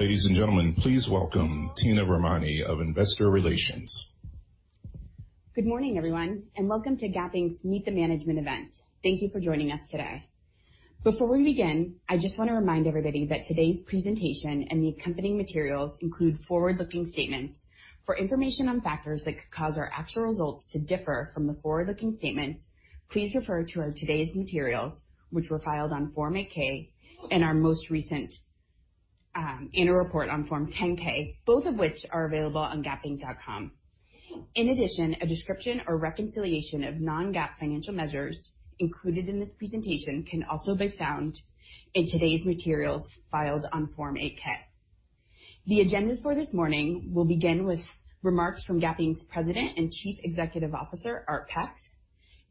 Ladies and gentlemen, please welcome Tina Rahmani of Investor Relations. Good morning, everyone, and welcome to Gap Inc.'s Meet the Management event. Thank you for joining us today. Before we begin, I just want to remind everybody that today's presentation and the accompanying materials include forward-looking statements. For information on factors that could cause our actual results to differ from the forward-looking statements, please refer to our today's materials, which were filed on Form 8-K, our most recent annual report on Form 10-K, both of which are available on gapinc.com. In addition, a description or reconciliation of non-GAAP financial measures included in this presentation can also be found in today's materials filed on Form 8-K. The agendas for this morning will begin with remarks from Gap Inc.'s President and Chief Executive Officer, Art Peck.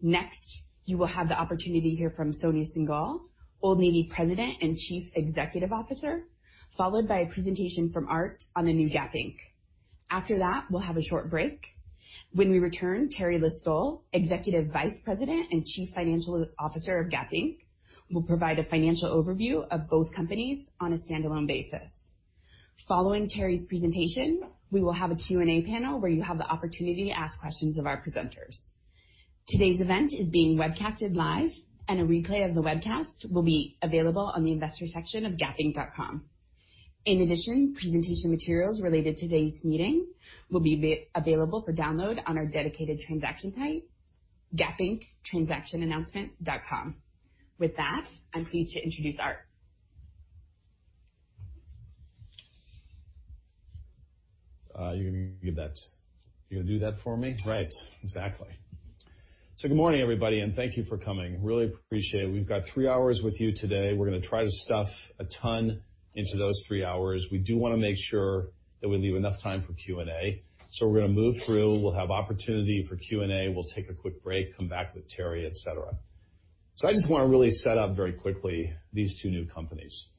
Next, you will have the opportunity to hear from Sonia Syngal, Old Navy President and Chief Executive Officer, followed by a presentation from Art on the new Gap Inc.. After that, we'll have a short break. When we return, Teri List-Stoll, Executive Vice President and Chief Financial Officer of Gap Inc., will provide a financial overview of both companies on a standalone basis. Following Teri's presentation, we will have a Q&A panel where you have the opportunity to ask questions of our presenters. Today's event is being webcasted live, and a replay of the webcast will be available on the investor section of gapinc.com. In addition, presentation materials related to today's meeting will be available for download on our dedicated transaction site, gapinctransactionannouncement.com. With that, I'm pleased to introduce Art. You're gonna do that for me? Right. Exactly. Good morning, everybody, and thank you for coming. Really appreciate it. We've got three hours with you today. We're gonna try to stuff a ton into those three hours. We do wanna make sure that we leave enough time for Q&A. We're gonna move through. We'll have opportunity for Q&A. We'll take a quick break, come back with Teri, et cetera. I just wanna really set up very quickly these two new companies.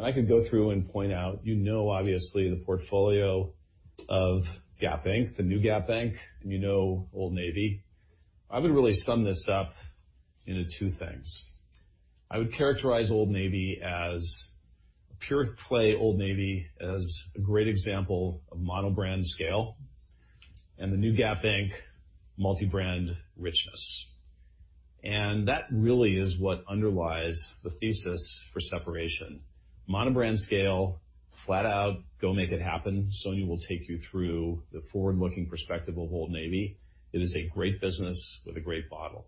I could go through and point out, you know, obviously, the portfolio of Gap Inc., the new Gap Inc., and you know Old Navy. I would really sum this up into two things. I would characterize Old Navy as a pure play, Old Navy as a great example of monobrand scale, and the new Gap Inc., multi-brand richness. That really is what underlies the thesis for separation. Monobrand scale, flat out, go make it happen. Sonia will take you through the forward-looking perspective of Old Navy. It is a great business with a great model.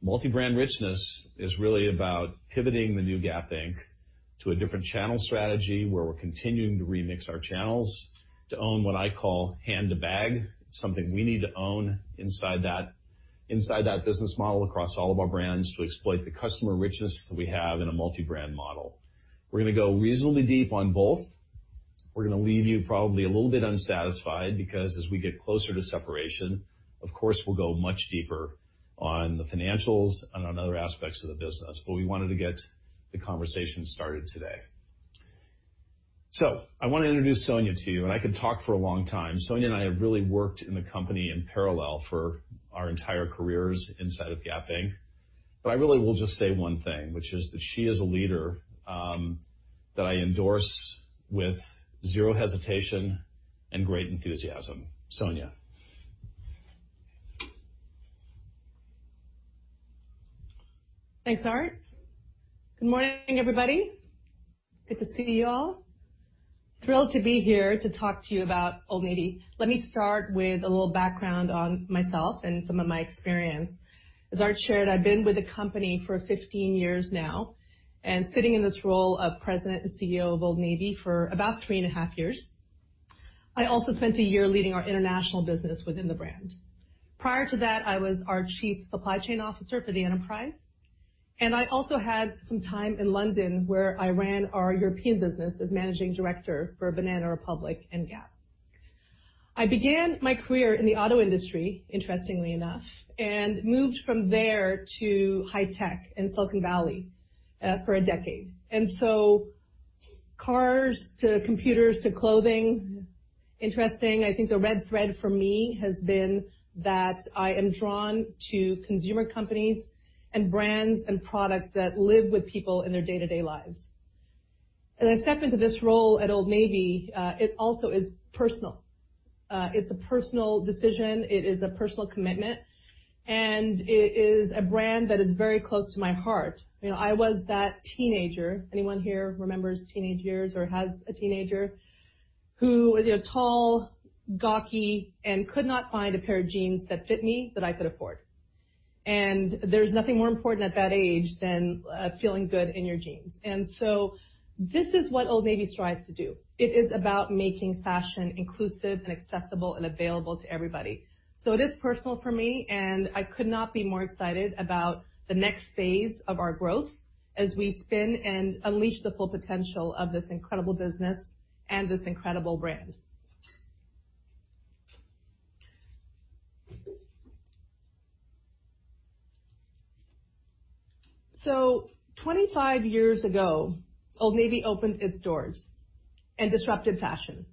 Multi-brand richness is really about pivoting the new Gap Inc. to a different channel strategy where we're continuing to remix our channels to own what I call hand-to-bag. It's something we need to own inside that business model across all of our brands to exploit the customer richness that we have in a multi-brand model. We're gonna go reasonably deep on both. We're gonna leave you probably a little bit unsatisfied because as we get closer to separation, of course, we'll go much deeper on the financials and on other aspects of the business. We wanted to get the conversation started today. I wanna introduce Sonia to you, and I could talk for a long time. Sonia and I have really worked in the company in parallel for our entire careers inside of Gap Inc. I really will just say one thing, which is that she is a leader, that I endorse with zero hesitation and great enthusiasm. Sonia. Thanks, Art. Good morning, everybody. Good to see you all. Thrilled to be here to talk to you about Old Navy. Let me start with a little background on myself and some of my experience. As Art shared, I've been with the company for 15 years now and sitting in this role of President and CEO of Old Navy for about three and a half years. I also spent a year leading our international business within the brand. Prior to that, I was our Chief Supply Chain Officer for the enterprise, and I also had some time in London where I ran our European business as Managing Director for Banana Republic and Gap. I began my career in the auto industry, interestingly enough, and moved from there to high tech in Silicon Valley for a decade. Cars to computers to clothing, interesting. I think the red thread for me has been that I am drawn to consumer companies and brands and products that live with people in their day-to-day lives. As I step into this role at Old Navy, it also is personal. It's a personal decision. It is a personal commitment, and it is a brand that is very close to my heart. I was that teenager, anyone here remembers teenage years or has a teenager, who was tall, gawky, and could not find a pair of jeans that fit me that I could afford. There's nothing more important at that age than feeling good in your jeans. This is what Old Navy strives to do. It is about making fashion inclusive and accessible and available to everybody. It is personal for me, and I could not be more excited about the next phase of our growth as we spin and unleash the full potential of this incredible business and this incredible brand. 25 years ago, Old Navy opened its doors and disrupted fashion.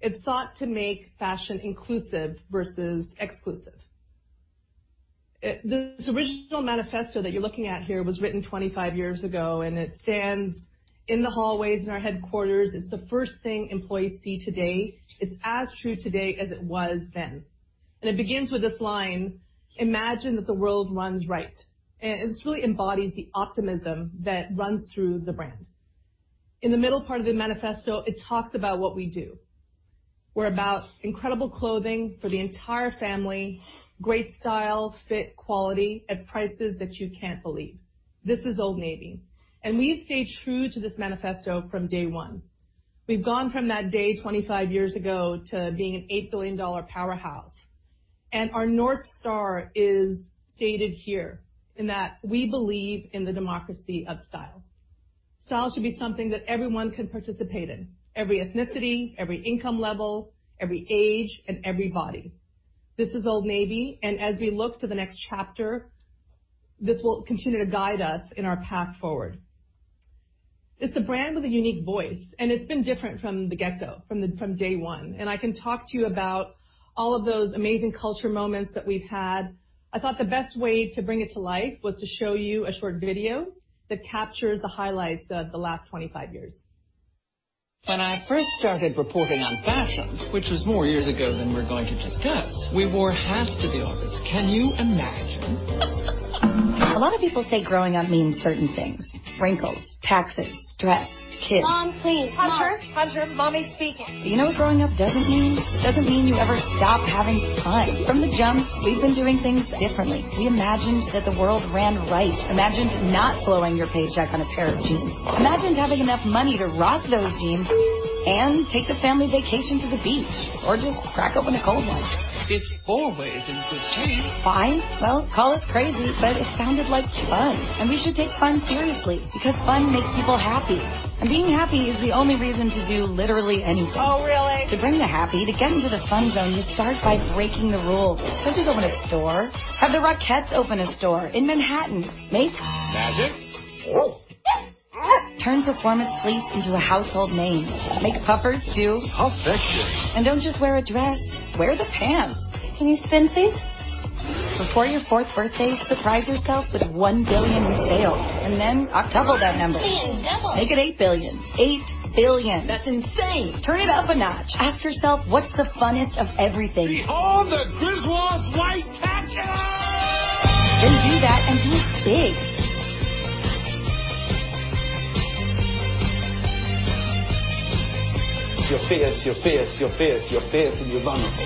It sought to make fashion inclusive versus exclusive. This original manifesto that you're looking at here was written 25 years ago. It stands in the hallways in our headquarters. It's the first thing employees see today. It's as true today as it was then. It begins with this line: "Imagine that the world runs right." This really embodies the optimism that runs through the brand. In the middle part of the manifesto, it talks about what we do. We're about incredible clothing for the entire family, great style, fit, quality, at prices that you can't believe. This is Old Navy, and we've stayed true to this manifesto from day one. We've gone from that day 25 years ago to being an $8 billion powerhouse. Our North Star is stated here, in that we believe in the democracy of style. Style should be something that everyone can participate in, every ethnicity, every income level, every age, and every body. This is Old Navy. As we look to the next chapter, this will continue to guide us in our path forward. It's a brand with a unique voice. It's been different from the get-go, from day one. I can talk to you about all of those amazing culture moments that we've had. I thought the best way to bring it to life was to show you a short video that captures the highlights of the last 25 years. When I first started reporting on fashion, which was more years ago than we're going to discuss, we wore hats to the office. Can you imagine? A lot of people say growing up means certain things: wrinkles, taxes, stress, kids. Mom, please. Hunter, Mommy's speaking. You know what growing up doesn't mean? It doesn't mean you ever stop having fun. From the jump, we've been doing things differently. We imagined that the world ran right. Imagined not blowing your paycheck on a pair of jeans. Imagined having enough money to rock those jeans and take the family vacation to the beach, or just crack open a cold one. It's always in good taste. Fine. Well, call us crazy, but it sounded like fun. We should take fun seriously because fun makes people happy. Being happy is the only reason to do literally anything. Oh, really? To bring the happy, to get into the fun zone, you start by breaking the rules. Don't just open a store. Have the Rockettes open a store in Manhattan. Magic. Turn performance fleece into a household name. How fetch. Don't just wear a dress, wear the pants. Can you spin, sis? Before your fourth birthday, surprise yourself with $1 billion in sales. Then octuple that number. 10 double. Make it $8 billion. $8 billion. That's insane. Turn it up a notch. Ask yourself what's the funnest of everything. Behold the Griswold's white Taurus. Do that and do it big. You're fierce, you're fierce, you're fierce, you're fierce, and you're vulnerable.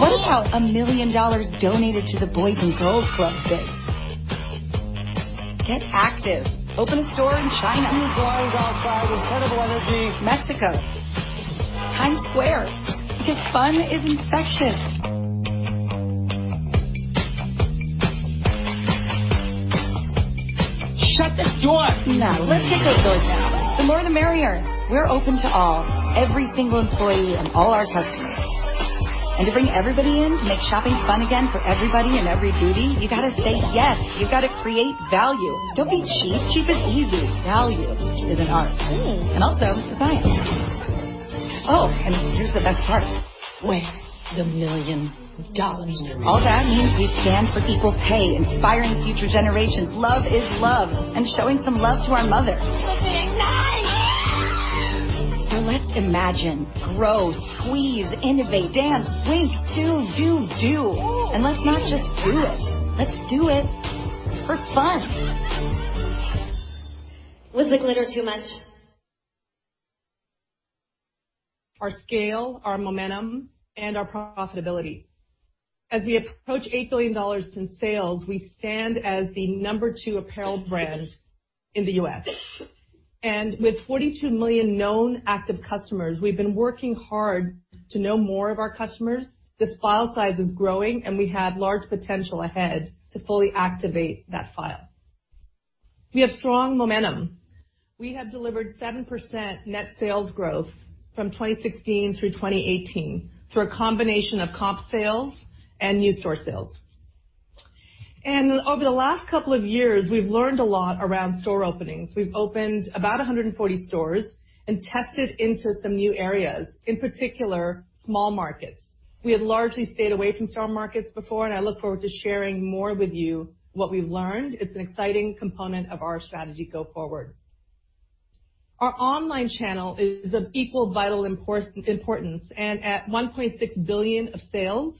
What about $1 million donated to the Boys & Girls Club big? Get active. Open a store in China. The doors are outside. Incredible energy. Mexico. Times Square. Fun is infectious. Shut the door. Nah, let's kick those doors down. The more the merrier. We're Open to All, every single employee, and all our customers. To bring everybody in, to make shopping fun again for everybody and every booty, you gotta say yes. You've gotta create value. Don't be cheap. Cheap is easy. Value is an art. Also, it's a science. Oh, here's the best part. Where's the $1 million? All that means we stand for equal pay, inspiring future generations, love is love, and showing some love to our mothers. It's a big night. Let's imagine, grow, squeeze, innovate, dance, break, do, do. Let's not just do it. Let's do it for fun. Was the glitter too much? Our scale, our momentum, and our profitability. As we approach $8 billion in sales, we stand as the number two apparel brand in the U.S. With 42 million known active customers, we've been working hard to know more of our customers. This file size is growing, we have large potential ahead to fully activate that file. We have strong momentum. We have delivered 7% net sales growth from 2016 through 2018 through a combination of comp sales and new store sales. Over the last couple of years, we've learned a lot around store openings. We've opened about 140 stores and tested into some new areas, in particular, small markets. We have largely stayed away from small markets before, I look forward to sharing more with you what we've learned. It's an exciting component of our strategy go forward. Our online channel is of equal vital importance, and at $1.6 billion of sales,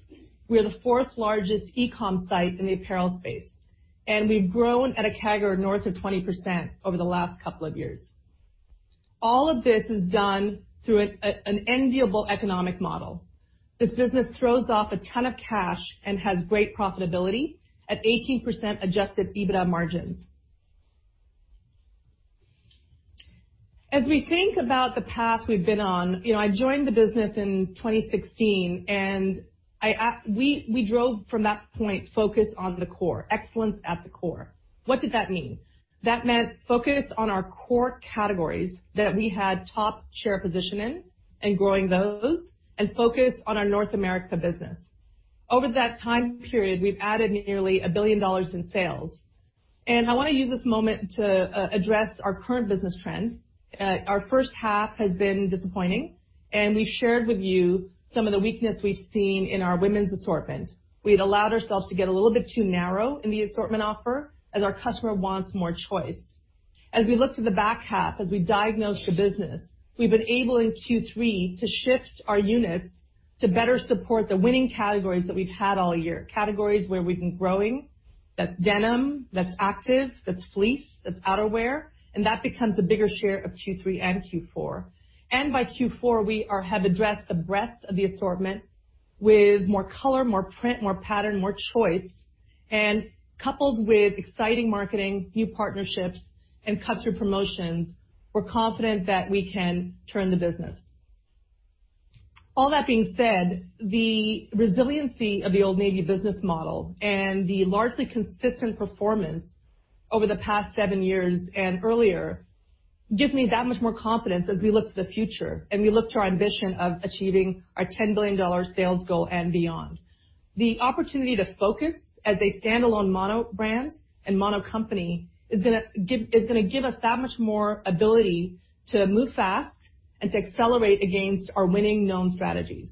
we are the fourth largest e-com site in the apparel space, and we've grown at a CAGR north of 20% over the last couple of years. All of this is done through an enviable economic model. This business throws off a ton of cash and has great profitability at 18% adjusted EBITDA margins. As we think about the path we've been on, I joined the business in 2016, and we drove from that point focused on the core, excellence at the core. What did that mean? That meant focus on our core categories that we had top share position in and growing those, and focus on our North America business. Over that time period, we've added nearly $1 billion in sales. I wanna use this moment to address our current business trends. Our first half has been disappointing, and we've shared with you some of the weakness we've seen in our women's assortment. We had allowed ourselves to get a little bit too narrow in the assortment offer, as our customer wants more choice. We look to the back half, as we diagnose the business, we've been able in Q3 to shift our units to better support the winning categories that we've had all year. Categories where we've been growing. That's denim, that's active, that's fleece, that's outerwear, and that becomes a bigger share of Q3 and Q4. By Q4, we have addressed the breadth of the assortment with more color, more print, more pattern, more choice. Coupled with exciting marketing, new partnerships, and customer promotions, we're confident that we can turn the business. All that being said, the resiliency of the Old Navy business model and the largely consistent performance over the past seven years and earlier, gives me that much more confidence as we look to the future and we look to our ambition of achieving our $10 billion sales goal and beyond. The opportunity to focus as a standalone mono brand and mono company is gonna give us that much more ability to move fast and to accelerate against our winning known strategies.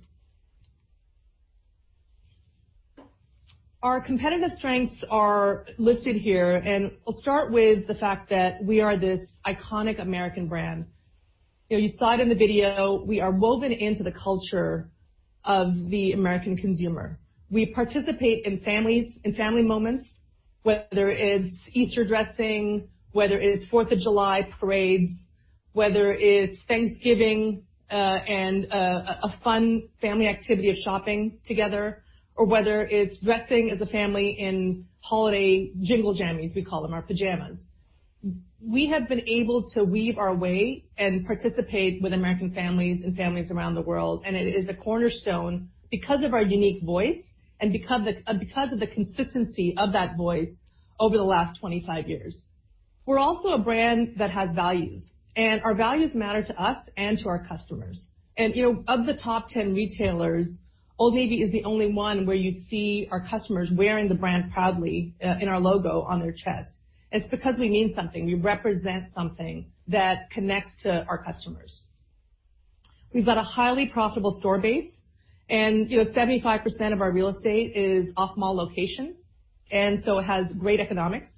Our competitive strengths are listed here. I'll start with the fact that we are this iconic American brand. You saw it in the video. We are woven into the culture of the American consumer. We participate in family moments, whether it's Easter dressing, whether it is Fourth of July parades, whether it is Thanksgiving, and a fun family activity of shopping together, or whether it's dressing as a family in holiday Jingle Jammies, we call them, our pajamas. We have been able to weave our way and participate with American families and families around the world, and it is the cornerstone, because of our unique voice and because of the consistency of that voice over the last 25 years. We're also a brand that has values, and our values matter to us and to our customers. Of the top 10 retailers, Old Navy is the only one where you see our customers wearing the brand proudly in our logo on their chest. It's because we mean something. We represent something that connects to our customers. We've got a highly profitable store base, and 75% of our real estate is off-mall location, and so it has great economics.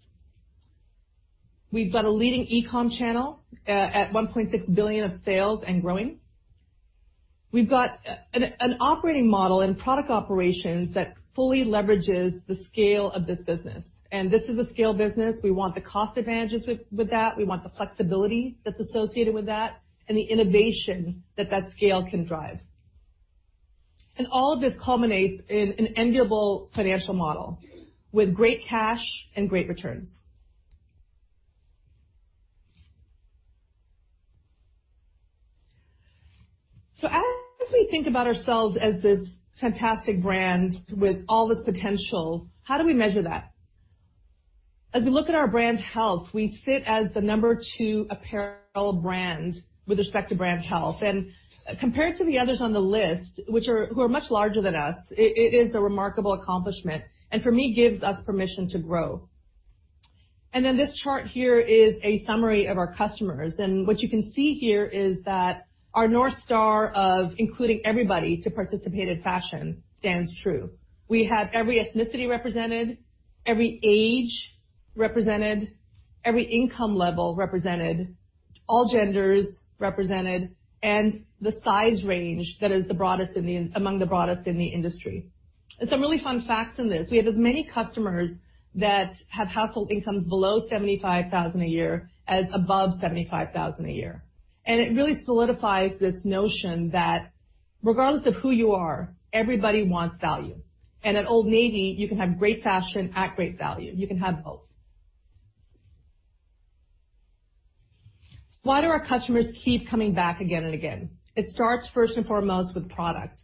We've got a leading e-com channel at $1.6 billion of sales and growing. We've got an operating model and product operations that fully leverages the scale of this business. This is a scale business. We want the cost advantages with that. We want the flexibility that's associated with that and the innovation that that scale can drive. All of this culminates in an enviable financial model with great cash and great returns. As we think about ourselves as this fantastic brand with all this potential, how do we measure that? As we look at our brand health, we sit as the number two apparel brand with respect to brand health. Compared to the others on the list, who are much larger than us, it is a remarkable accomplishment, and for me, gives us permission to grow. This chart here is a summary of our customers. What you can see here is that our north star of including everybody to participate in fashion stands true. We have every ethnicity represented, every age represented, every income level represented, all genders represented, and the size range that is among the broadest in the industry. Some really fun facts in this. We have as many customers that have household incomes below 75,000 a year as above 75,000 a year. It really solidifies this notion that regardless of who you are, everybody wants value. At Old Navy, you can have great fashion at great value. You can have both. Why do our customers keep coming back again and again? It starts first and foremost with product.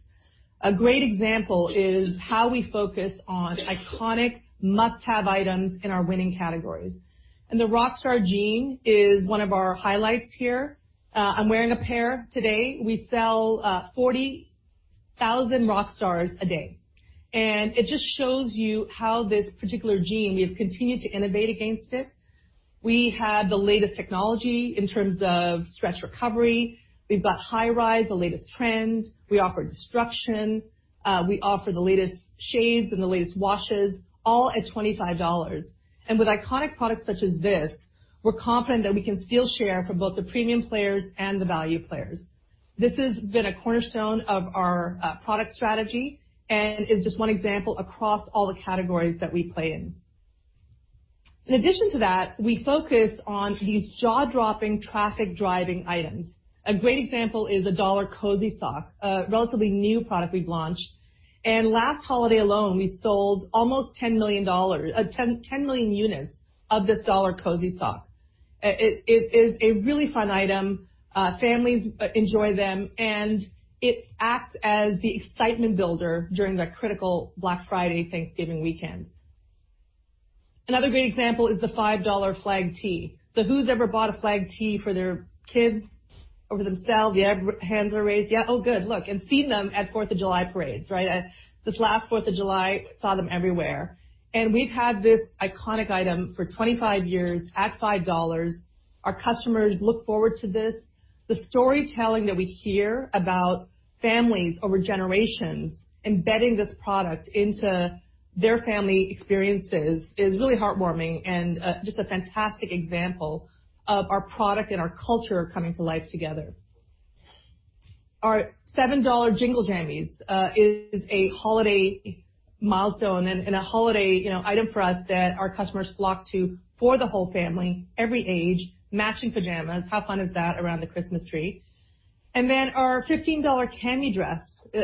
A great example is how we focus on iconic must-have items in our winning categories. The Rockstar jean is one of our highlights here. I'm wearing a pair today. We sell 40,000 Rockstars a day. It just shows you how this particular jean, we have continued to innovate against it. We have the latest technology in terms of stretch recovery. We've got high rise, the latest trend. We offer destruction. We offer the latest shades and the latest washes, all at $25. With iconic products such as this, we're confident that we can steal share from both the premium players and the value players. This has been a cornerstone of our product strategy and is just one example across all the categories that we play in. We focus on these jaw-dropping, traffic-driving items. A great example is a $1 cozy sock, a relatively new product we've launched. Last holiday alone, we sold almost 10 million units of this dollar cozy sock. It is a really fun item. Families enjoy them, and it acts as the excitement builder during that critical Black Friday, Thanksgiving weekend. Another great example is the $5 flag tee. Who's ever bought a flag tee for their kids or for themselves? Yeah. Hands are raised. Yeah. Good. Look, and seen them at Fourth of July parades. Right? This last Fourth of July, saw them everywhere. We've had this iconic item for 25 years at $5. Our customers look forward to this. The storytelling that we hear about families over generations embedding this product into their family experiences is really heartwarming and just a fantastic example of our product and our culture coming to life together. Our $7 Jingle Jammies is a holiday milestone and a holiday item for us that our customers flock to for the whole family, every age, matching pajamas. How fun is that around the Christmas tree? Our $15 Cami dress.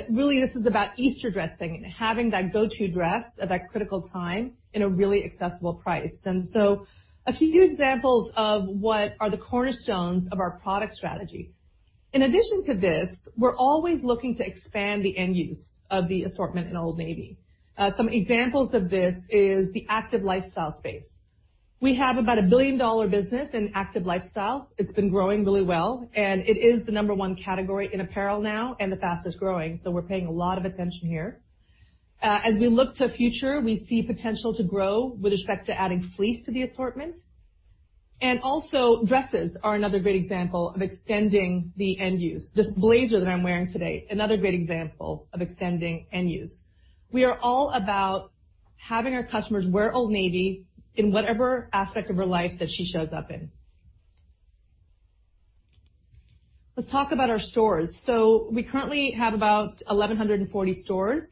Really, this is about Easter dressing and having that go-to dress at that critical time in a really accessible price. A few examples of what are the cornerstones of our product strategy. In addition to this, we're always looking to expand the end use of the assortment in Old Navy. Some examples of this is the active lifestyle space. We have about a billion-dollar business in active lifestyle. It's been growing really well. It is the number 1 category in apparel now and the fastest-growing. We're paying a lot of attention here. As we look to the future, we see potential to grow with respect to adding fleece to the assortment. Also, dresses are another great example of extending the end use. This blazer that I'm wearing today is another great example of extending end use. We are all about having our customers wear Old Navy in whatever aspect of her life that she shows up in. Let's talk about our stores. We currently have about 1,140 stores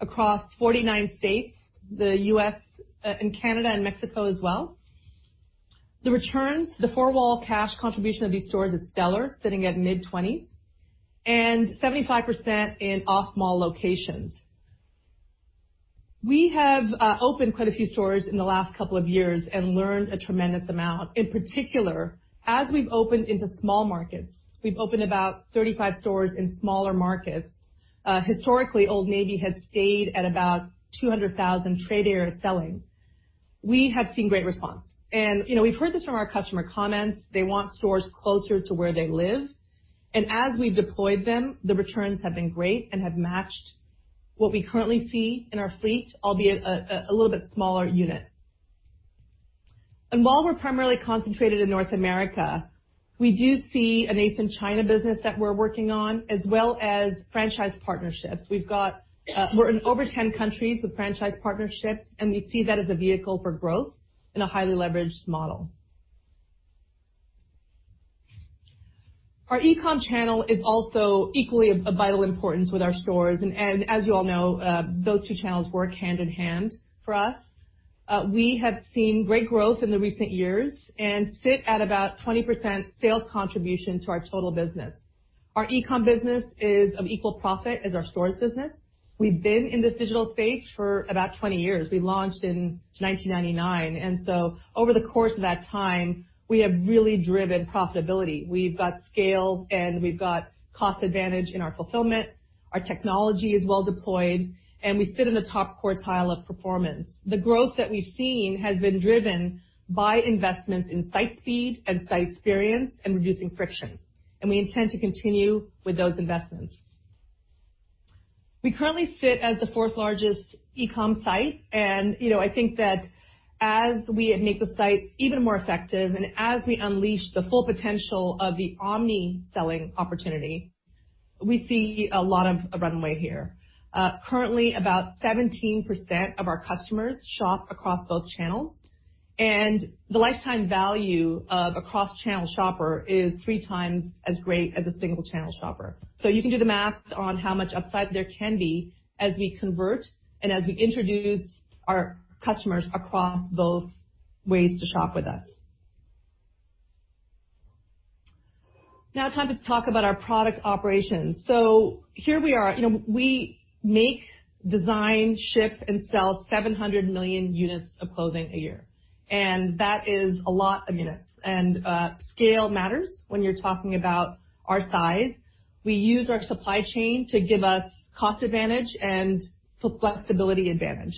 across 49 states, the U.S., and Canada and Mexico as well. The returns, the four-wall cash contribution of these stores is stellar, sitting at mid-20s, and 75% in off-mall locations. We have opened quite a few stores in the last couple of years and learned a tremendous amount. In particular, as we've opened into small markets, we've opened about 35 stores in smaller markets. Historically, Old Navy had stayed at about 200,000 trade area selling. We have seen great response. We've heard this from our customer comments. They want stores closer to where they live. As we've deployed them, the returns have been great and have matched what we currently see in our fleet, albeit a little bit smaller unit. While we're primarily concentrated in North America, we do see a nascent China business that we're working on as well as franchise partnerships. We're in over 10 countries with franchise partnerships, and we see that as a vehicle for growth in a highly leveraged model. Our e-com channel is also equally of vital importance with our stores. As you all know, those two channels work hand-in-hand for us. We have seen great growth in the recent years and sit at about 20% sales contribution to our total business. Our e-com business is of equal profit as our stores business. We've been in this digital space for about 20 years. We launched in 1999. Over the course of that time, we have really driven profitability. We've got scale and we've got cost advantage in our fulfillment. Our technology is well deployed, and we sit in the top quartile of performance. The growth that we've seen has been driven by investments in site speed and site experience and reducing friction. We intend to continue with those investments. We currently sit as the fourth largest e-com site. I think that as we make the site even more effective and as we unleash the full potential of the omni selling opportunity, we see a lot of runway here. Currently, about 17% of our customers shop across both channels. The lifetime value of a cross-channel shopper is three times as great as a single-channel shopper. You can do the math on how much upside there can be as we convert and as we introduce our customers across both ways to shop with us. Now time to talk about our product operations. Here we are. We make, design, ship, and sell 700 million units of clothing a year. That is a lot of units. Scale matters when you're talking about our size. We use our supply chain to give us cost advantage and flexibility advantage.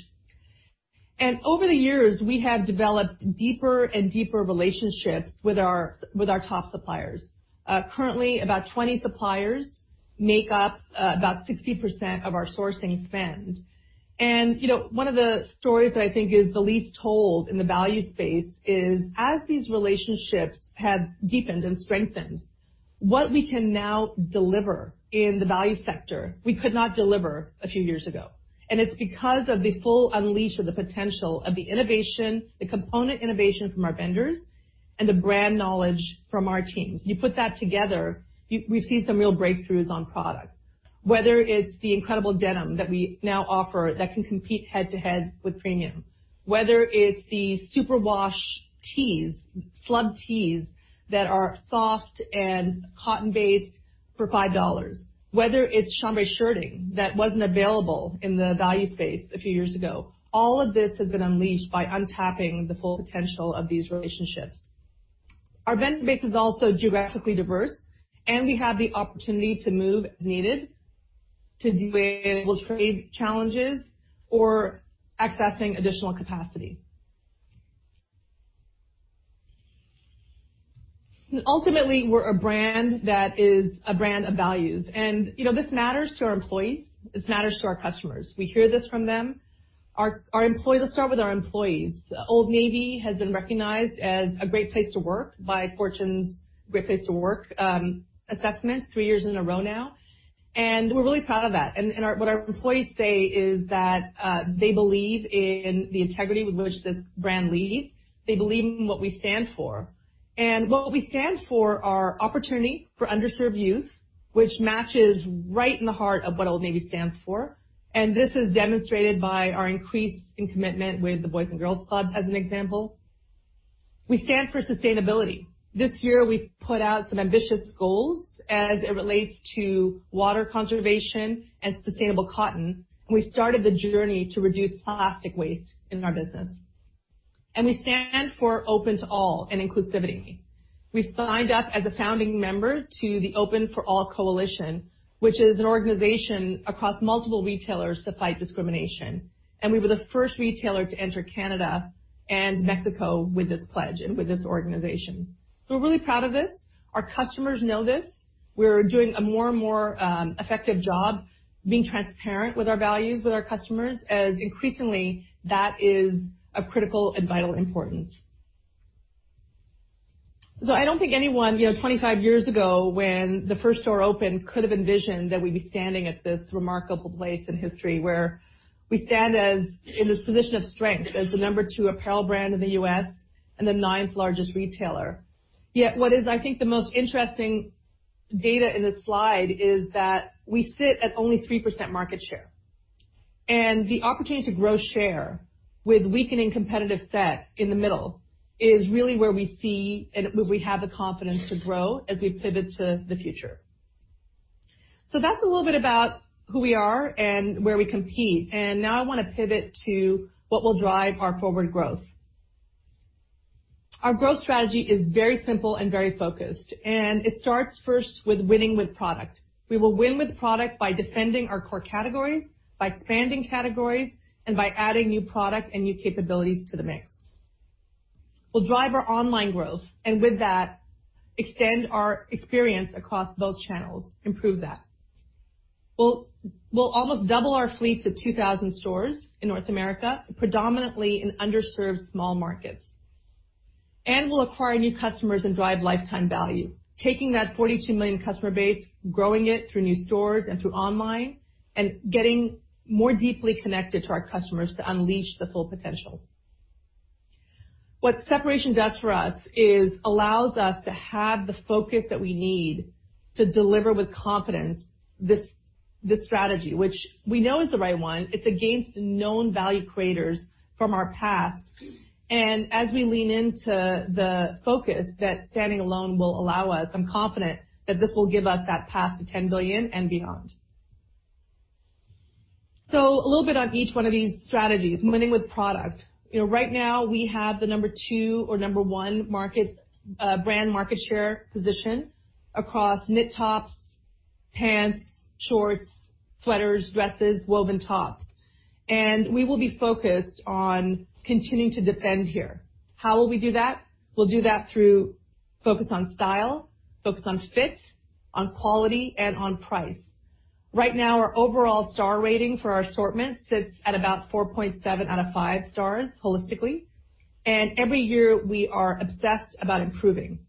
Over the years, we have developed deeper and deeper relationships with our top suppliers. Currently, about 20 suppliers make up about 60% of our sourcing spend. One of the stories that I think is the least told in the value space is as these relationships have deepened and strengthened, what we can now deliver in the value sector, we could not deliver a few years ago. It's because of the full unleash of the potential of the innovation, the component innovation from our vendors, and the brand knowledge from our teams. You put that together, we've seen some real breakthroughs on product. Whether it's the incredible denim that we now offer that can compete head-to-head with premium, whether it's the super wash tees, slub tees that are soft and cotton-based for $5, whether it's chambray shirting that wasn't available in the value space a few years ago. All of this has been unleashed by untapping the full potential of these relationships. Our vendor base is also geographically diverse. We have the opportunity to move as needed to deal with trade challenges or accessing additional capacity. Ultimately, we're a brand that is a brand of values. This matters to our employees. This matters to our customers. We hear this from them. Our employees, let's start with our employees. Old Navy has been recognized as a Great Place to Work by Fortune's Great Place to Work assessment three years in a row now. We're really proud of that. What our employees say is that they believe in the integrity with which the brand leads. They believe in what we stand for. What we stand for are opportunity for underserved youth, which matches right in the heart of what Old Navy stands for, and this is demonstrated by our increase in commitment with the Boys & Girls Club, as an example. We stand for sustainability. This year, we put out some ambitious goals as it relates to water conservation and sustainable cotton. We started the journey to reduce plastic waste in our business. We stand for Open to All and inclusivity. We signed up as a founding member to the Open to All Coalition, which is an organization across multiple retailers to fight discrimination. We were the first retailer to enter Canada and Mexico with this pledge and with this organization. We're really proud of this. Our customers know this. We're doing a more and more effective job being transparent with our values, with our customers, as increasingly, that is of critical and vital importance. I don't think anyone 25 years ago, when the first store opened, could have envisioned that we'd be standing at this remarkable place in history where we stand in this position of strength as the number 2 apparel brand in the U.S. and the ninth largest retailer. What is, I think, the most interesting data in this slide is that we sit at only 3% market share. The opportunity to grow share with weakening competitive set in the middle is really where we see and we have the confidence to grow as we pivot to the future. That's a little bit about who we are and where we compete. Now I wanna pivot to what will drive our forward growth. Our growth strategy is very simple and very focused. It starts first with winning with product. We will win with product by defending our core categories, by expanding categories, and by adding new product and new capabilities to the mix. We'll drive our online growth. With that, extend our experience across both channels, improve that. We'll almost double our fleet to 2,000 stores in North America, predominantly in underserved small markets. We'll acquire new customers and drive lifetime value, taking that 42 million customer base, growing it through new stores and through online, and getting more deeply connected to our customers to unleash the full potential. What separation does for us is allows us to have the focus that we need to deliver with confidence this strategy, which we know is the right one. It's against known value creators from our past. As we lean into the focus that standing alone will allow us, I'm confident that this will give us that path to $10 billion and beyond. A little bit on each one of these strategies, winning with product. Right now, we have the number 2 or number 1 brand market share position across knit tops, pants, shorts, sweaters, dresses, woven tops. We will be focused on continuing to defend here. How will we do that? We'll do that through focus on style, focus on fit, on quality, and on price. Right now, our overall star rating for our assortment sits at about 4.7 out of 5 stars holistically, and every year, we are obsessed about improving.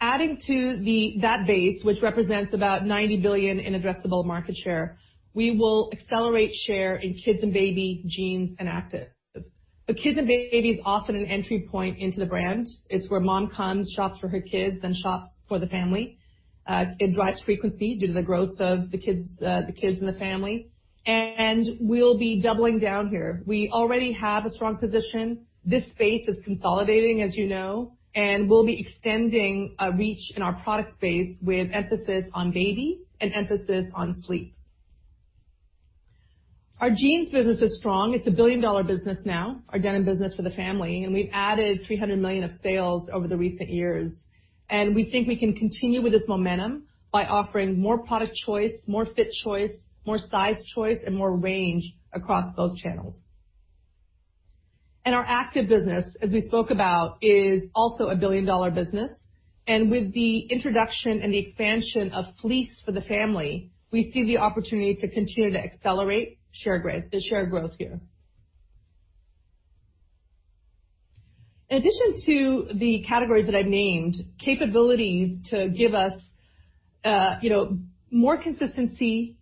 Adding to that base, which represents about $90 billion in addressable market share, we will accelerate share in kids and baby, jeans, and active. Kids and baby is often an entry point into the brand. It's where mom comes, shops for her kids, then shops for the family. It drives frequency due to the growth of the kids in the family, and we'll be doubling down here. We already have a strong position. This space is consolidating, as you know, and we'll be extending our reach in our product space with emphasis on baby and emphasis on sleep. Our jeans business is strong. It's a billion-dollar business now, our denim business for the family, and we've added $300 million of sales over the recent years. We think we can continue with this momentum by offering more product choice, more fit choice, more size choice, and more range across both channels. Our active business, as we spoke about, is also a billion-dollar business. With the introduction and the expansion of fleece for the family, we see the opportunity to continue to accelerate the share growth here. In addition to the categories that I've named, capabilities to give us more consistency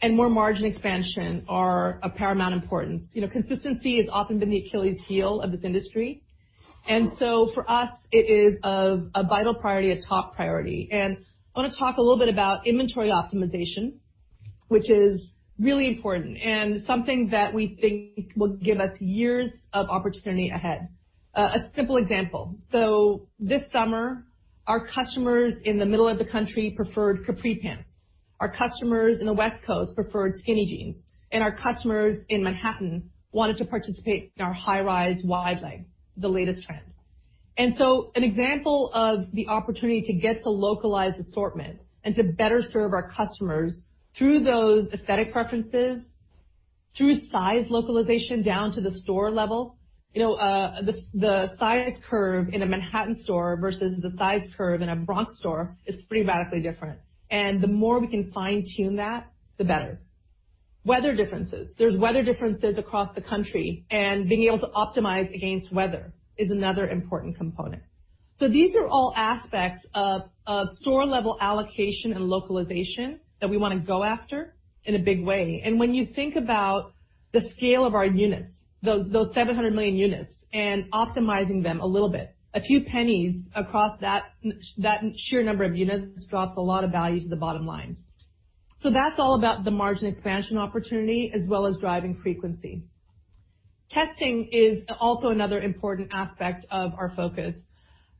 and more margin expansion are of paramount importance. Consistency has often been the Achilles heel of this industry, for us, it is a vital priority, a top priority. I wanna talk a little bit about inventory optimization, which is really important and something that we think will give us years of opportunity ahead. A simple example. This summer, our customers in the middle of the country preferred capri pants. Our customers in the West Coast preferred skinny jeans, and our customers in Manhattan wanted to participate in our high rise wide leg, the latest trend. An example of the opportunity to get to localized assortment and to better serve our customers through those aesthetic preferences, through size localization down to the store level. The size curve in a Manhattan store versus the size curve in a Bronx store is pretty radically different. The more we can fine-tune that, the better. Weather differences. There's weather differences across the country, and being able to optimize against weather is another important component. These are all aspects of store-level allocation and localization that we want to go after in a big way. When you think about the scale of our units, those 700 million units, and optimizing them a little bit, a few pennies across that sheer number of units drives a lot of value to the bottom line. That's all about the margin expansion opportunity as well as driving frequency. Testing is also another important aspect of our focus.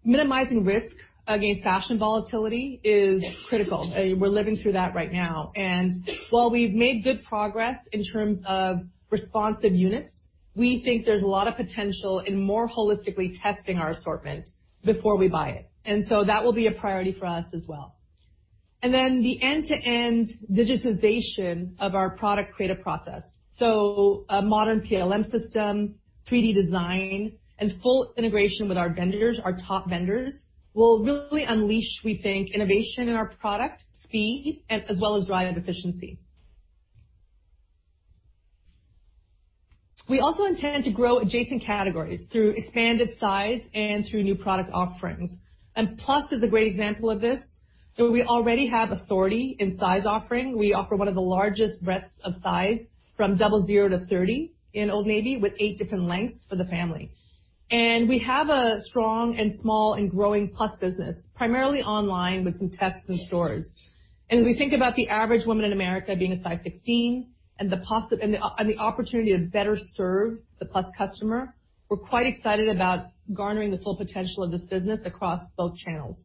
Minimizing risk against fashion volatility is critical. We're living through that right now. While we've made good progress in terms of responsive units, we think there's a lot of potential in more holistically testing our assortment before we buy it. That will be a priority for us as well. The end-to-end digitization of our product creative process. A modern PLM system, 3D design, and full integration with our vendors, our top vendors, will really unleash, we think, innovation in our product, speed, as well as drive efficiency. We also intend to grow adjacent categories through expanded size and through new product offerings. Plus is a great example of this. We already have authority in size offering. We offer one of the largest breadths of size from double zero to 30 in Old Navy with eight different lengths for the family. We have a strong and small and growing Plus business, primarily online with some tests in stores. As we think about the average woman in America being a size 16 and the opportunity to better serve the Plus customer, we're quite excited about garnering the full potential of this business across both channels.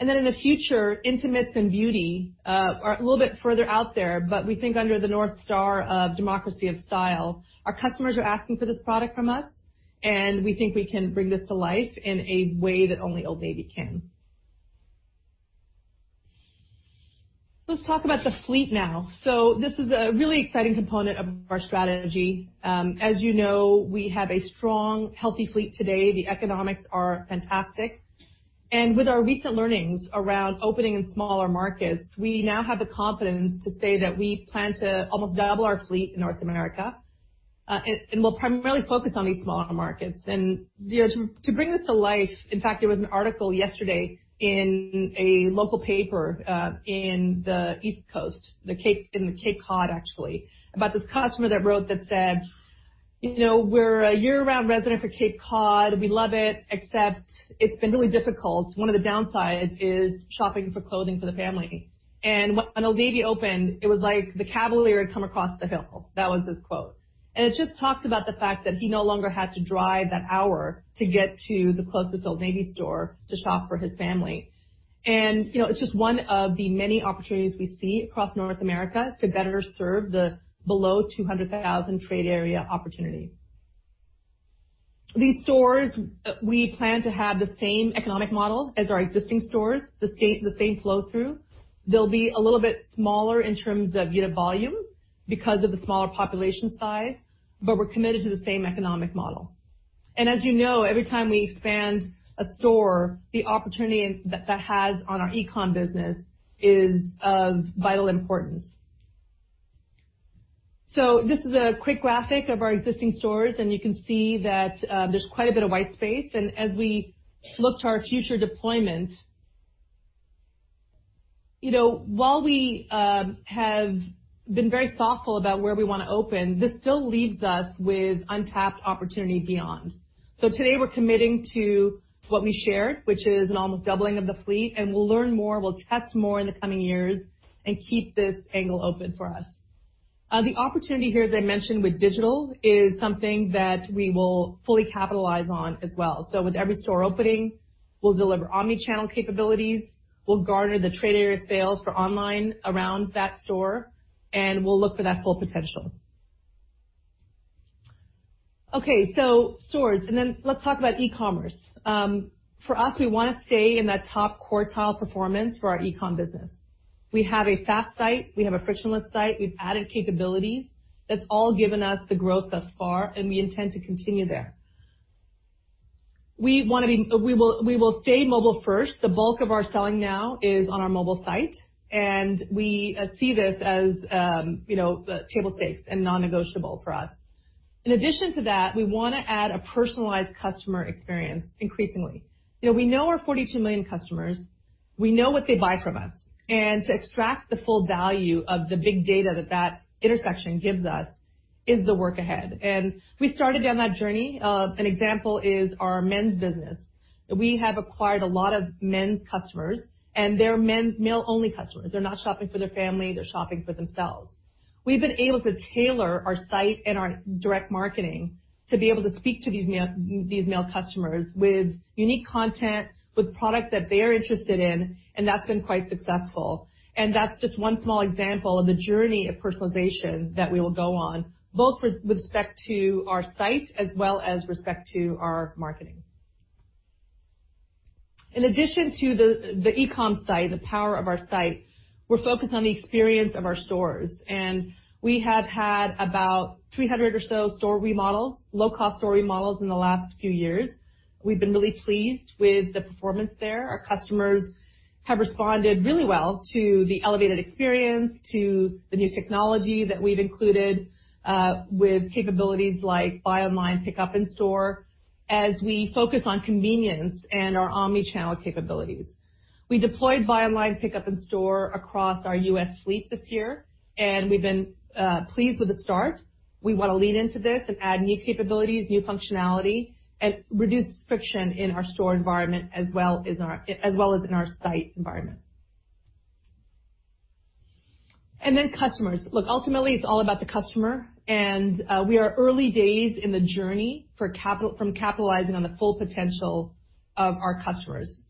In the future, intimates and beauty are a little bit further out there, but we think under the North Star of democracy of style, our customers are asking for this product from us, and we think we can bring this to life in a way that only Old Navy can. Let's talk about the fleet now. This is a really exciting component of our strategy. As you know, we have a strong, healthy fleet today. The economics are fantastic. With our recent learnings around opening in smaller markets, we now have the confidence to say that we plan to almost double our fleet in North America, and we'll primarily focus on these smaller markets. To bring this to life, in fact, there was an article yesterday in a local paper, in the East Coast, in the Cape Cod, actually, about this customer that wrote that said, "We're a year-round resident for Cape Cod. We love it, except it's been really difficult. One of the downsides is shopping for clothing for the family." When Old Navy opened, it was like the cavalry had come across the hill. That was his quote. It just talks about the fact that he no longer had to drive that hour to get to the closest Old Navy store to shop for his family. It's just one of the many opportunities we see across North America to better serve the below 200,000 trade area opportunity. These stores, we plan to have the same economic model as our existing stores, the same flow-through. They'll be a little bit smaller in terms of unit volume because of the smaller population size, but we're committed to the same economic model. As you know, every time we expand a store, the opportunity that has on our e-com business is of vital importance. This is a quick graphic of our existing stores, and you can see that there's quite a bit of white space, and as we look to our future deployment, while we have been very thoughtful about where we want to open, this still leaves us with untapped opportunity beyond. Today, we're committing to what we shared, which is an almost doubling of the fleet, and we'll learn more, we'll test more in the coming years and keep this angle open for us. The opportunity here, as I mentioned, with digital is something that we will fully capitalize on as well. With every store opening, we'll deliver omni-channel capabilities, we'll garner the trade area sales for online around that store, and we'll look for that full potential. Okay. Stores, then let's talk about e-commerce. For us, we want to stay in that top quartile performance for our e-com business. We have a fast site, we have a frictionless site, we've added capabilities. That's all given us the growth thus far, and we intend to continue there. We will stay mobile first. The bulk of our selling now is on our mobile site, and we see this as table stakes and non-negotiable for us. In addition to that, we want to add a personalized customer experience increasingly. We know our 42 million customers, we know what they buy from us. To extract the full value of the big data that that intersection gives us is the work ahead. We started on that journey. An example is our men's business. We have acquired a lot of men's customers, and they're male-only customers. They're not shopping for their family. They're shopping for themselves. We've been able to tailor our site and our direct marketing to be able to speak to these male customers with unique content, with product that they're interested in, that's been quite successful. That's just one small example of the journey of personalization that we will go on, both with respect to our site as well as respect to our marketing. In addition to the e-comm site, the power of our site, we're focused on the experience of our stores. We have had about 300 or so store remodels, low-cost store remodels in the last few years. We've been really pleased with the performance there. Our customers have responded really well to the elevated experience, to the new technology that we've included, with capabilities like buy online, pickup in store, as we focus on convenience and our omnichannel capabilities. We deployed buy online, pickup in store across our U.S. fleet this year. We've been pleased with the start. We want to lean into this and add new capabilities, new functionality, and reduce friction in our store environment as well as in our site environment. Customers. Look, ultimately, it's all about the customer, and we are early days in the journey from capitalizing on the full potential of our customers.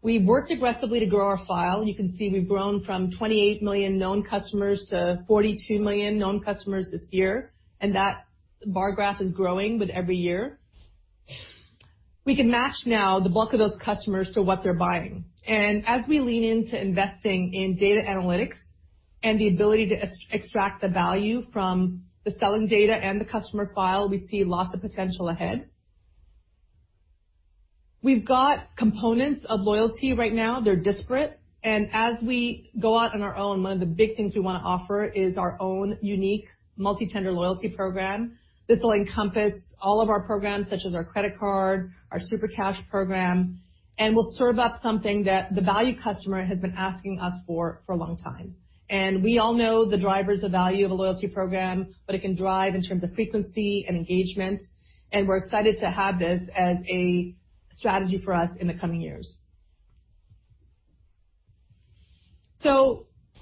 We've worked aggressively to grow our file. You can see we've grown from 28 million known customers to 42 million known customers this year. That bar graph is growing with every year. We can match now the bulk of those customers to what they're buying. As we lean into investing in data analytics and the ability to extract the value from the selling data and the customer file, we see lots of potential ahead. We've got components of loyalty right now. They're disparate. As we go out on our own, one of the big things we want to offer is our own unique multi-tender loyalty program. This will encompass all of our programs, such as our credit card, our Super Cash program, and will serve up something that the value customer has been asking us for for a long time. We all know the drivers of value of a loyalty program, what it can drive in terms of frequency and engagement, and we're excited to have this as a strategy for us in the coming years.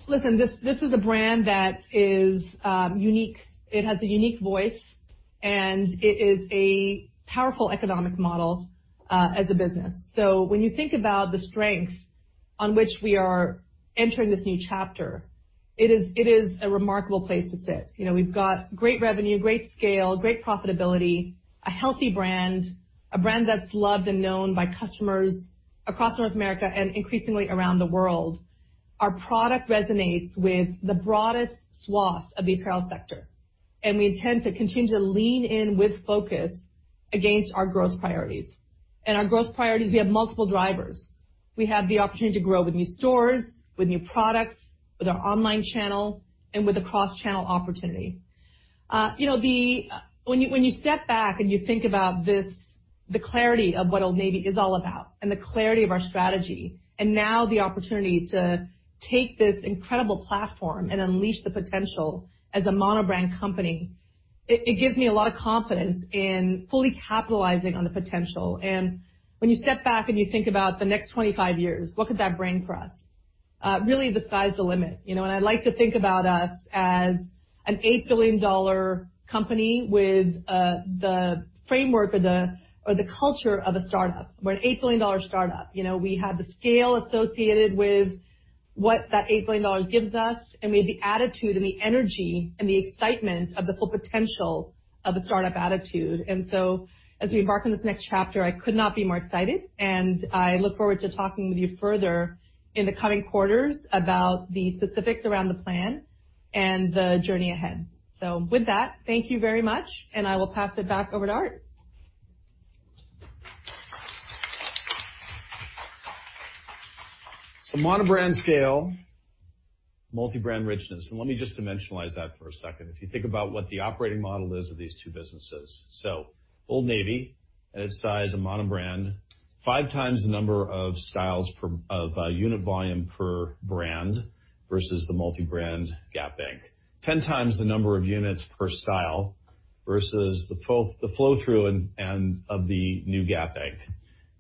Listen, this is a brand that is unique. It has a unique voice, and it is a powerful economic model as a business. When you think about the strength on which we are entering this new chapter, it is a remarkable place to sit. We've got great revenue, great scale, great profitability, a healthy brand, a brand that's loved and known by customers across North America and increasingly around the world. Our product resonates with the broadest swath of the apparel sector, and we intend to continue to lean in with focus against our growth priorities. Our growth priorities, we have multiple drivers. We have the opportunity to grow with new stores, with new products, with our online channel, and with the cross-channel opportunity. When you step back and you think about the clarity of what Old Navy is all about and the clarity of our strategy and now the opportunity to take this incredible platform and unleash the potential as a mono-brand company, it gives me a lot of confidence in fully capitalizing on the potential. When you step back and you think about the next 25 years, what could that bring for us? Really, the sky's the limit, and I like to think about us as an $8 billion company with the framework or the culture of a startup. We're an $8 billion startup. We have the scale associated with what that $8 billion gives us and with the attitude and the energy and the excitement of the full potential of a startup attitude. As we embark on this next chapter, I could not be more excited, and I look forward to talking with you further in the coming quarters about the specifics around the plan and the journey ahead. With that, thank you very much, and I will pass it back over to Art. Mono-brand scale, multi-brand richness. Let me just dimensionalize that for a second. If you think about what the operating model is of these two businesses. Old Navy, at its size, a mono-brand, five times the number of styles of unit volume per brand versus the multi-brand Gap Inc. 10 times the number of units per style versus the flow-through of the new Gap Inc.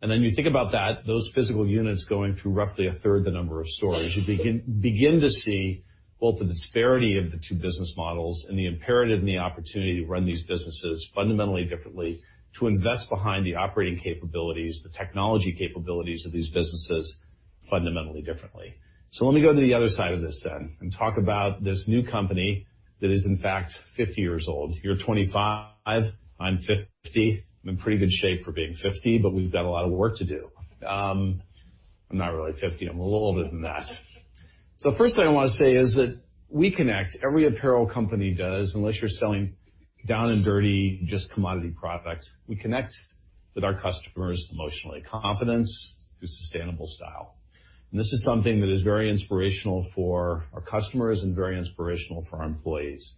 Then you think about that, those physical units going through roughly a third the number of stores. You begin to see both the disparity of the two business models and the imperative and the opportunity to run these businesses fundamentally differently, to invest behind the operating capabilities, the technology capabilities of these businesses fundamentally differently. Let me go to the other side of this then and talk about this new company that is, in fact, 50 years old. You're 25, I'm 50. I'm in pretty good shape for being 50, we've got a lot of work to do. I'm not really 50. I'm a little older than that. First thing I want to say is that we connect, every apparel company does, unless you're selling down and dirty, just commodity product. We connect with our customers emotionally. Confidence through sustainable style. This is something that is very inspirational for our customers and very inspirational for our employees.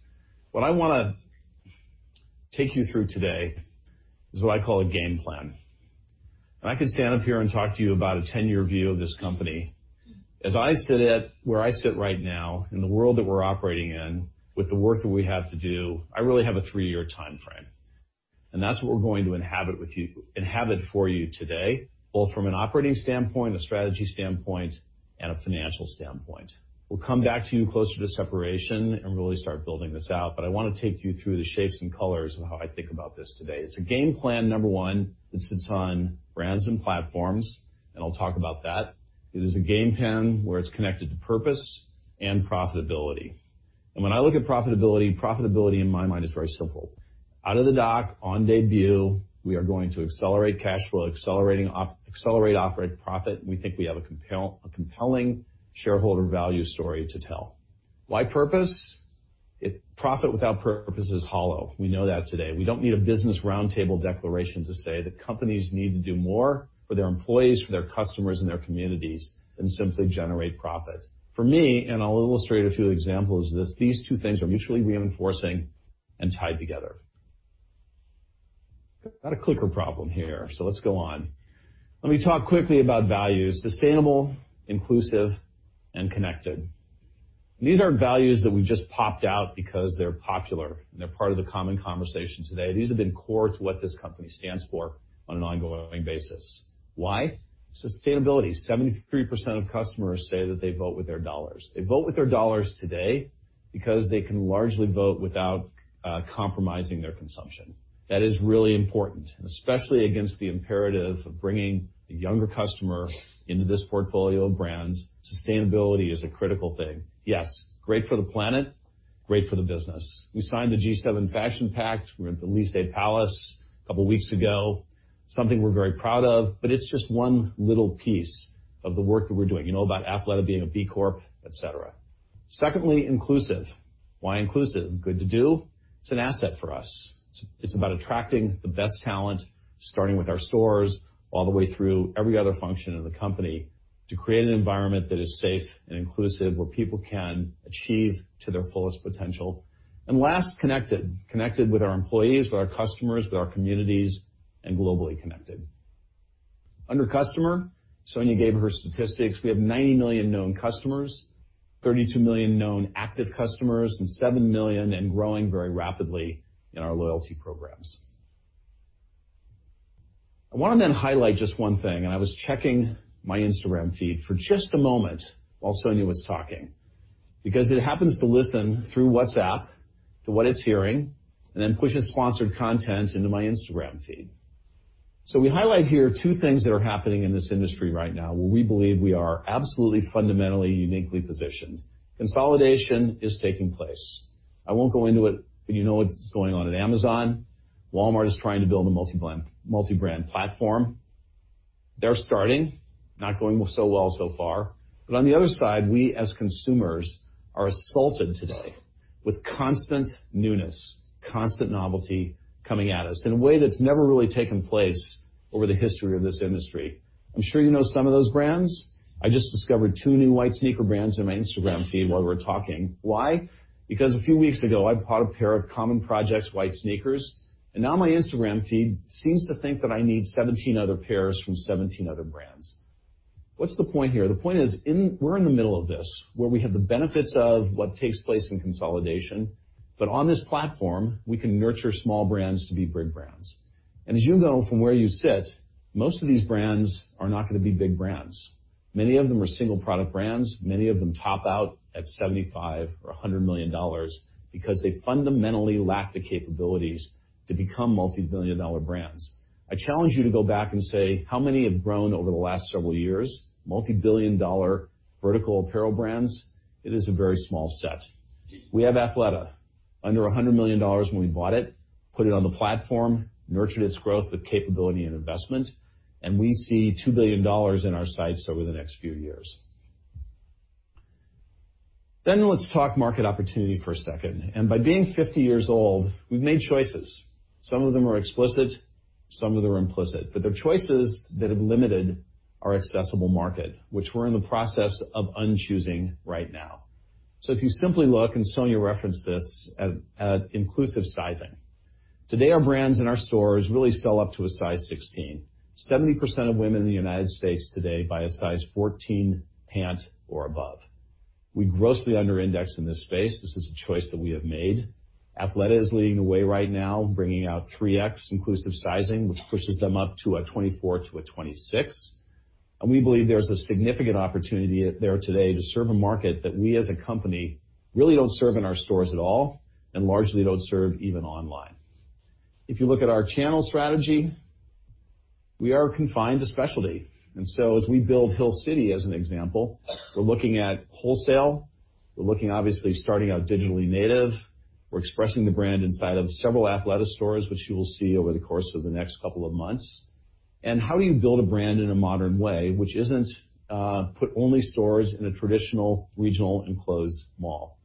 What I want to take you through today is what I call a game plan. I could stand up here and talk to you about a 10-year view of this company. As I sit at where I sit right now, in the world that we're operating in, with the work that we have to do, I really have a three-year time frame. That's what we're going to inhabit for you today, both from an operating standpoint, a strategy standpoint, and a financial standpoint. We'll come back to you closer to separation and really start building this out, but I want to take you through the shapes and colors of how I think about this today. It's a game plan, number one, that sits on brands and platforms, and I'll talk about that. It is a game plan where it's connected to purpose and profitability. When I look at profitability in my mind is very simple. Out of the dock, on debut, we are going to accelerate cash flow, accelerate operating profit, and we think we have a compelling shareholder value story to tell. Why purpose? Profit without purpose is hollow. We know that today. We don't need a business roundtable declaration to say that companies need to do more for their employees, for their customers, and their communities than simply generate profit. For me, and I'll illustrate a few examples of this, these two things are mutually reinforcing and tied together. Got a clicker problem here. Let's go on. Let me talk quickly about values. Sustainable, inclusive, and connected. These aren't values that we've just popped out because they're popular and they're part of the common conversation today. These have been core to what this company stands for on an ongoing basis. Why? Sustainability. 73% of customers say that they vote with their dollars. They vote with their dollars today because they can largely vote without compromising their consumption. That is really important. Especially against the imperative of bringing a younger customer into this portfolio of brands, sustainability is a critical thing. Yes, great for the planet, great for the business. We signed The Fashion Pact. We were at the Élysée Palace a couple of weeks ago, something we're very proud of, but it's just one little piece of the work that we're doing. You know about Athleta being a B Corp, et cetera. Secondly, inclusive. Why inclusive? Good to do. It's an asset for us. It's about attracting the best talent, starting with our stores, all the way through every other function of the company to create an environment that is safe and inclusive, where people can achieve to their fullest potential. Last, connected. Connected with our employees, with our customers, with our communities, and globally connected. Under customer, Sonia gave her statistics. We have 90 million known customers, 32 million known active customers, and 7 million and growing very rapidly in our loyalty programs. I want to highlight just one thing. I was checking my Instagram feed for just a moment while Sonia was talking, because it happens to listen through WhatsApp to what it's hearing and then pushes sponsored content into my Instagram feed. We highlight here two things that are happening in this industry right now, where we believe we are absolutely, fundamentally, uniquely positioned. Consolidation is taking place. I won't go into it. You know what's going on at Amazon. Walmart is trying to build a multi-brand platform. They're starting. Not going so well so far. On the other side, we, as consumers, are assaulted today with constant newness, constant novelty coming at us in a way that's never really taken place over the history of this industry. I'm sure you know some of those brands. I just discovered two new white sneaker brands in my Instagram feed while we were talking. Why? Because a few weeks ago, I bought a pair of Common Projects white sneakers, and now my Instagram feed seems to think that I need 17 other pairs from 17 other brands. What's the point here? The point is, we're in the middle of this, where we have the benefits of what takes place in consolidation, but on this platform, we can nurture small brands to be big brands. As you know from where you sit, most of these brands are not going to be big brands. Many of them are single-product brands. Many of them top out at $75 million or $100 million because they fundamentally lack the capabilities to become multi-billion dollar brands. I challenge you to go back and say how many have grown over the last several years. Multi-billion dollar vertical apparel brands, it is a very small set. We have Athleta. Under $100 million when we bought it, put it on the platform, nurtured its growth with capability and investment. We see $2 billion in our sights over the next few years. Let's talk market opportunity for a second. By being 50 years old, we've made choices. Some of them are explicit, some of them are implicit. They're choices that have limited our accessible market, which we're in the process of unchoosing right now. If you simply look. Sonia referenced this at inclusive sizing. Today, our brands in our stores really sell up to a size 16. 70% of women in the United States today buy a size 14 pant or above. We grossly under-index in this space. This is a choice that we have made. Athleta is leading the way right now, bringing out 3X inclusive sizing, which pushes them up to a 24 to a 26. We believe there's a significant opportunity there today to serve a market that we as a company really don't serve in our stores at all and largely don't serve even online. If you look at our channel strategy, we are confined to specialty. As we build Hill City, as an example, we're looking at wholesale. We're looking, obviously, starting out digitally native. We're expressing the brand inside of several Athleta stores, which you will see over the course of the next couple of months. How do you build a brand in a modern way which isn't put only stores in a traditional regional enclosed mall?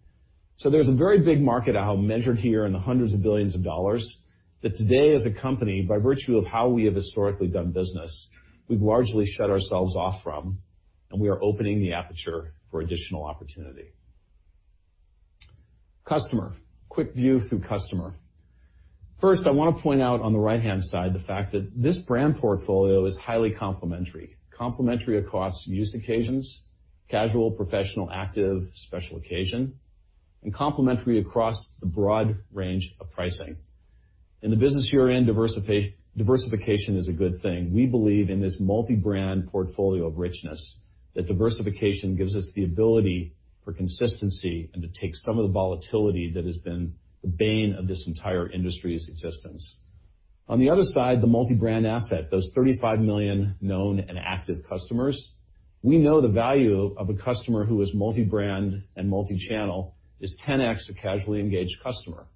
There's a very big market out measured here in the hundreds of billions of dollars that today, as a company, by virtue of how we have historically done business, we've largely shut ourselves off from, and we are opening the aperture for additional opportunity. Customer. Quick view through customer. I want to point out on the right-hand side the fact that this brand portfolio is highly complementary. Complementary across use occasions, casual, professional, active, special occasion, and complementary across the broad range of pricing. In the business you're in, diversification is a good thing. We believe in this multi-brand portfolio of richness, that diversification gives us the ability for consistency and to take some of the volatility that has been the bane of this entire industry's existence. On the other side, the multi-brand asset, those 35 million known and active customers. We know the value of a customer who is multi-brand and multi-channel is 10x a casually engaged customer.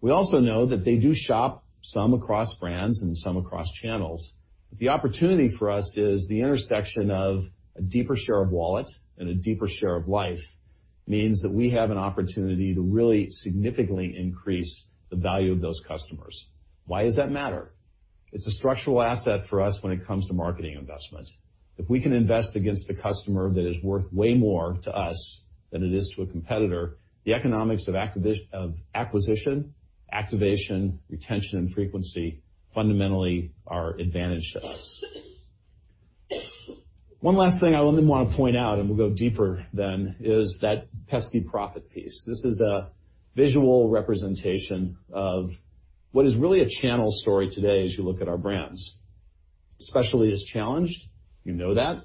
We also know that they do shop, some across brands and some across channels. The opportunity for us is the intersection of a deeper share of wallet and a deeper share of life means that we have an opportunity to really significantly increase the value of those customers. Why does that matter? It's a structural asset for us when it comes to marketing investment. If we can invest against a customer that is worth way more to us than it is to a competitor, the economics of acquisition, activation, retention, and frequency fundamentally are advantage to us. One last thing I want to point out, and we'll go deeper then, is that pesky profit piece. This is a visual representation of what is really a channel story today as you look at our brands. Specialty is challenged. You know that.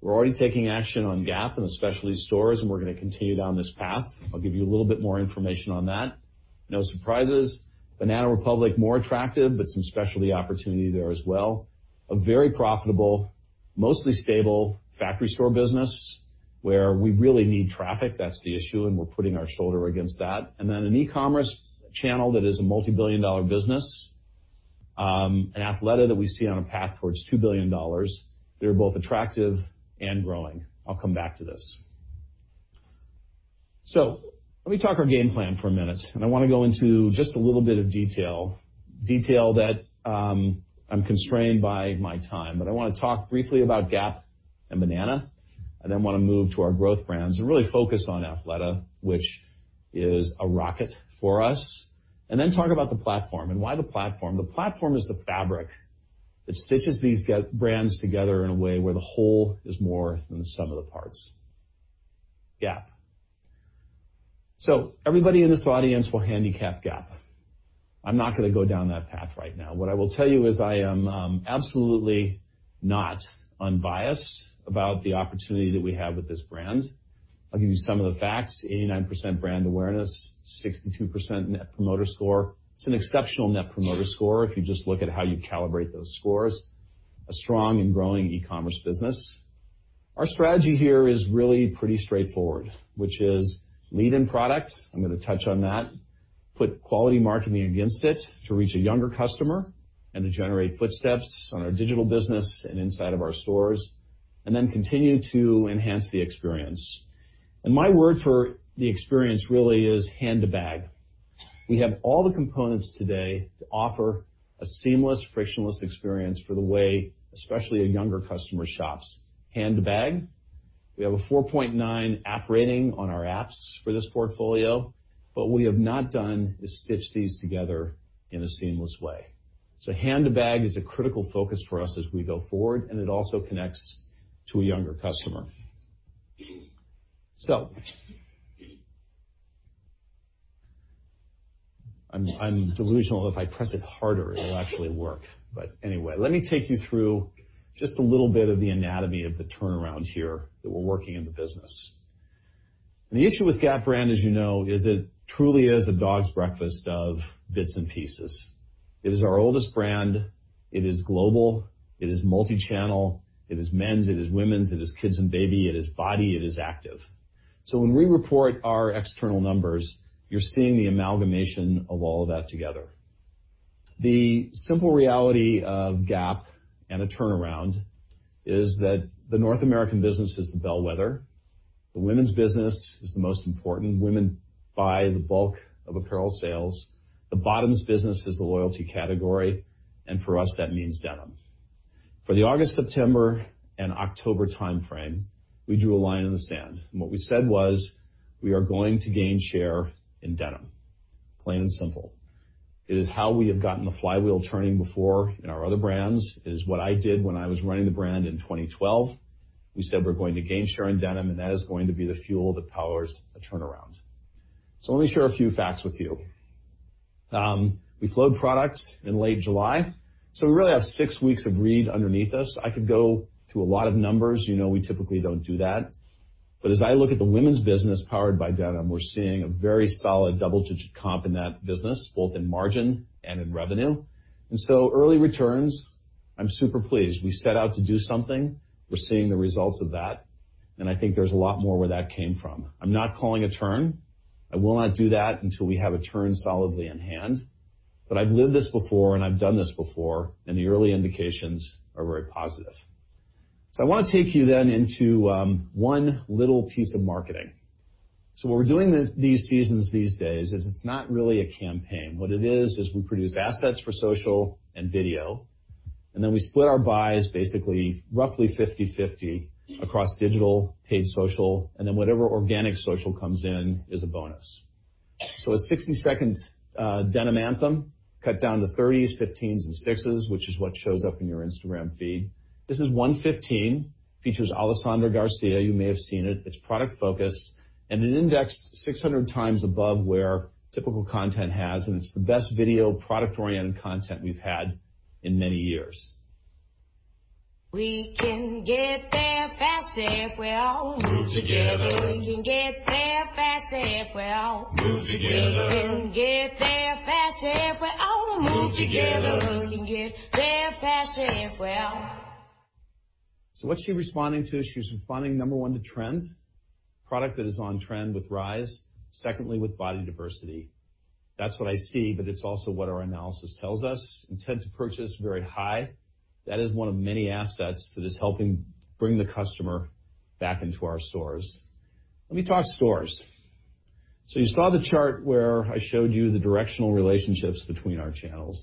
We're already taking action on Gap and the specialty stores, and we're going to continue down this path. I'll give you a little bit more information on that. No surprises. Banana Republic, more attractive, but some specialty opportunity there as well. A very profitable, mostly stable factory store business where we really need traffic. That's the issue, and we're putting our shoulder against that. An e-commerce channel that is a multi-billion dollar business. Athleta that we see on a path towards $2 billion. They are both attractive and growing. I'll come back to this. Let me talk our game plan for a minute, and I want to go into just a little bit of detail. Detail that I'm constrained by my time. I want to talk briefly about Gap and Banana, then want to move to our growth brands and really focus on Athleta, which is a rocket for us. Talk about the platform and why the platform. The platform is the fabric that stitches these brands together in a way where the whole is more than the sum of the parts. Gap. Everybody in this audience will handicap Gap. I'm not going to go down that path right now. What I will tell you is I am absolutely not unbiased about the opportunity that we have with this brand. I'll give you some of the facts. 89% brand awareness, 62% net promoter score. It's an exceptional net promoter score if you just look at how you calibrate those scores. A strong and growing e-commerce business. Our strategy here is really pretty straightforward, which is lead in product. I'm going to touch on that. Put quality marketing against it to reach a younger customer and to generate footsteps on our digital business and inside of our stores, and then continue to enhance the experience. My word for the experience really is hand to bag. We have all the components today to offer a seamless, frictionless experience for the way, especially a younger customer shops. Hand to bag. We have a 4.9 app rating on our apps for this portfolio. What we have not done is stitch these together in a seamless way. Hand to bag is a critical focus for us as we go forward, and it also connects to a younger customer. I'm delusional. If I press it harder, it'll actually work. Anyway, let me take you through just a little bit of the anatomy of the turnaround here that we're working in the business. The issue with Gap brand, as you know, is it truly is a dog's breakfast of bits and pieces. It is our oldest brand. It is global. It is multi-channel. It is men's, it is women's, it is kids and baby, it is body, it is active. When we report our external numbers, you're seeing the amalgamation of all of that together. The simple reality of Gap and a turnaround is that the North American business is the bellwether. The women's business is the most important. Women buy the bulk of apparel sales. The bottoms business is the loyalty category, and for us, that means denim. For the August, September, and October timeframe, we drew a line in the sand. What we said was, we are going to gain share in denim. Plain and simple. It is how we have gotten the flywheel turning before in our other brands. It is what I did when I was running the brand in 2012. We said we're going to gain share in denim, and that is going to be the fuel that powers a turnaround. Let me share a few facts with you. We flowed product in late July, so we really have six weeks of read underneath us. I could go through a lot of numbers. You know we typically don't do that. As I look at the women's business powered by denim, we're seeing a very solid double-digit comp in that business, both in margin and in revenue. Early returns, I'm super pleased. We set out to do something. We're seeing the results of that, and I think there's a lot more where that came from. I'm not calling a turn. I will not do that until we have a turn solidly in hand. I've lived this before and I've done this before, and the early indications are very positive. I want to take you then into one little piece of marketing. What we're doing these seasons, these days is it's not really a campaign. What it is we produce assets for social and video, and then we split our buys basically roughly 50/50 across digital, paid social, and then whatever organic social comes in is a bonus. A 60-second denim anthem cut down to 30s, 15s, and 6s, which is what shows up in your Instagram feed. This is one 15, features Alessandra Garcia. You may have seen it. It's product focused and it indexed 600 times above where typical content has, and it's the best video product-oriented content we've had in many years. We can get there faster if we all move together. We can get there faster if we all move together. We can get there faster if we all move together. We can get there faster if we all. What's she responding to? She's responding, number 1, to trend. Product that is on trend with Rise. Secondly, with body diversity. That's what I see, but it's also what our analysis tells us. Intent to purchase, very high. That is 1 of many assets that is helping bring the customer back into our stores. Let me talk stores. You saw the chart where I showed you the directional relationships between our channels.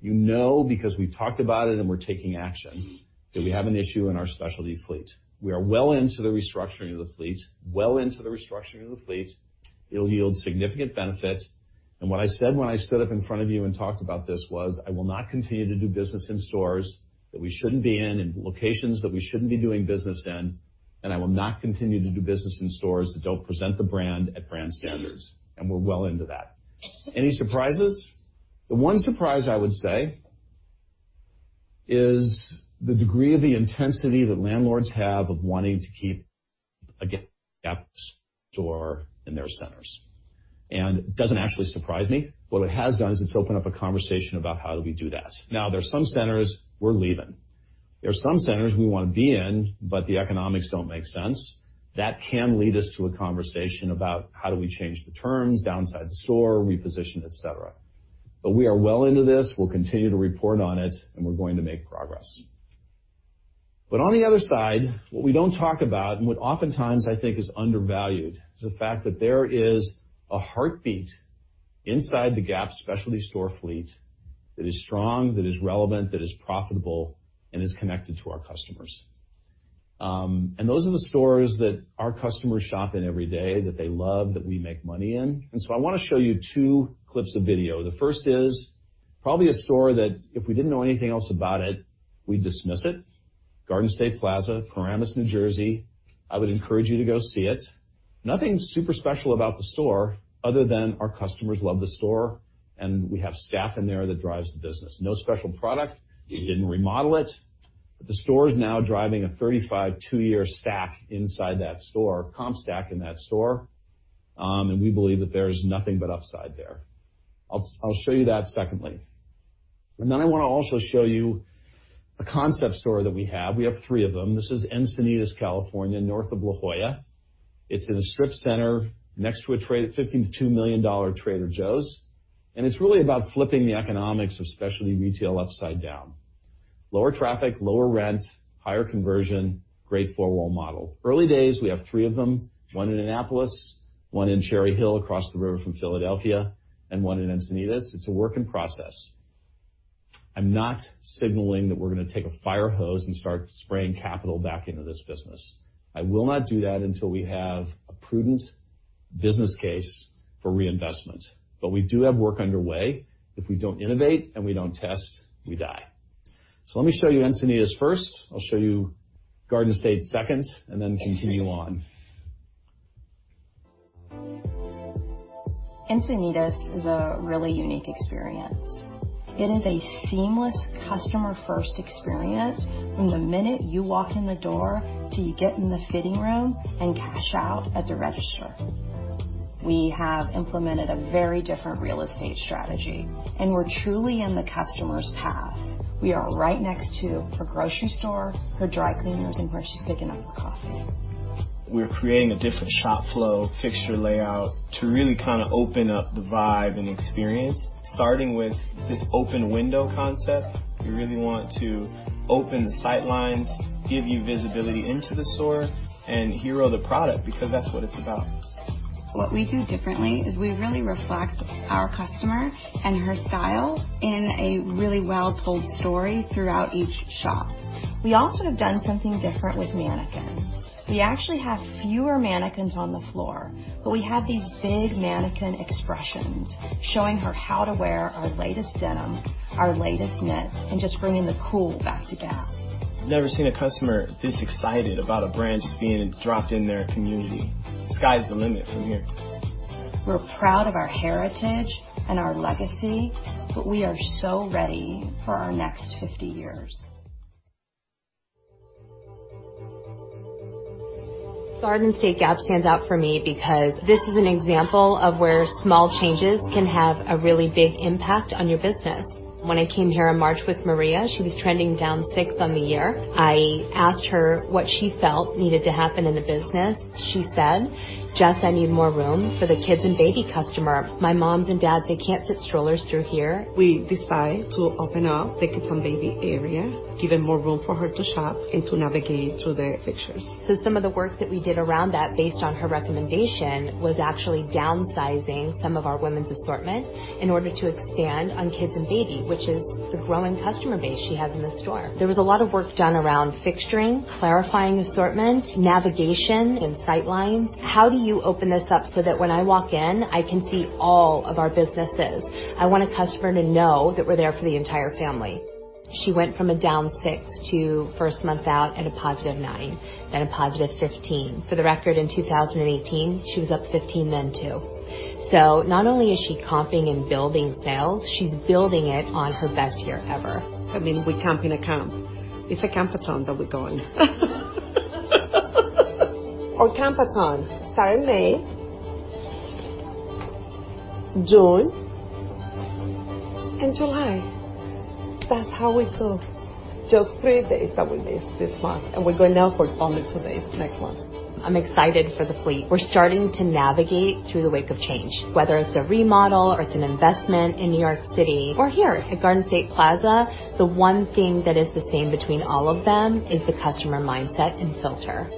You know, because we've talked about it and we're taking action, that we have an issue in our specialty fleet. We are well into the restructuring of the fleet. It'll yield significant benefit. What I said when I stood up in front of you and talked about this was, I will not continue to do business in stores that we shouldn't be in locations that we shouldn't be doing business in, and I will not continue to do business in stores that don't present the brand at brand standards. We're well into that. Any surprises? The one surprise I would say is the degree of the intensity that landlords have of wanting to keep a Gap store in their centers. It doesn't actually surprise me. What it has done is it's opened up a conversation about how do we do that. Now there's some centers we're leaving. There are some centers we want to be in, but the economics don't make sense. That can lead us to a conversation about how do we change the terms, downsize the store, reposition, et cetera. We are well into this. We'll continue to report on it, and we're going to make progress. On the other side, what we don't talk about, and what oftentimes I think is undervalued, is the fact that there is a heartbeat inside the Gap specialty store fleet that is strong, that is relevant, that is profitable, and is connected to our customers. Those are the stores that our customers shop in every day, that they love, that we make money in. I want to show you two clips of video. The first is probably a store that if we didn't know anything else about it, we'd dismiss it. Garden State Plaza, Paramus, New Jersey. I would encourage you to go see it. Nothing super special about the store other than our customers love the store, and we have staff in there that drives the business. No special product. We didn't remodel it. The store is now driving a 35% two-year stack inside that store, comp stack in that store. We believe that there is nothing but upside there. I'll show you that secondly. I want to also show you a concept store that we have. We have three of them. This is Encinitas, California, north of La Jolla. It's in a strip center next to a $52 million Trader Joe's, and it's really about flipping the economics of specialty retail upside down. Lower traffic, lower rent, higher conversion, great four-wall model. Early days, we have three of them. One in Annapolis, one in Cherry Hill across the river from Philadelphia, and one in Encinitas. It's a work in process. I'm not signaling that we're gonna take a fire hose and start spraying capital back into this business. I will not do that until we have a prudent business case for reinvestment. We do have work underway. If we don't innovate and we don't test, we die. Let me show you Encinitas first. I'll show you Garden State second, and then continue on. Encinitas is a really unique experience. It is a seamless customer-first experience from the minute you walk in the door till you get in the fitting room and cash out at the register. We have implemented a very different real estate strategy. We're truly in the customer's path. We are right next to her grocery store, her dry cleaners, and where she's picking up her coffee. We're creating a different shop flow, fixture layout to really kind of open up the vibe and experience, starting with this open window concept. We really want to open the sight lines, give you visibility into the store, and hero the product because that's what it's about. What we do differently is we really reflect our customer and her style in a really well-told story throughout each shop. We also have done something different with mannequins. We actually have fewer mannequins on the floor, but we have these big mannequin expressions showing her how to wear our latest denim, our latest knits, and just bringing the cool back to Gap. I've never seen a customer this excited about a brand just being dropped in their community. Sky's the limit from here. We're proud of our heritage and our legacy. We are so ready for our next 50 years. Garden State Gap stands out for me because this is an example of where small changes can have a really big impact on your business. When I came here in March with Maria, she was trending down six on the year. I asked her what she felt needed to happen in the business. She said, "Jess, I need more room for the kids and baby customer. My moms and dads, they can't fit strollers through here. We decide to open up the kids and baby area, give her more room for her to shop and to navigate through the fixtures. Some of the work that we did around that, based on her recommendation, was actually downsizing some of our women's assortment in order to expand on kids and baby, which is the growing customer base she has in the store. There was a lot of work done around fixturing, clarifying assortment, navigation, and sight lines. How do you open this up so that when I walk in, I can see all of our businesses? I want a customer to know that we're there for the entire family. She went from a down 6 to first month out at a positive 9, then a positive 15. For the record, in 2018, she was up 15 then, too. Not only is she comping and building sales, she's building it on her best year ever. I mean, we comping a comp. It's a comp-a-thon that we're going. Comp-a-thon, start in May, June, and July. That's how we go. Just three days that we missed this month, and we're going now for only two days next month. I'm excited for the fleet. We're starting to navigate through the wake of change. Whether it's a remodel or it's an investment in New York City or here at Garden State Plaza, the one thing that is the same between all of them is the customer mindset and filter.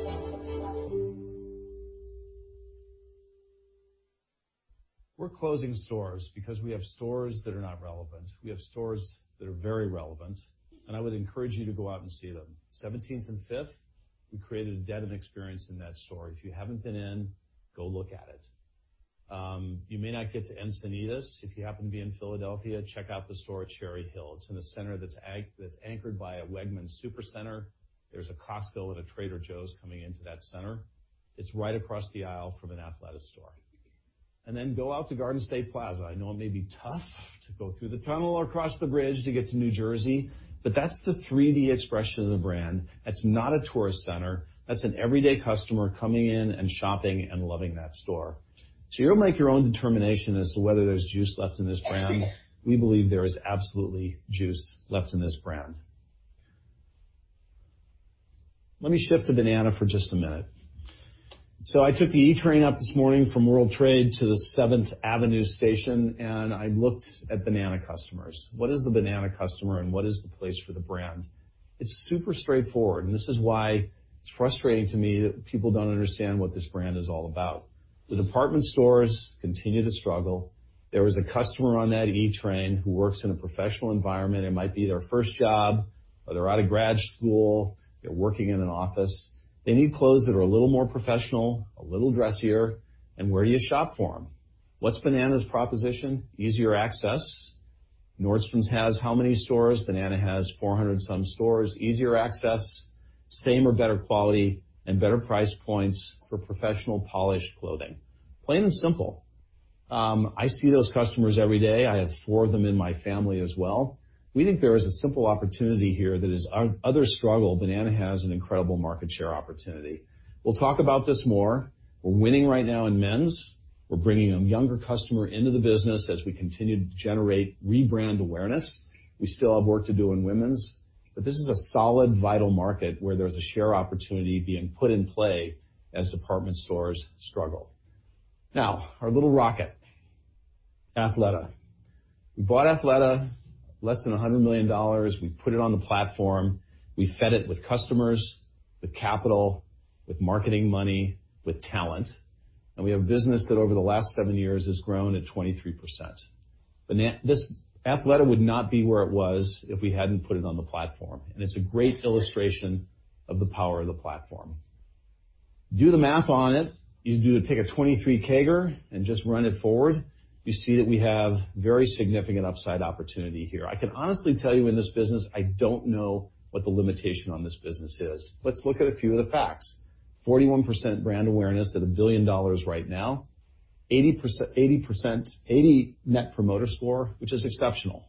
We're closing stores because we have stores that are not relevant. We have stores that are very relevant. I would encourage you to go out and see them. 17th and 5th, we created a depth of experience in that store. If you haven't been in, go look at it. You may not get to Encinitas. If you happen to be in Philadelphia, check out the store at Cherry Hill. It's in a center that's anchored by a Wegmans Supercenter. There's a Costco and a Trader Joe's coming into that center. It's right across the aisle from an Athleta store. Then go out to Garden State Plaza. I know it may be tough to go through the tunnel or cross the bridge to get to New Jersey. That's the 3D expression of the brand. That's not a tourist center. That's an everyday customer coming in and shopping and loving that store. You'll make your own determination as to whether there's juice left in this brand. We believe there is absolutely juice left in this brand. Let me shift to Banana for just a minute. I took the E train up this morning from World Trade to the Seventh Avenue station, and I looked at Banana customers. What is the Banana customer, and what is the place for the brand? It's super straightforward, and this is why it's frustrating to me that people don't understand what this brand is all about. The department stores continue to struggle. There was a customer on that E train who works in a professional environment. It might be their first job, or they're out of grad school. They're working in an office. They need clothes that are a little more professional, a little dressier. Where do you shop for them? What's Banana's proposition? Easier access. Nordstrom has how many stores? Banana has 400 some stores. Easier access, same or better quality, and better price points for professional polished clothing. Plain and simple. I see those customers every day. I have four of them in my family as well. We think there is a simple opportunity here that as others struggle, Banana has an incredible market share opportunity. We'll talk about this more. We're winning right now in men's. We're bringing a younger customer into the business as we continue to generate rebrand awareness. We still have work to do in women's, this is a solid, vital market where there's a share opportunity being put in play as department stores struggle. Our little rocket, Athleta. We bought Athleta less than $100 million. We put it on the platform. We fed it with customers, with capital, with marketing money, with talent. We have a business that over the last seven years has grown at 23%. Athleta would not be where it was if we hadn't put it on the platform. It's a great illustration of the power of the platform. Do the math on it. You take a 23 CAGR and just run it forward. You see that we have very significant upside opportunity here. I can honestly tell you in this business, I don't know what the limitation on this business is. Let's look at a few of the facts. 41% brand awareness at $1 billion right now. 80 net promoter score, which is exceptional.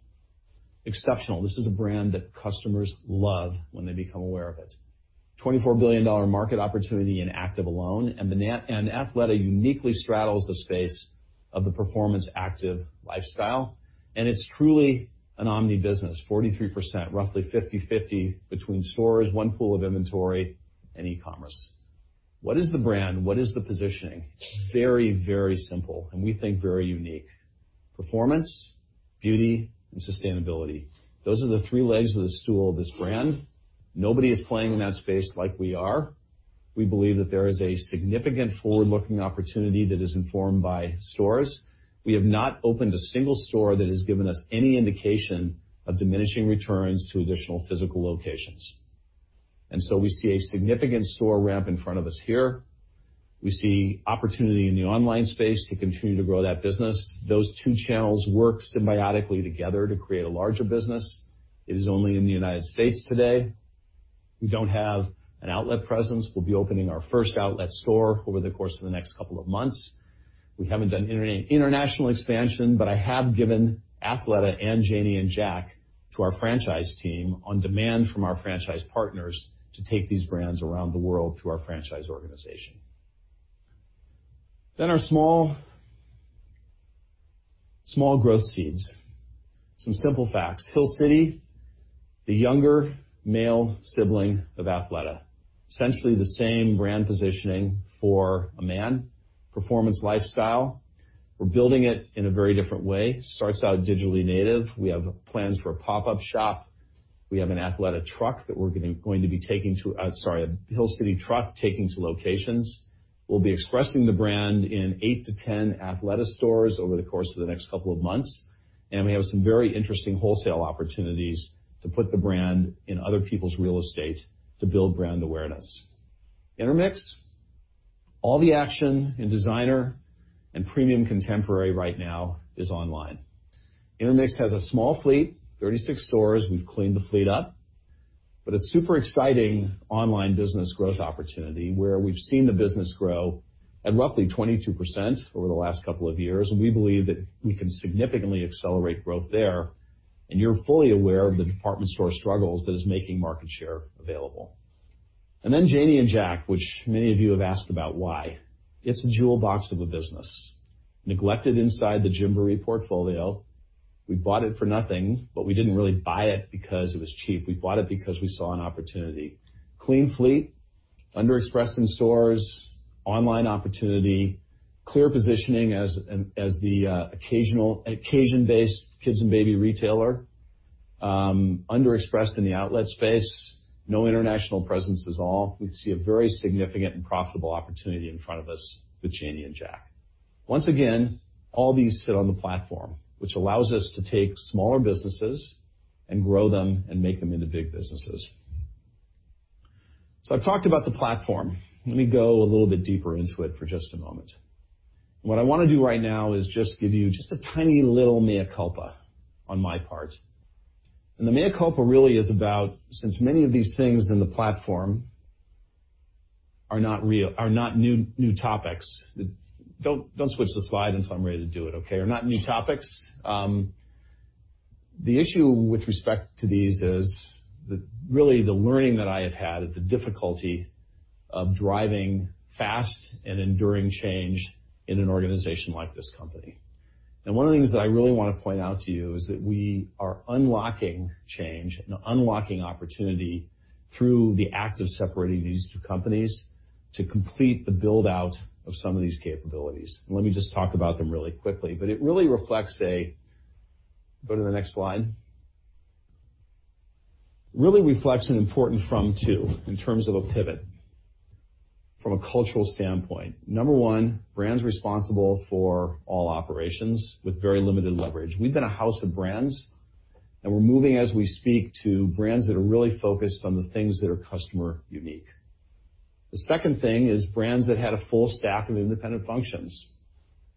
Exceptional. This is a brand that customers love when they become aware of it. $24 billion market opportunity in active alone. Athleta uniquely straddles the space of the performance active lifestyle, and it's truly an omni business, 43%, roughly 50/50 between stores, one pool of inventory, and e-commerce. What is the brand? What is the positioning? Very simple, we think very unique. Performance, beauty, and sustainability. Those are the three legs of the stool of this brand. Nobody is playing in that space like we are. We believe that there is a significant forward-looking opportunity that is informed by stores. We have not opened a single store that has given us any indication of diminishing returns to additional physical locations. We see a significant store ramp in front of us here. We see opportunity in the online space to continue to grow that business. Those two channels work symbiotically together to create a larger business. It is only in the U.S. today. We don't have an outlet presence. We'll be opening our first outlet store over the course of the next couple of months. I have given Athleta and Janie and Jack to our franchise team on demand from our franchise partners to take these brands around the world through our franchise organization. Our small growth seeds. Some simple facts. Hill City, the younger male sibling of Athleta. Essentially the same brand positioning for a man, performance lifestyle. We're building it in a very different way. Starts out digitally native. We have plans for a pop-up shop. We have, I'm sorry, a Hill City truck taking to locations. We'll be expressing the brand in eight to 10 Athleta stores over the course of the next couple of months, and we have some very interesting wholesale opportunities to put the brand in other people's real estate to build brand awareness. Intermix, all the action in designer and premium contemporary right now is online. Intermix has a small fleet, 36 stores. We've cleaned the fleet up. A super exciting online business growth opportunity where we've seen the business grow at roughly 22% over the last couple of years, and we believe that we can significantly accelerate growth there. You're fully aware of the department store struggles that is making market share available. Then Janie and Jack, which many of you have asked about why. It's a jewel box of a business, neglected inside the Gymboree portfolio. We bought it for nothing, we didn't really buy it because it was cheap. We bought it because we saw an opportunity. Clean fleet, under-expressed in stores, online opportunity, clear positioning as the occasion-based kids and baby retailer, under-expressed in the outlet space, no international presence is all. We see a very significant and profitable opportunity in front of us with Janie and Jack. Once again, all these sit on the platform, which allows us to take smaller businesses and grow them and make them into big businesses. I've talked about the platform. Let me go a little bit deeper into it for just a moment. What I want to do right now is just give you just a tiny little mea culpa on my part. The mea culpa really is about, since many of these things in the platform are not new topics. Don't switch the slide until I'm ready to do it, okay? Are not new topics. The issue with respect to these is really the learning that I have had at the difficulty of driving fast and enduring change in an organization like this company. One of the things that I really want to point out to you is that we are unlocking change and unlocking opportunity through the act of separating these two companies to complete the build-out of some of these capabilities. Let me just talk about them really quickly. Go to the next slide. Really reflects an important from-to in terms of a pivot from a cultural standpoint. Number one, brands responsible for all operations with very limited leverage. We've been a house of brands, and we're moving as we speak to brands that are really focused on the things that are customer unique. The second thing is brands that had a full stack of independent functions,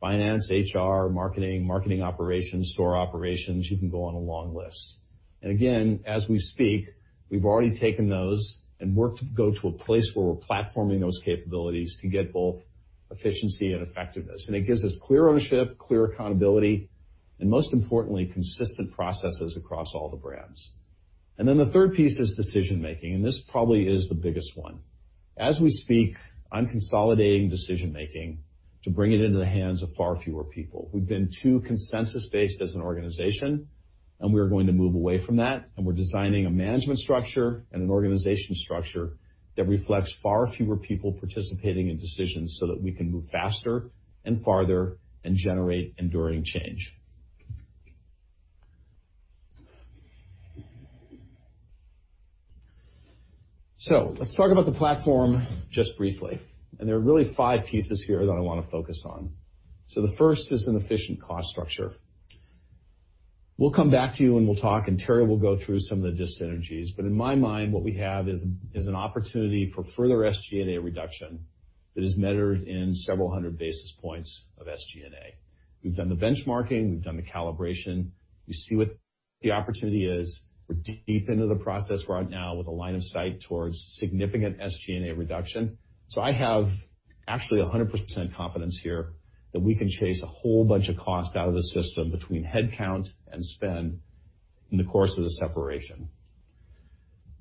finance, HR, marketing operations, store operations. You can go on a long list. Again, as we speak, we've already taken those and worked to go to a place where we're platforming those capabilities to get both efficiency and effectiveness. It gives us clear ownership, clear accountability, and most importantly, consistent processes across all the brands. Then the third piece is decision-making, and this probably is the biggest one. As we speak, I'm consolidating decision-making to bring it into the hands of far fewer people. We've been too consensus-based as an organization, and we are going to move away from that, and we're designing a management structure and an organization structure that reflects far fewer people participating in decisions so that we can move faster and farther and generate enduring change. Let's talk about the platform just briefly, and there are really five pieces here that I want to focus on. The first is an efficient cost structure. We'll come back to you, and we'll talk, and Teri will go through some of the dyssynergies. In my mind, what we have is an opportunity for further SG&A reduction that is measured in several hundred basis points of SG&A. We've done the benchmarking. We've done the calibration. We see what the opportunity is. We're deep into the process right now with a line of sight towards significant SG&A reduction. I have actually 100% confidence here that we can chase a whole bunch of cost out of the system between headcount and spend in the course of the separation.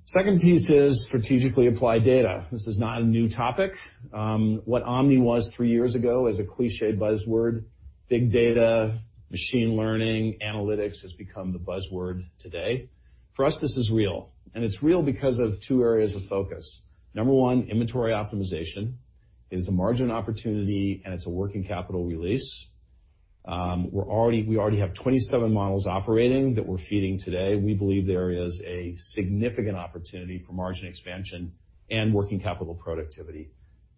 Second piece is strategically applied data. This is not a new topic. What omni was three years ago is a clichéd buzzword. Big data, machine learning, analytics has become the buzzword today. For us, this is real, and it's real because of two areas of focus. Number one, inventory optimization. It is a margin opportunity, and it's a working capital release. We already have 27 models operating that we're feeding today. We believe there is a significant opportunity for margin expansion and working capital productivity.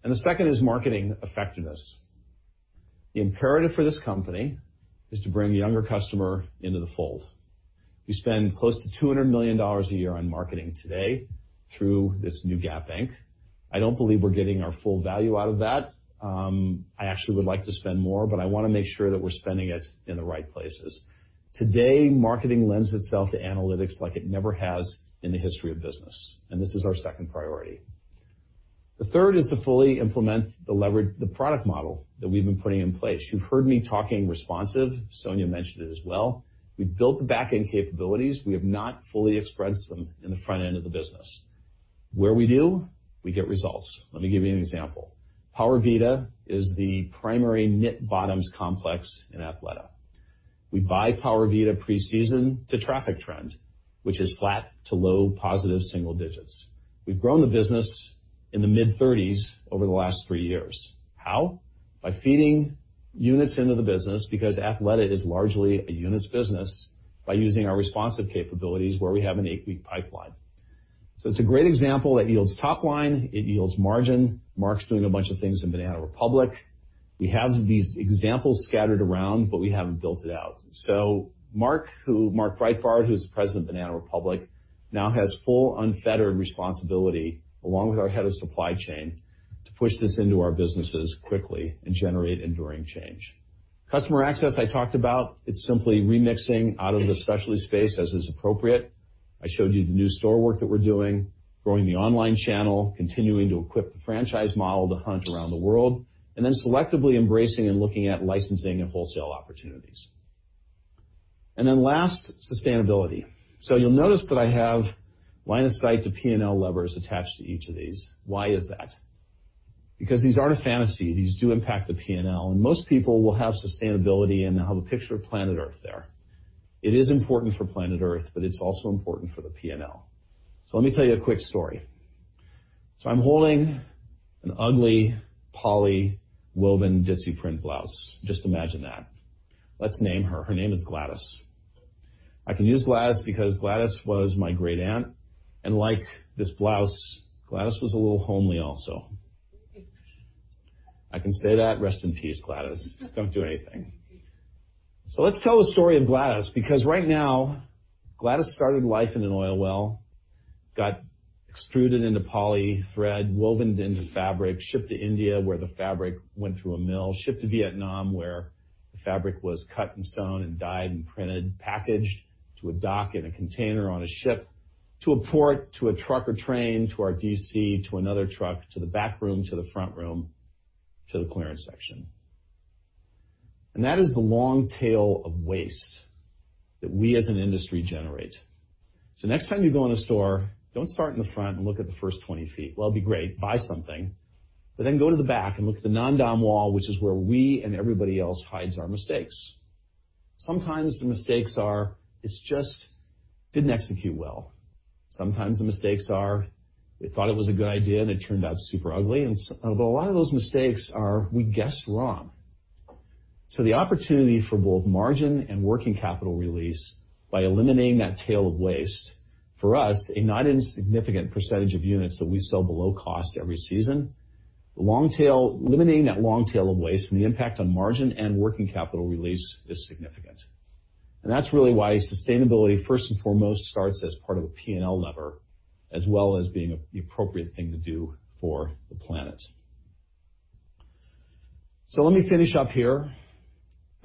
The second is marketing effectiveness. The imperative for this company is to bring a younger customer into the fold. We spend close to $200 million a year on marketing today through this new Gap Inc. I don't believe we're getting our full value out of that. I actually would like to spend more, but I want to make sure that we're spending it in the right places. Today, marketing lends itself to analytics like it never has in the history of business, and this is our second priority. The third is to fully implement the product model that we've been putting in place. You've heard me talking responsive. Sonia mentioned it as well. We've built the back-end capabilities. We have not fully expressed them in the front end of the business. Where we do, we get results. Let me give you an example. PowerVita is the primary knit bottoms complex in Athleta. We buy PowerVita preseason to traffic trend, which is flat to low positive single digits. We've grown the business in the mid-30s over the last three years. How? By feeding units into the business, because Athleta is largely a units business, by using our responsive capabilities where we have an eight-week pipeline. It's a great example that yields top line. It yields margin. Mark's doing a bunch of things in Banana Republic. We have these examples scattered around, but we haven't built it out. Mark Breitbard, who's the President of Banana Republic, now has full unfettered responsibility, along with our head of supply chain, to push this into our businesses quickly and generate enduring change. Customer access, I talked about. It's simply remixing out of the specialty space as is appropriate. I showed you the new store work that we're doing, growing the online channel, continuing to equip the franchise model to hunt around the world, and then selectively embracing and looking at licensing and wholesale opportunities. Last, sustainability. You'll notice that I have line of sight to P&L levers attached to each of these. Why is that? Because these aren't a fantasy. These do impact the P&L. Most people will have sustainability, and they'll have a picture of planet Earth there. It is important for planet Earth, it's also important for the P&L. Let me tell you a quick story. I'm holding an ugly poly woven ditsy print blouse. Just imagine that. Let's name her. Her name is Gladys. I can use Gladys because Gladys was my great aunt, like this blouse, Gladys was a little homely also. I can say that, rest in peace, Gladys. Don't do anything. Let's tell the story of Gladys, because right now, Gladys started life in an oil well, got extruded into poly thread, woven into fabric, shipped to India, where the fabric went through a mill, shipped to Vietnam, where the fabric was cut and sewn and dyed and printed, packaged to a dock in a container on a ship to a port, to a truck or train, to our DC, to another truck, to the back room, to the front room, to the clearance section. That is the long tail of waste that we, as an industry, generate. Next time you go in a store, don't start in the front and look at the first 20 feet. Well, it'd be great. Buy something. Then go to the back and look at the markdown wall, which is where we and everybody else hides our mistakes. Sometimes the mistakes are, it's just didn't execute well. Sometimes the mistakes are, we thought it was a good idea, and it turned out super ugly. A lot of those mistakes are, we guessed wrong. The opportunity for both margin and working capital release by eliminating that tail of waste, for us, a not insignificant percentage of units that we sell below cost every season. Eliminating that long tail of waste and the impact on margin and working capital release is significant. That's really why sustainability, first and foremost, starts as part of a P&L lever, as well as being the appropriate thing to do for the planet. Let me finish up here.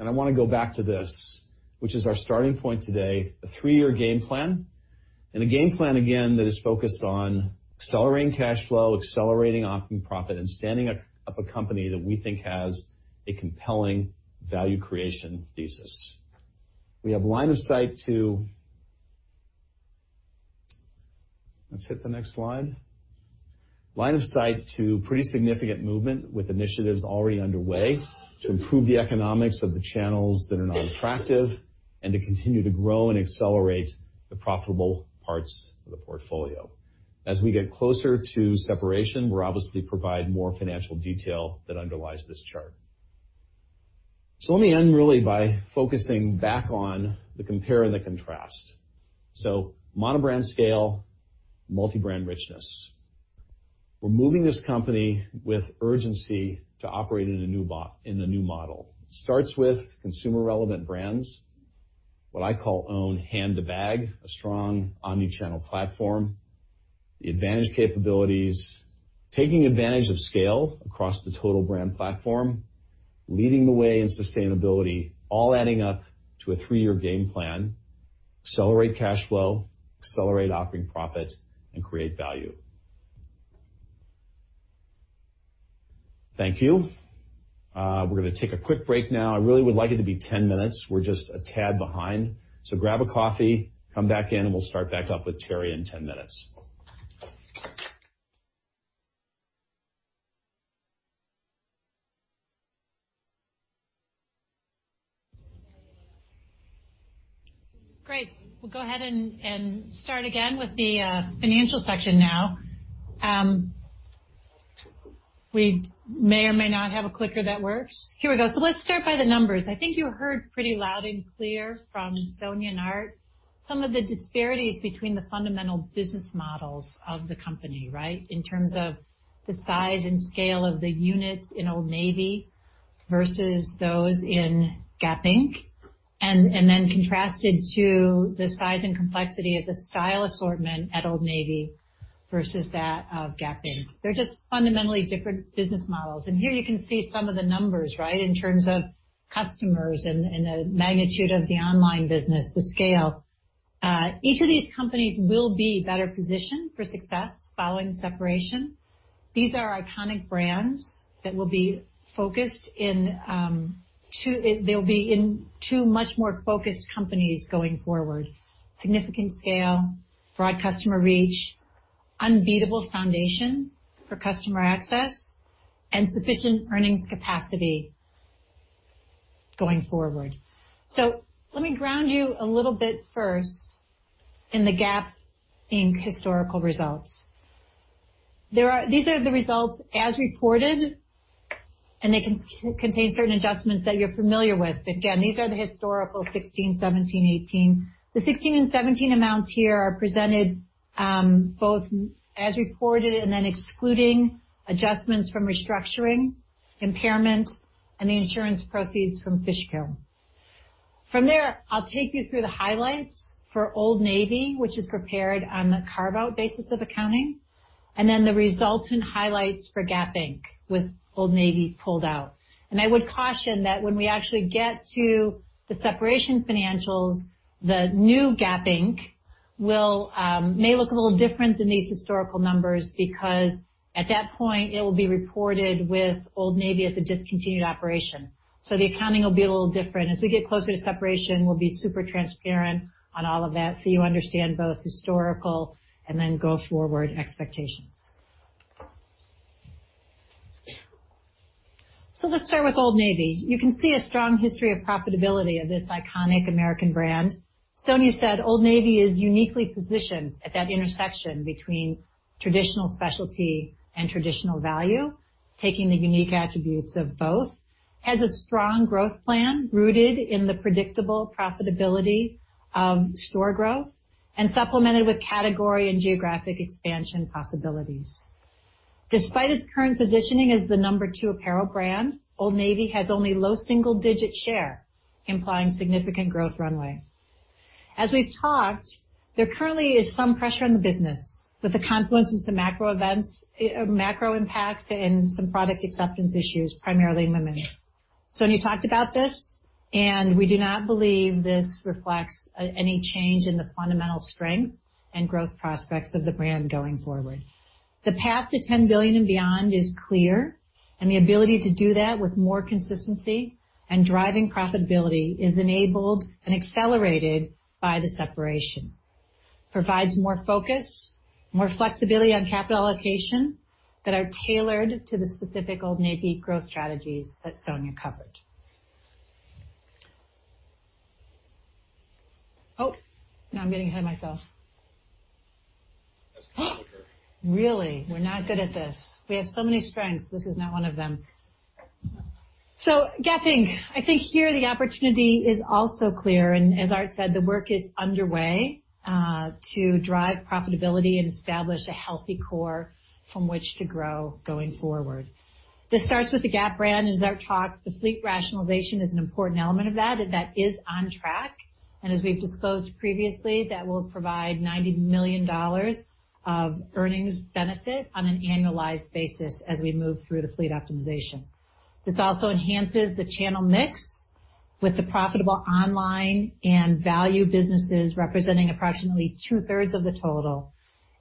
I want to go back to this, which is our starting point today, a three-year game plan, and a game plan, again, that is focused on accelerating cash flow, accelerating operating profit, and standing up a company that we think has a compelling value creation thesis. Let's hit the next slide. Line of sight to pretty significant movement with initiatives already underway to improve the economics of the channels that are not attractive and to continue to grow and accelerate the profitable parts of the portfolio. As we get closer to separation, we'll obviously provide more financial detail that underlies this chart. Let me end really by focusing back on the compare and the contrast. Monobrand scale, multi-brand richness. We're moving this company with urgency to operate in the new model. Starts with consumer-relevant brands, what I call own hand to bag, a strong omni-channel platform, the advantage capabilities, taking advantage of scale across the total brand platform, leading the way in sustainability, all adding up to a three-year game plan. Accelerate cash flow, accelerate operating profit, and create value. Thank you. We're gonna take a quick break now. I really would like it to be 10 minutes. We're just a tad behind. Grab a coffee, come back in, and we'll start back up with Teri in 10 minutes. Great. We'll go ahead and start again with the financial section now. We may or may not have a clicker that works. Here we go. Let's start by the numbers. I think you heard pretty loud and clear from Sonia and Art some of the disparities between the fundamental business models of the company, right, in terms of the size and scale of the units in Old Navy versus those in Gap Inc. Then contrasted to the size and complexity of the style assortment at Old Navy versus that of Gap Inc. They're just fundamentally different business models. Here you can see some of the numbers, right, in terms of customers and the magnitude of the online business, the scale. Each of these companies will be better positioned for success following separation. These are iconic brands that will be in two much more focused companies going forward. Significant scale, broad customer reach, unbeatable foundation for customer access, and sufficient earnings capacity going forward. Let me ground you a little bit first in the Gap Inc. historical results. These are the results as reported, and they contain certain adjustments that you're familiar with. Again, these are the historical 2016, 2017, 2018. The 2016 and 2017 amounts here are presented both as reported and then excluding adjustments from restructuring, impairment, and the insurance proceeds from Fishkill. I'll take you through the highlights for Old Navy, which is prepared on the carve-out basis of accounting. Then the results and highlights for Gap Inc. with Old Navy pulled out. I would caution that when we actually get to the separation financials, the new Gap Inc. may look a little different than these historical numbers, because at that point, it will be reported with Old Navy as a discontinued operation. The accounting will be a little different. As we get closer to separation, we'll be super transparent on all of that so you understand both historical and then go-forward expectations. Let's start with Old Navy. You can see a strong history of profitability of this iconic American brand. Sonia said Old Navy is uniquely positioned at that intersection between traditional specialty and traditional value, taking the unique attributes of both, has a strong growth plan rooted in the predictable profitability of store growth, and supplemented with category and geographic expansion possibilities. Despite its current positioning as the number 2 apparel brand, Old Navy has only low single-digit share, implying significant growth runway. As we've talked, there currently is some pressure on the business with the confluence of some macro events, macro impacts, and some product acceptance issues, primarily in women's. Sonia talked about this. We do not believe this reflects any change in the fundamental strength and growth prospects of the brand going forward. The path to $10 billion and beyond is clear. The ability to do that with more consistency and driving profitability is enabled and accelerated by the separation. Provides more focus, more flexibility on capital allocation that are tailored to the specific Old Navy growth strategies that Sonia covered. Now I'm getting ahead of myself. That's common for her. Really? We're not good at this. We have so many strengths. This is not one of them. Gap Inc. I think here the opportunity is also clear, and as Art said, the work is underway to drive profitability and establish a healthy core from which to grow going forward. This starts with the Gap brand. As Art talked, the fleet rationalization is an important element of that, and that is on track. As we've disclosed previously, that will provide $90 million of earnings benefit on an annualized basis as we move through the fleet optimization. This also enhances the channel mix with the profitable online and value businesses, representing approximately two-thirds of the total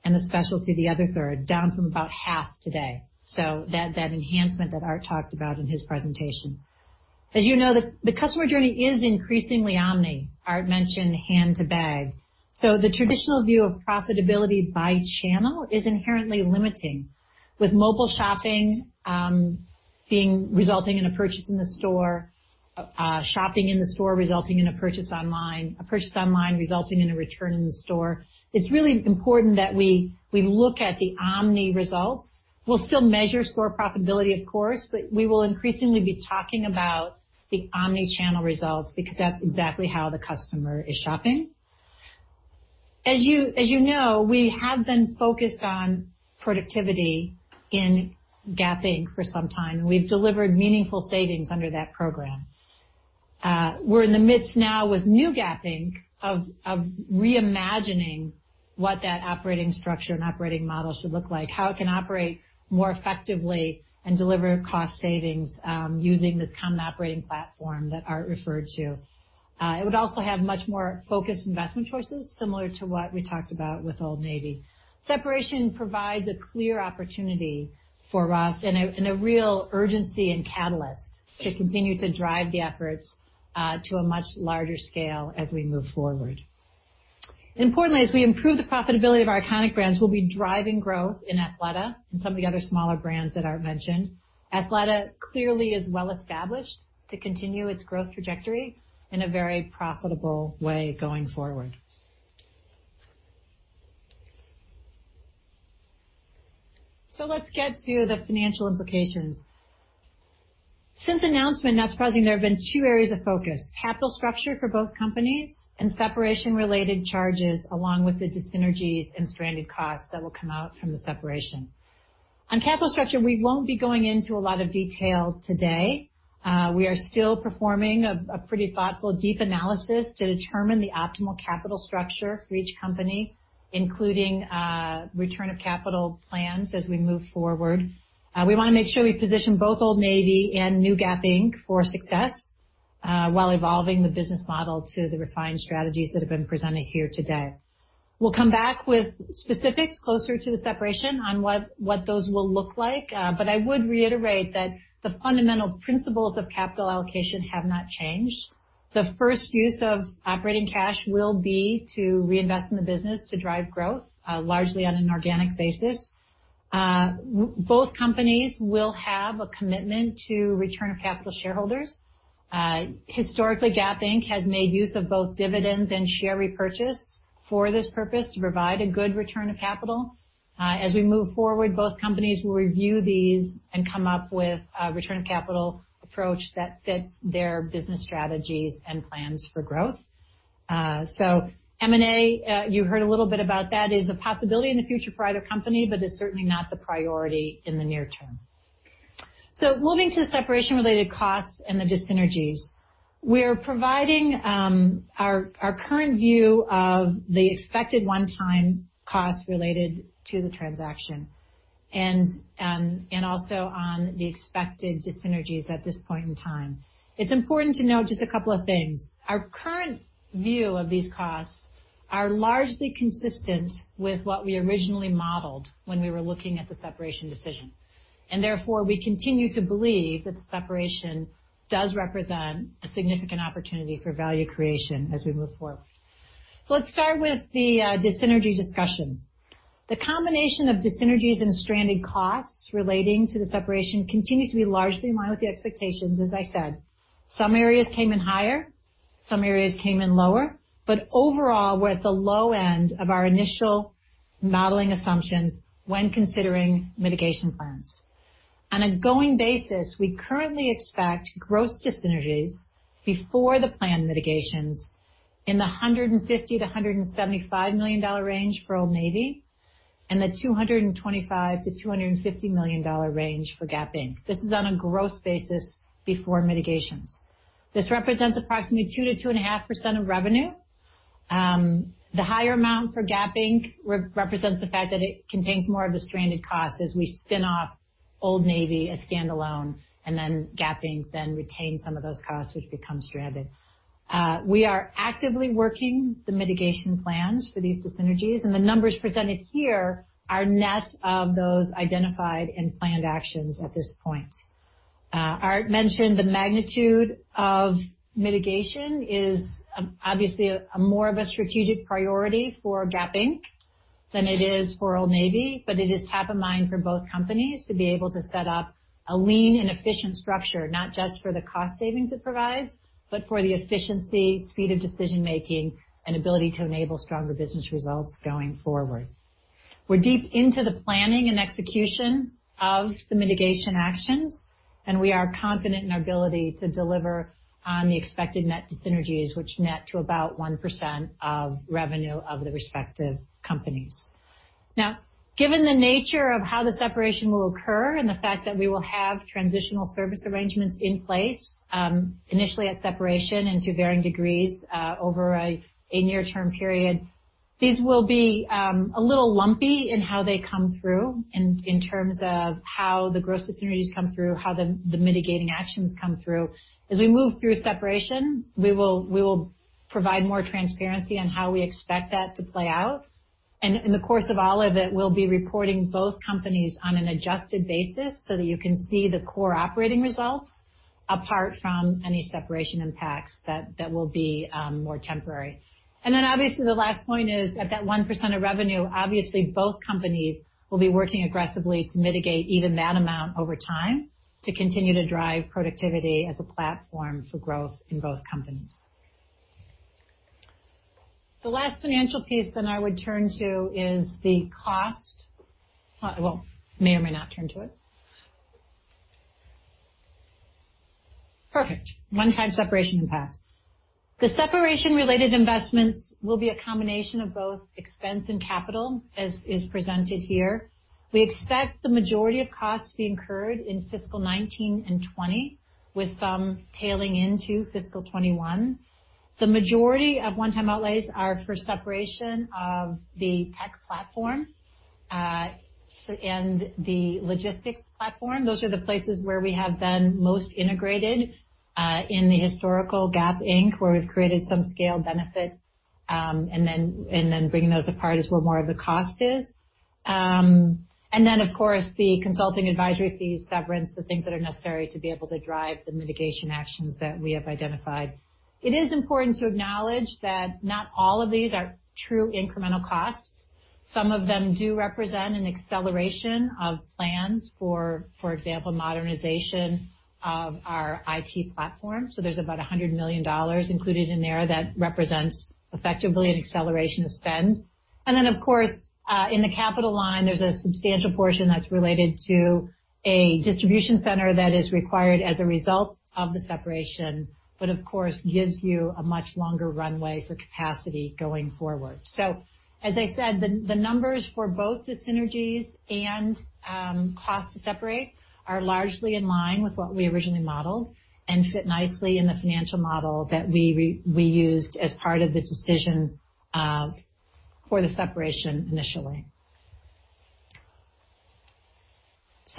and the specialty the other third, down from about half today. That enhancement that Art talked about in his presentation. As you know, the customer journey is increasingly omni. Art mentioned hand to bag. The traditional view of profitability by channel is inherently limiting. With mobile shopping resulting in a purchase in the store, shopping in the store resulting in a purchase online, a purchase online resulting in a return in the store, it's really important that we look at the omni results. We'll still measure store profitability, of course, but we will increasingly be talking about the omni-channel results because that's exactly how the customer is shopping. As you know, we have been focused on productivity in Gap Inc. for some time. We've delivered meaningful savings under that program. We're in the midst now with new Gap Inc. of reimagining what that operating structure and operating model should look like, how it can operate more effectively and deliver cost savings using this common operating platform that Art referred to. It would also have much more focused investment choices, similar to what we talked about with Old Navy. Separation provides a clear opportunity for us and a real urgency and catalyst to continue to drive the efforts to a much larger scale as we move forward. Importantly, as we improve the profitability of our iconic brands, we'll be driving growth in Athleta and some of the other smaller brands that Art mentioned. Athleta clearly is well established to continue its growth trajectory in a very profitable way going forward. Let's get to the financial implications. Since announcement, not surprisingly, there have been two areas of focus, capital structure for both companies and separation-related charges, along with the dyssynergies and stranded costs that will come out from the separation. On capital structure, we won't be going into a lot of detail today. We are still performing a pretty thoughtful, deep analysis to determine the optimal capital structure for each company, including return of capital plans as we move forward. We want to make sure we position both Old Navy and new Gap Inc. for success while evolving the business model to the refined strategies that have been presented here today. We'll come back with specifics closer to the separation on what those will look like. I would reiterate that the fundamental principles of capital allocation have not changed. The first use of operating cash will be to reinvest in the business to drive growth, largely on an organic basis. Both companies will have a commitment to return of capital to shareholders. Historically, Gap Inc. has made use of both dividends and share repurchase for this purpose to provide a good return of capital. As we move forward, both companies will review these and come up with a return of capital approach that fits their business strategies and plans for growth. M&A, you heard a little bit about that, is a possibility in the future for either company, but is certainly not the priority in the near term. Moving to separation-related costs and the dyssynergies. We are providing our current view of the expected one-time costs related to the transaction and also on the expected dyssynergies at this point in time. It's important to note just a couple of things. Our current view of these costs are largely consistent with what we originally modeled when we were looking at the separation decision, and therefore, we continue to believe that the separation does represent a significant opportunity for value creation as we move forward. Let's start with the dyssynergy discussion. The combination of dyssynergies and stranded costs relating to the separation continue to be largely in line with the expectations, as I said. Some areas came in higher, some areas came in lower. Overall, we're at the low end of our initial modeling assumptions when considering mitigation plans. On a going basis, we currently expect gross dyssynergies before the plan mitigations in the $150 to $175 million range for Old Navy and the $225 to $250 million range for Gap Inc. This is on a gross basis before mitigations. This represents approximately 2% to 2.5% of revenue. The higher amount for Gap Inc. represents the fact that it contains more of the stranded costs as we spin off Old Navy as standalone, and then Gap Inc. then retains some of those costs, which become stranded. We are actively working the mitigation plans for these dyssynergies. The numbers presented here are net of those identified and planned actions at this point. Art mentioned the magnitude of mitigation is obviously more of a strategic priority for Gap Inc. than it is for Old Navy. It is top of mind for both companies to be able to set up a lean and efficient structure, not just for the cost savings it provides, but for the efficiency, speed of decision-making, and ability to enable stronger business results going forward. We're deep into the planning and execution of the mitigation actions. We are confident in our ability to deliver on the expected net dyssynergies, which net to about 1% of revenue of the respective companies. Given the nature of how the separation will occur and the fact that we will have transitional service arrangements in place, initially at separation and to varying degrees over a near-term period. These will be a little lumpy in how they come through in terms of how the gross dyssynergies come through, how the mitigating actions come through. As we move through separation, we will provide more transparency on how we expect that to play out. In the course of all of it, we'll be reporting both companies on an adjusted basis so that you can see the core operating results apart from any separation impacts that will be more temporary. Obviously the last point is at that 1% of revenue. Obviously, both companies will be working aggressively to mitigate even that amount over time to continue to drive productivity as a platform for growth in both companies. The last financial piece I would turn to is the cost. Well, may or may not turn to it. Perfect. One-time separation impact. The separation-related investments will be a combination of both expense and capital, as is presented here. We expect the majority of costs to be incurred in fiscal 2019 and 2020, with some tailing into fiscal 2021. The majority of one-time outlays are for separation of the tech platform and the logistics platform. Those are the places where we have been most integrated in the historical Gap Inc., where we've created some scale benefit. Bringing those apart is where more of the cost is. Then, of course, the consulting advisory fee, severance, the things that are necessary to be able to drive the mitigation actions that we have identified. It is important to acknowledge that not all of these are true incremental costs. Some of them do represent an acceleration of plans for example, modernization of our IT platform. There's about $100 million included in there that represents effectively an acceleration of spend. Then, of course, in the capital line, there's a substantial portion that's related to a distribution center that is required as a result of the separation, but of course gives you a much longer runway for capacity going forward. As I said, the numbers for both dyssynergies and cost to separate are largely in line with what we originally modeled and fit nicely in the financial model that we used as part of the decision for the separation initially.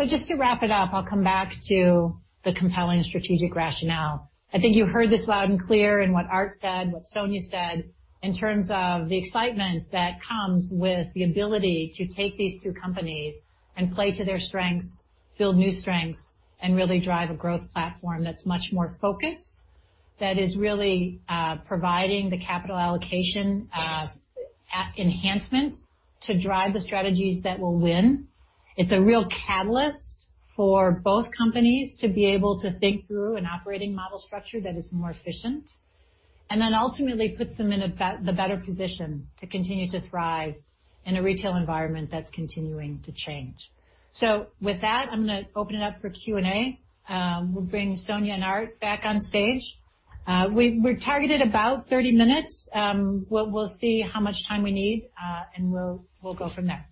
Just to wrap it up, I'll come back to the compelling strategic rationale. I think you heard this loud and clear in what Art said, what Sonia said, in terms of the excitement that comes with the ability to take these two companies and play to their strengths, build new strengths, and really drive a growth platform that's much more focused, that is really providing the capital allocation enhancement to drive the strategies that will win. It's a real catalyst for both companies to be able to think through an operating model structure that is more efficient, and then ultimately puts them in the better position to continue to thrive in a retail environment that's continuing to change. With that, I'm gonna open it up for Q&A. We'll bring Sonia and Art back on stage. We're targeted about 30 minutes. We'll see how much time we need, and we'll go from there.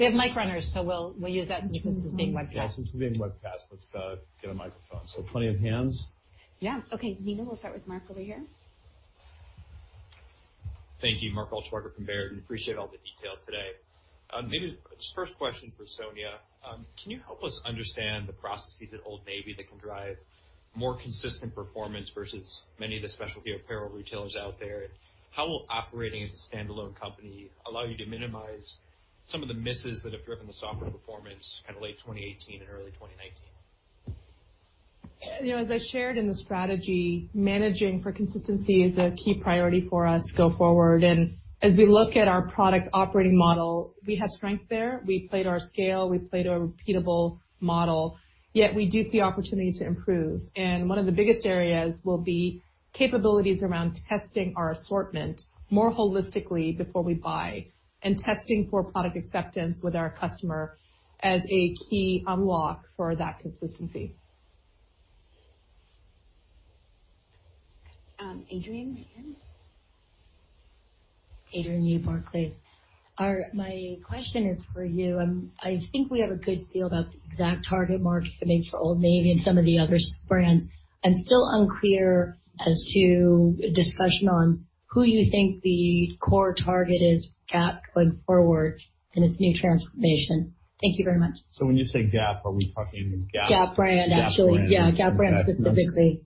We have mic runners, so we'll use that since this is being webcast. Yeah, since we're being webcast, let's get a microphone. Plenty of hands. Yeah. Okay, Nina, we'll start with Mark over here. Thank you. Mark Altschwager from Baird. Appreciate all the detail today. Maybe just first question for Sonia. Can you help us understand the processes at Old Navy that can drive more consistent performance versus many of the specialty apparel retailers out there? How will operating as a standalone company allow you to minimize some of the misses that have driven the softer performance kind of late 2018 and early 2019? As I shared in the strategy, managing for consistency is a key priority for us go forward. As we look at our product operating model, we have strength there. We played our scale, we played our repeatable model, yet we do see opportunity to improve. One of the biggest areas will be capabilities around testing our assortment more holistically before we buy, and testing for product acceptance with our customer as a key unlock for that consistency. Adrienne, right here. Adrienne Yih, Barclays. My question is for you. I think we have a good feel about the exact target market fitting for Old Navy and some of the other brands. I am still unclear as to discussion on who you think the core target is for Gap going forward in its new transformation. Thank you very much. When you say Gap, are we talking Gap-? Gap brand, actually. Gap brand. Yeah, Gap brand specifically.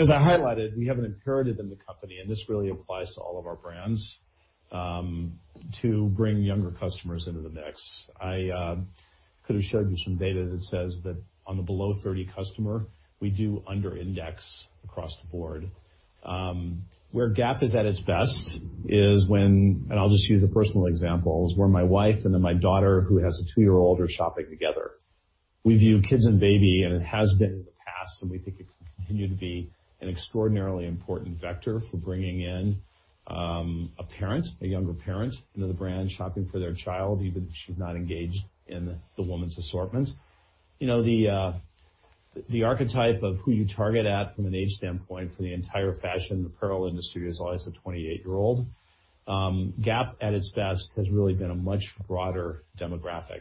As I highlighted, we have an imperative in the company, and this really applies to all of our brands, to bring younger customers into the mix. I could have showed you some data that says that on the below 30 customer, we do under index across the board. Where Gap is at its best is when, and I'll just use a personal example, is where my wife and then my daughter, who has a two-year-old, are shopping together. We view kids and baby, and it has been in the past, and we think it can continue to be an extraordinarily important vector for bringing in a parent, a younger parent, into the brand shopping for their child, even if she's not engaged in the woman's assortment. The archetype of who you target at from an age standpoint for the entire fashion apparel industry is always the 28-year-old. Gap at its best has really been a much broader demographic.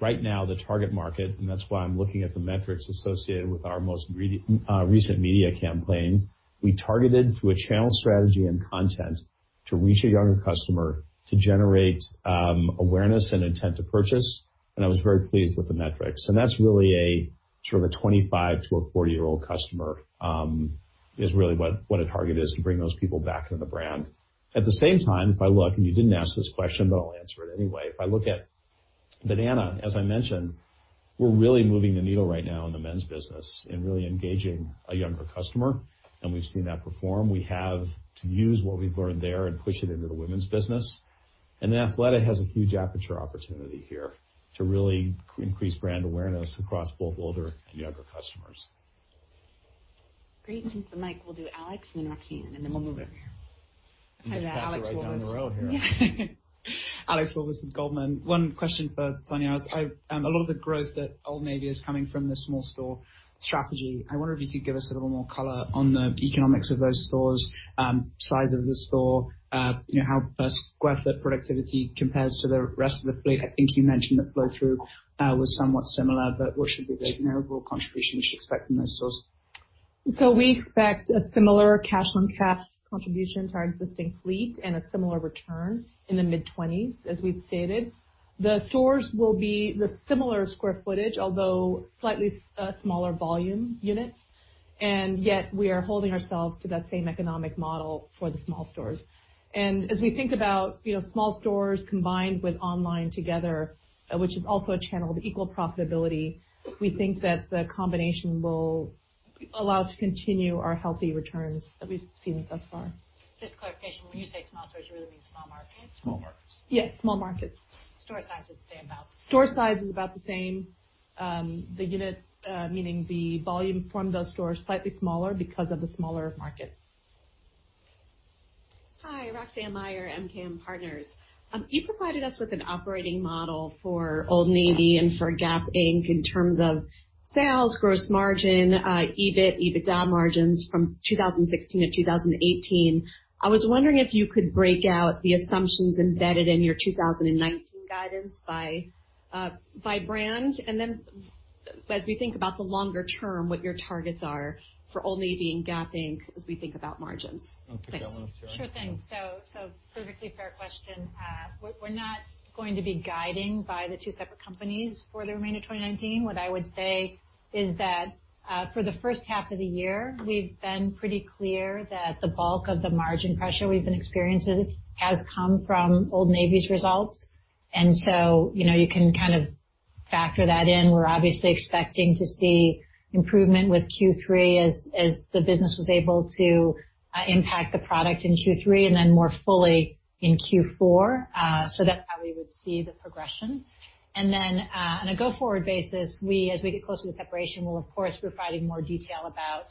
Right now, the target market, and that's why I'm looking at the metrics associated with our most recent media campaign, we targeted through a channel strategy and content to reach a younger customer to generate awareness and intent to purchase, and I was very pleased with the metrics. That's really a sort of a 25 to a 40-year-old customer, is really what a target is to bring those people back into the brand. At the same time, if I look, and you didn't ask this question, but I'll answer it anyway. If I look at Banana, as I mentioned, we're really moving the needle right now in the men's business and really engaging a younger customer, and we've seen that perform. We have to use what we've learned there and push it into the women's business. Athleta has a huge aperture opportunity here to really increase brand awareness across both older and younger customers. Great. Mike, we'll do Alex, then Roxanne, and then we'll move over here. Hi there. Alex Walvis. Pass it right down the row here. Yeah. Alex Walvis with Goldman. One question for Sonia. A lot of the growth at Old Navy is coming from the small store strategy. I wonder if you could give us a little more color on the economics of those stores, size of the store, how square foot productivity compares to the rest of the fleet. I think you mentioned that flow through was somewhat similar, but what should be the annual contribution we should expect from those stores? We expect a similar cash on cash contribution to our existing fleet and a similar return in the mid-20s, as we've stated. The stores will be the similar square footage, although slightly smaller volume units, and yet we are holding ourselves to that same economic model for the small stores. As we think about small stores combined with online together, which is also a channel with equal profitability, we think that the combination will allow us to continue our healthy returns that we've seen thus far. Just clarification. When you say small stores, you really mean small markets? Small markets. Yeah, small markets. Store size is the same. Store size is about the same. The unit, meaning the volume from those stores, slightly smaller because of the smaller market. Hi, Roxanne Meyer, MKM Partners. You provided us with an operating model for Old Navy and for Gap Inc. in terms of sales, gross margin, EBIT, EBITDA margins from 2016 to 2018. I was wondering if you could break out the assumptions embedded in your 2019 guidance by brand, and then as we think about the longer term, what your targets are for Old Navy and Gap Inc. as we think about margins. Thanks. Do you want to start? Perfectly fair question. We're not going to be guiding by the two separate companies for the remainder of 2019. What I would say is that for the first half of the year, we've been pretty clear that the bulk of the margin pressure we've been experiencing has come from Old Navy's results. You can kind of factor that in. We're obviously expecting to see improvement with Q3 as the business was able to impact the product in Q3, and then more fully in Q4. That's how we would see the progression. On a go-forward basis, as we get closer to separation, we'll of course be providing more detail about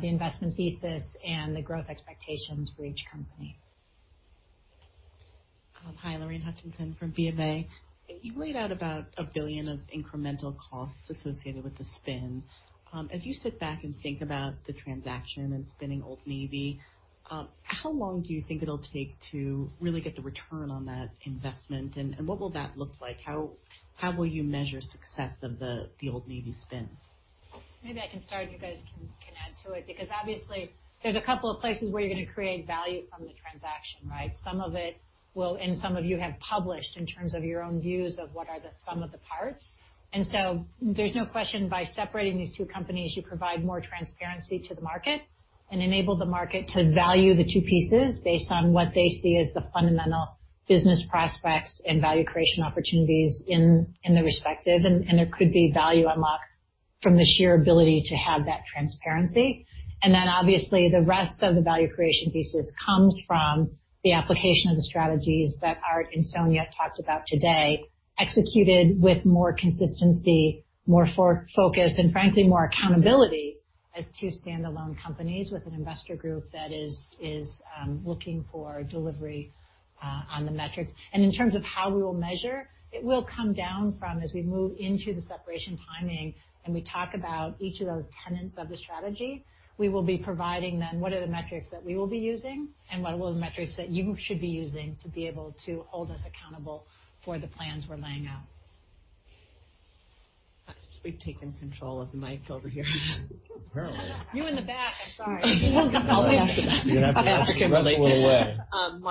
the investment thesis and the growth expectations for each company. Hi, Lorraine Hutchinson from BofA. You laid out about $1 billion of incremental costs associated with the spin. As you sit back and think about the transaction and spinning Old Navy, how long do you think it'll take to really get the return on that investment? What will that look like? How will you measure success of the Old Navy spin? Maybe I can start, and you guys can add to it. Because obviously, there's a couple of places where you're going to create value from the transaction, right? Some of you have published in terms of your own views of what are the sum of the parts. There's no question, by separating these two companies, you provide more transparency to the market and enable the market to value the two pieces based on what they see as the fundamental business prospects and value creation opportunities in the respective. There could be value unlocked from the sheer ability to have that transparency. Obviously, the rest of the value creation thesis comes from the application of the strategies that Art and Sonia talked about today, executed with more consistency, more focus, and frankly, more accountability as two standalone companies with an investor group that is looking for delivery on the metrics. In terms of how we will measure, it will come down from as we move into the separation timing, and we talk about each of those tenets of the strategy. We will be providing then what are the metrics that we will be using, and what will the metrics that you should be using to be able to hold us accountable for the plans we're laying out. We've taken control of the mic over here. Apparently. You in the back. I'm sorry. I'll pass it back. You're gonna have to ask the rest of the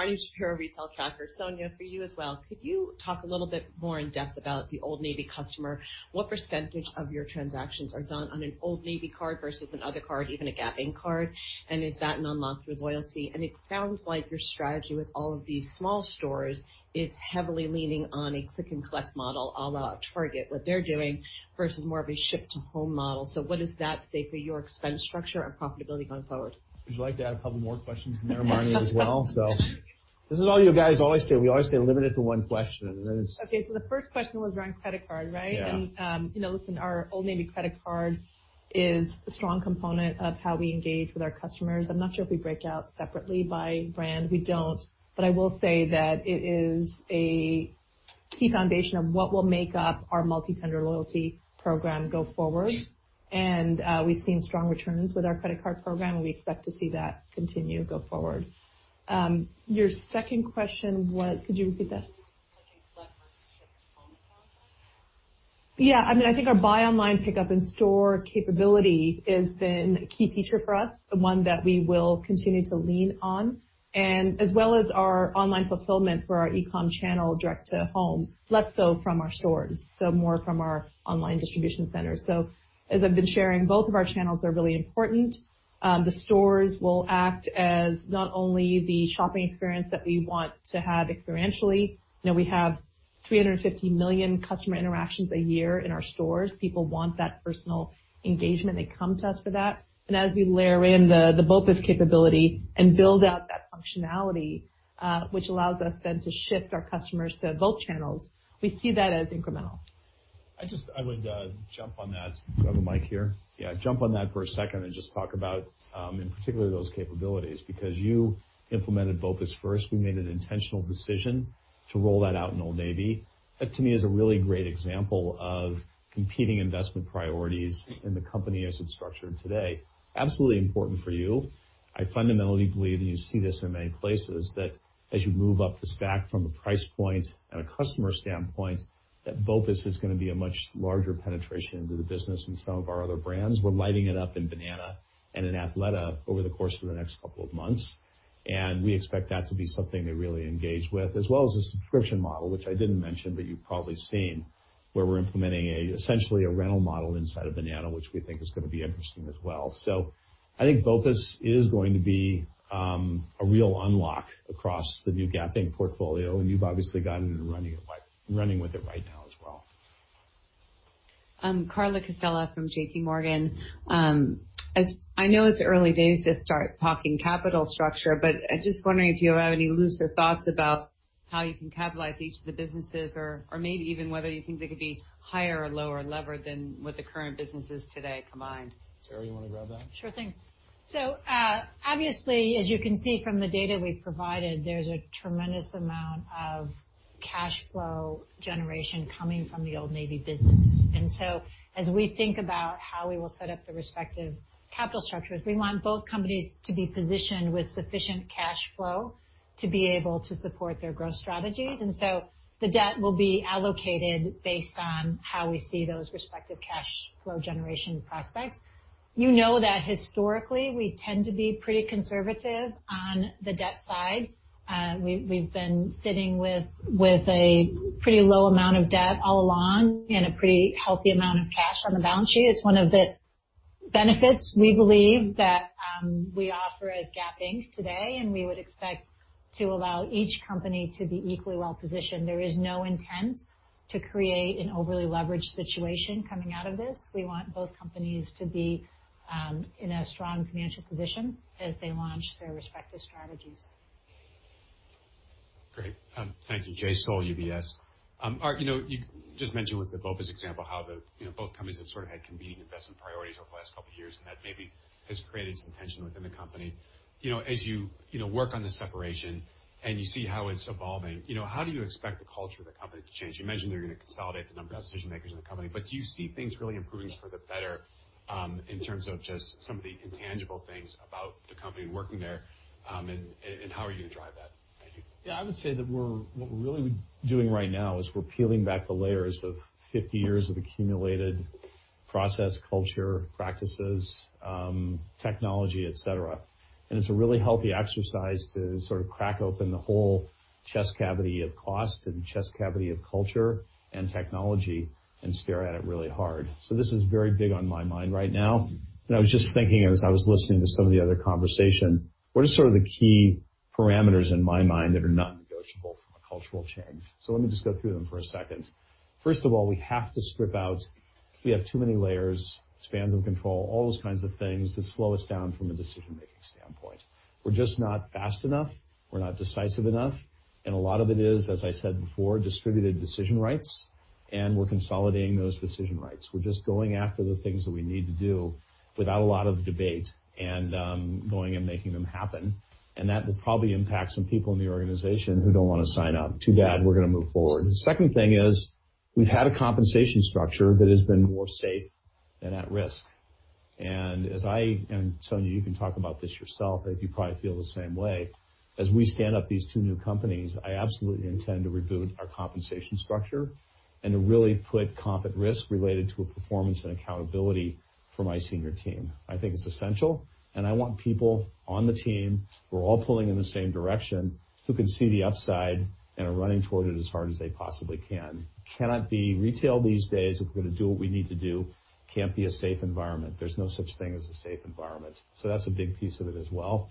way. Sonia, for you as well, could you talk a little bit more in depth about the Old Navy customer? What % of your transactions are done on an Old Navy card versus an other card, even a Gap Inc. card? Is that non-locked through loyalty? It sounds like your strategy with all of these small stores is heavily leaning on a click and collect model, à la Target, what they're doing, versus more of a ship-to-home model. What does that say for your expense structure and profitability going forward? Would you like to add a couple more questions in there, Marni, as well? This is all you guys always say. We always say limit it to one question, and then it's- Okay. The first question was around credit card, right? Yeah. Listen, our Old Navy credit card is a strong component of how we engage with our customers. I'm not sure if we break out separately by brand. We don't. I will say that it is a key foundation of what will make up our multi-tender loyalty program go forward. We've seen strong returns with our credit card program, and we expect to see that continue go forward. Your second question was, could you repeat that? Click and collect versus ship-to-home model. Yeah. I think our buy online, pick up in store capability has been a key feature for us, and one that we will continue to lean on. As well as our online fulfillment for our e-com channel direct to home, less so from our stores, so more from our online distribution centers. As I've been sharing, both of our channels are really important. The stores will act as not only the shopping experience that we want to have experientially. We have 350 million customer interactions a year in our stores. People want that personal engagement. They come to us for that. As we layer in the BOPIS capability and build out that functionality, which allows us then to shift our customers to both channels, we see that as incremental. I would jump on that. Do I have a mic here? Yeah. Jump on that for a second and just talk about, in particular, those capabilities, because you implemented BOPIS first. We made an intentional decision to roll that out in Old Navy. That to me is a really great example of competing investment priorities in the company as it's structured today. Absolutely important for you. I fundamentally believe, and you see this in many places, that as you move up the stack from a price point and a customer standpoint, that BOPIS is going to be a much larger penetration into the business in some of our other brands. We're lighting it up in Banana and in Athleta over the course of the next couple of months. We expect that to be something they really engage with, as well as a subscription model, which I didn't mention, but you've probably seen, where we're implementing essentially a rental model inside of Banana, which we think is going to be interesting as well. I think BOPIS is going to be a real unlock across the new Gap Inc. portfolio, and you've obviously gotten it and running with it right now as well. Carla Casella from JPMorgan. I know it's early days to start talking capital structure, but I'm just wondering if you have any looser thoughts about how you can capitalize each of the businesses or maybe even whether you think they could be higher or lower levered than what the current business is today combined? Teri, you want to grab that? Sure thing. Obviously, as you can see from the data we've provided, there's a tremendous amount of cash flow generation coming from the Old Navy business. As we think about how we will set up the respective capital structures, we want both companies to be positioned with sufficient cash flow to be able to support their growth strategies. The debt will be allocated based on how we see those respective cash flow generation prospects. You know that historically, we tend to be pretty conservative on the debt side. We've been sitting with a pretty low amount of debt all along and a pretty healthy amount of cash on the balance sheet. It's one of the benefits, we believe that we offer as Gap Inc. today, and we would expect to allow each company to be equally well-positioned. There is no intent to create an overly leveraged situation coming out of this. We want both companies to be in a strong financial position as they launch their respective strategies. Great. Thank you. Jay Sole, UBS. Art, you just mentioned with the BOPIS example how both companies have had competing investment priorities over the last couple of years, and that maybe has created some tension within the company. As you work on this separation and you see how it's evolving, how do you expect the culture of the company to change? You mentioned that you're going to consolidate the number of decision-makers in the company, but do you see things really improving for the better in terms of just some of the intangible things about the company and working there, and how are you going to drive that? Thank you. Yeah, I would say that what we're really doing right now is we're peeling back the layers of 50 years of accumulated process, culture, practices, technology, et cetera. It's a really healthy exercise to crack open the whole chest cavity of cost and the chest cavity of culture and technology and stare at it really hard. This is very big on my mind right now. I was just thinking as I was listening to some of the other conversation, what are the key parameters in my mind that are non-negotiable from a cultural change? Let me just go through them for a second. First of all, we have to strip out. We have too many layers, spans of control, all those kinds of things that slow us down from a decision-making standpoint. We're just not fast enough. We're not decisive enough. A lot of it is, as I said before, distributed decision rights, and we're consolidating those decision rights. We're just going after the things that we need to do without a lot of debate and going and making them happen. That will probably impact some people in the organization who don't want to sign up. Too bad, we're going to move forward. The second thing is we've had a compensation structure that has been more safe than at risk. As I, and Sonia, you can talk about this yourself, I think you probably feel the same way. As we stand up these two new companies, I absolutely intend to reboot our compensation structure and to really put comp at risk related to a performance and accountability for my senior team. I think it's essential, and I want people on the team who are all pulling in the same direction, who can see the upside and are running toward it as hard as they possibly can. Cannot be retailed these days if we're gonna do what we need to do. Can't be a safe environment. There's no such thing as a safe environment. That's a big piece of it as well.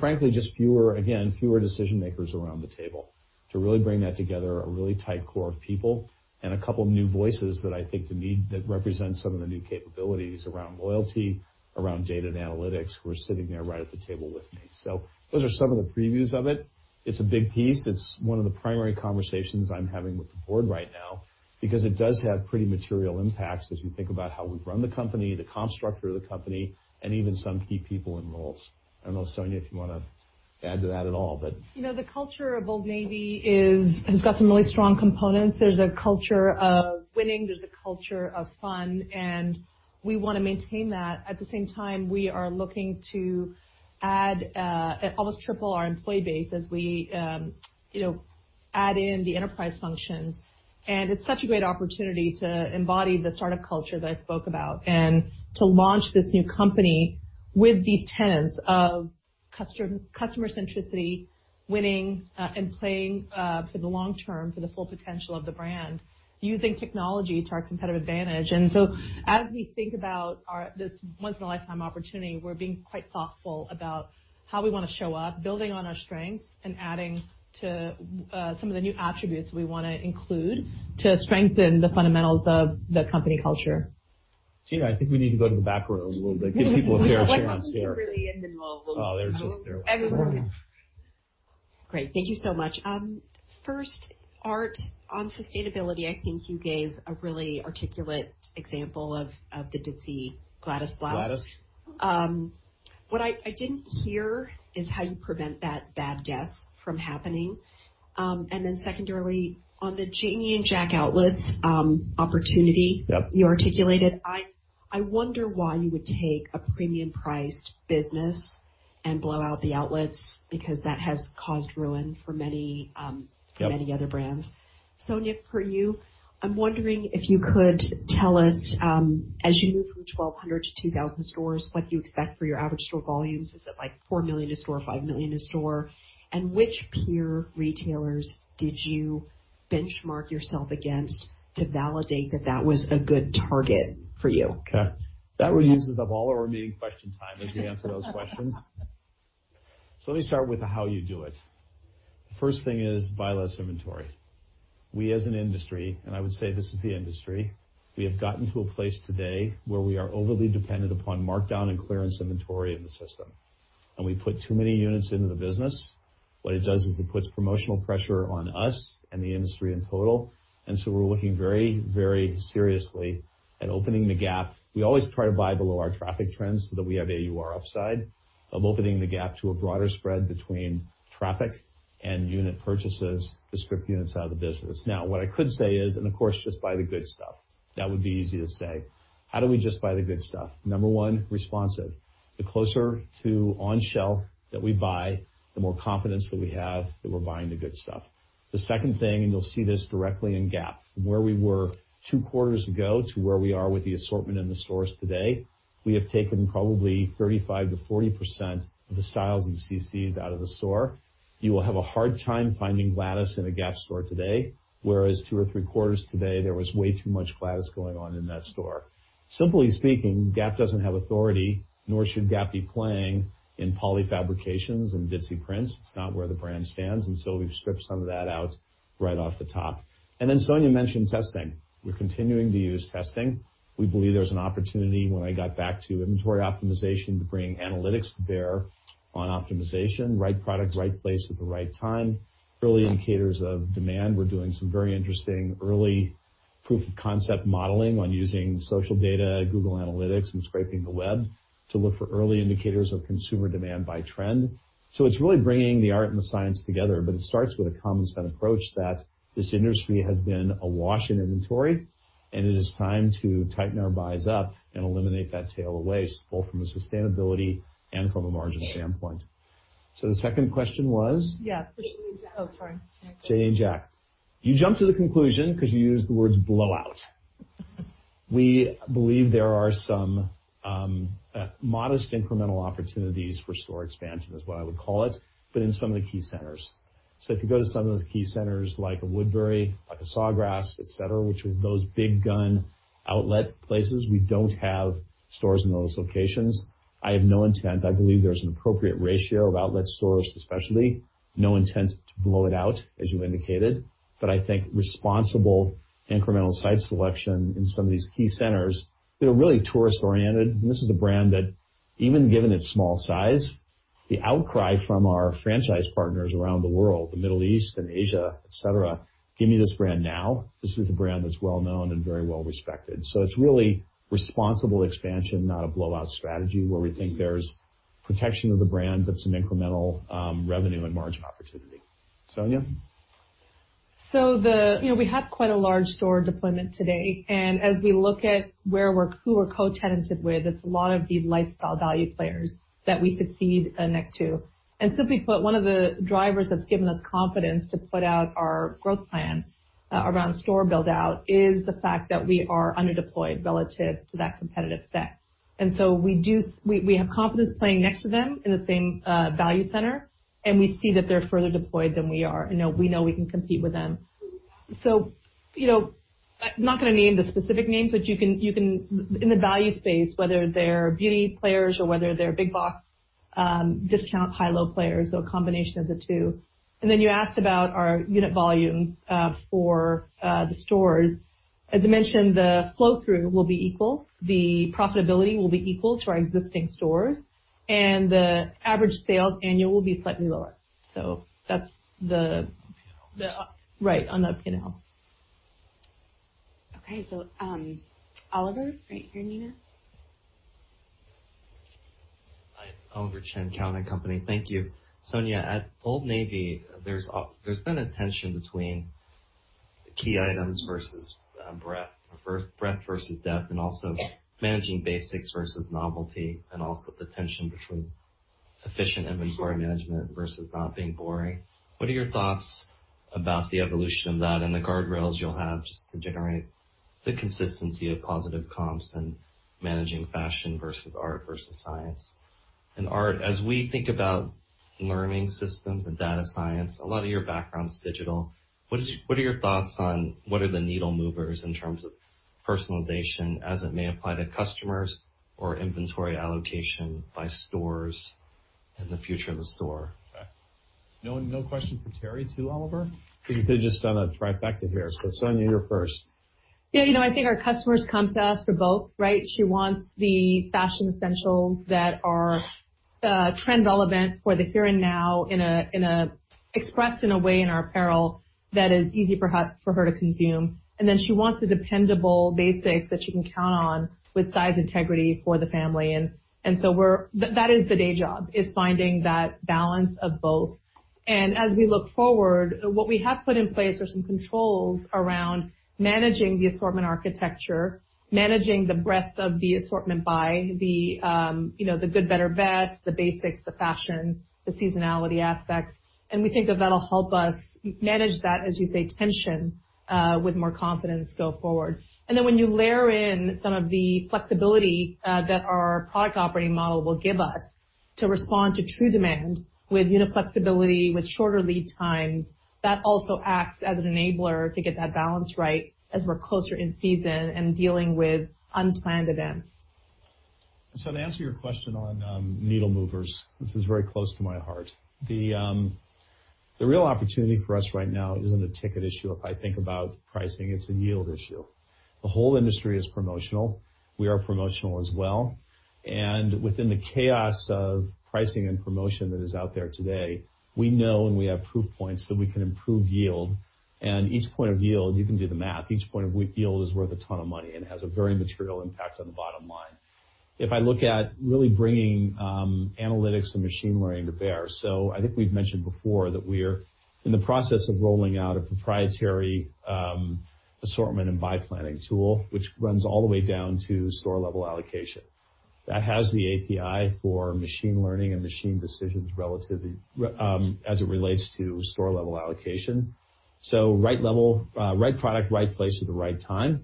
Frankly, just, again, fewer decision makers around the table. To really bring that together, a really tight core of people and a couple of new voices that I think represent some of the new capabilities around loyalty, around data and analytics, who are sitting there right at the table with me. Those are some of the previews of it. It's a big piece. It's one of the primary conversations I'm having with the board right now because it does have pretty material impacts as you think about how we run the company, the comp structure of the company, and even some key people and roles. I don't know, Sonia, if you want to add to that at all. The culture of Old Navy has got some really strong components. There's a culture of winning, there's a culture of fun. We want to maintain that. At the same time, we are looking to almost triple our employee base as we add in the enterprise functions. It's such a great opportunity to embody the startup culture that I spoke about and to launch this new company with these tenets of customer centricity, winning, and playing for the long term for the full potential of the brand, using technology to our competitive advantage. As we think about this once in a lifetime opportunity, we're being quite thoughtful about how we want to show up, building on our strengths and adding to some of the new attributes we want to include to strengthen the fundamentals of the company culture. Tina, I think we need to go to the back rows a little bit, give people a chance here. I thought we were really in the middle. Oh, they're just there. Everyone can. Great. Thank you so much. First, Art, on sustainability, I think you gave a really articulate example of the ditzy Gladys blouse. Gladys. What I didn't hear is how you prevent that bad guess from happening. Then secondarily, on the Janie and Jack outlets opportunity. Yep You articulated, I wonder why you would take a premium priced business and blow out the outlets because that has caused ruin for many other brands. Yep. Sonia, for you, I'm wondering if you could tell us, as you move from 1,200 to 2,000 stores, what you expect for your average store volumes. Is it like $4 million a store, $5 million a store? Which peer retailers did you benchmark yourself against to validate that that was a good target for you? That really uses up all our remaining question time as we answer those questions. Let me start with the how you do it. First thing is buy less inventory. We, as an industry, and I would say this is the industry, we have gotten to a place today where we are overly dependent upon markdown and clearance inventory in the system. We put too many units into the business. What it does is it puts promotional pressure on us and the industry in total, and so we're looking very, very seriously at opening the gap. We always try to buy below our traffic trends so that we have AUR upside, of opening the gap to a broader spread between traffic and unit purchases to strip units out of the business. What I could say is, and of course, just buy the good stuff. That would be easy to say. How do we just buy the good stuff? Number one, responsive. The closer to on shelf that we buy, the more confidence that we have that we're buying the good stuff. The second thing, you'll see this directly in Gap, from where we were two quarters ago to where we are with the assortment in the stores today, we have taken probably 35%-40% of the styles and CCs out of the store. You will have a hard time finding Gladys in a Gap store today, whereas two or three quarters today, there was way too much Gladys going on in that store. Simply speaking, Gap doesn't have authority, nor should Gap be playing in poly fabrications and bitsy prints. It's not where the brand stands. We've stripped some of that out right off the top. Sonia mentioned testing. We're continuing to use testing. We believe there was an opportunity when I got back to inventory optimization to bring analytics to bear on optimization, right product, right place at the right time. Early indicators of demand. We're doing some very interesting early proof of concept modeling on using social data, Google Analytics, and scraping the web to look for early indicators of consumer demand by trend. It's really bringing the art and the science together, but it starts with a common sense approach that this industry has been awash in inventory, and it is time to tighten our buys up and eliminate that tail of waste, both from a sustainability and from a margin standpoint. The second question was? Yeah. Janie and Jack. Oh, sorry. Janie and Jack. You jumped to the conclusion because you used the words blowout. We believe there are some modest incremental opportunities for store expansion is what I would call it, but in some of the key centers. If you go to some of those key centers like a Woodbury, like a Sawgrass, et cetera, which are those big gun outlet places, we don't have stores in those locations. I have no intent. I believe there's an appropriate ratio of outlet stores especially, no intent to blow it out as you indicated, but I think responsible incremental site selection in some of these key centers that are really tourist oriented, and this is a brand that even given its small size, the outcry from our franchise partners around the world, the Middle East and Asia, et cetera, give me this brand now. This is a brand that's well-known and very well respected. It's really responsible expansion, not a blowout strategy where we think there's protection of the brand, but some incremental revenue and margin opportunity. Sonia? We have quite a large store deployment today, and as we look at who we're co-tenanted with, it's a lot of the lifestyle value players that we succeed next to. Simply put, one of the drivers that's given us confidence to put out our growth plan around store build-out is the fact that we are under deployed relative to that competitive set. We have confidence playing next to them in the same value center, and we see that they're further deployed than we are, and we know we can compete with them. I'm not going to name the specific names, but in the value space, whether they're beauty players or whether they're big box discount, high-low players or a combination of the two. You asked about our unit volumes for the stores. As I mentioned, the flow through will be equal, the profitability will be equal to our existing stores, and the average sales annual will be slightly lower. Up in L.A. Right, on up in L. Okay. Oliver, right here, Nina. Hi, it's Oliver Chen, TD Cowen. Thank you. Sonia, at Old Navy, there's been a tension between the key items versus breadth versus depth, and also managing basics versus novelty, and also the tension between efficient inventory management versus not being boring. What are your thoughts about the evolution of that and the guardrails you'll have just to generate the consistency of positive comps and managing fashion versus art versus science? Art, as we think about learning systems and data science, a lot of your background's digital. What are your thoughts on what are the needle movers in terms of personalization as it may apply to customers or inventory allocation by stores and the future of the store? Okay. No question for Teri too, Oliver? Because you could have just done a trifecta here. Sonia, you're first. Yeah, I think our customers come to us for both, right? She wants the fashion essentials that are trend relevant for the here and now, expressed in a way in our apparel that is easy for her to consume. Then she wants the dependable basics that she can count on with size integrity for the family. That is the day job, is finding that balance of both. As we look forward, what we have put in place are some controls around managing the assortment architecture, managing the breadth of the assortment by the good, better, best, the basics, the fashion, the seasonality aspects, and we think that'll help us manage that, as you say, tension with more confidence going forward. When you layer in some of the flexibility that our product operating model will give us to respond to true demand with unit flexibility, with shorter lead times, that also acts as an enabler to get that balance right as we're closer in season and dealing with unplanned events. To answer your question on needle movers, this is very close to my heart. The real opportunity for us right now isn't a ticket issue if I think about pricing, it's a yield issue. The whole industry is promotional. We are promotional as well. Within the chaos of pricing and promotion that is out there today, we know and we have proof points that we can improve yield. Each point of yield, you can do the math, each point of yield is worth a ton of money and has a very material impact on the bottom line. If I look at really bringing analytics and machine learning to bear, I think we've mentioned before that we're in the process of rolling out a proprietary assortment and buy planning tool, which runs all the way down to store-level allocation. That has the API for machine learning and machine decisions as it relates to store-level allocation. Right product, right place at the right time.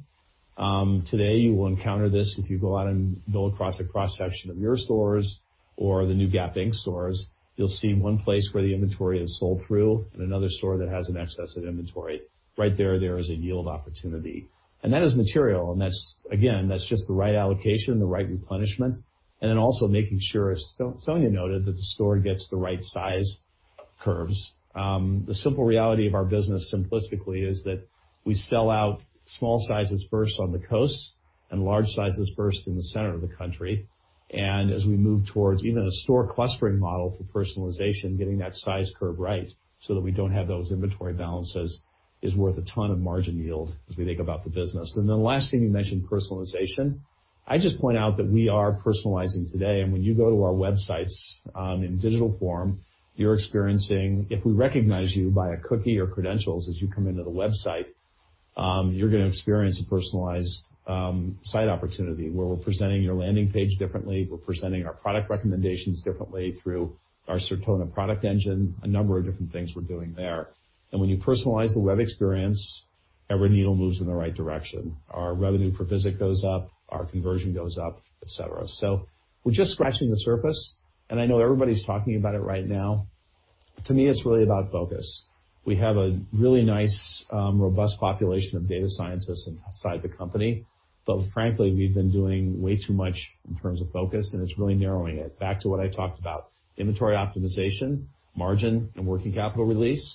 Today, you will encounter this if you go out and go across a cross-section of your stores or the new Gap Inc. stores. You'll see one place where the inventory is sold through and another store that has an excess of inventory. Right there is a yield opportunity. That is material, and again, that's just the right allocation, the right replenishment, and then also making sure, as Sonia noted, that the store gets the right size curves. The simple reality of our business, simplistically, is that we sell out small sizes first on the coasts and large sizes first in the center of the country. As we move towards even a store clustering model for personalization, getting that size curve right so that we don't have those inventory balances is worth a ton of margin yield as we think about the business. The last thing, you mentioned personalization. I just point out that we are personalizing today, and when you go to our websites in digital form, you're experiencing, if we recognize you by a cookie or credentials as you come into the website, you're going to experience a personalized site opportunity where we're presenting your landing page differently. We're presenting our product recommendations differently through our Certona product engine, a number of different things we're doing there. When you personalize the web experience, every needle moves in the right direction. Our revenue per visit goes up, our conversion goes up, et cetera. We're just scratching the surface, and I know everybody's talking about it right now. To me, it's really about focus. We have a really nice, robust population of data scientists inside the company. Frankly, we've been doing way too much in terms of focus, and it's really narrowing it back to what I talked about, inventory optimization, margin, and working capital release,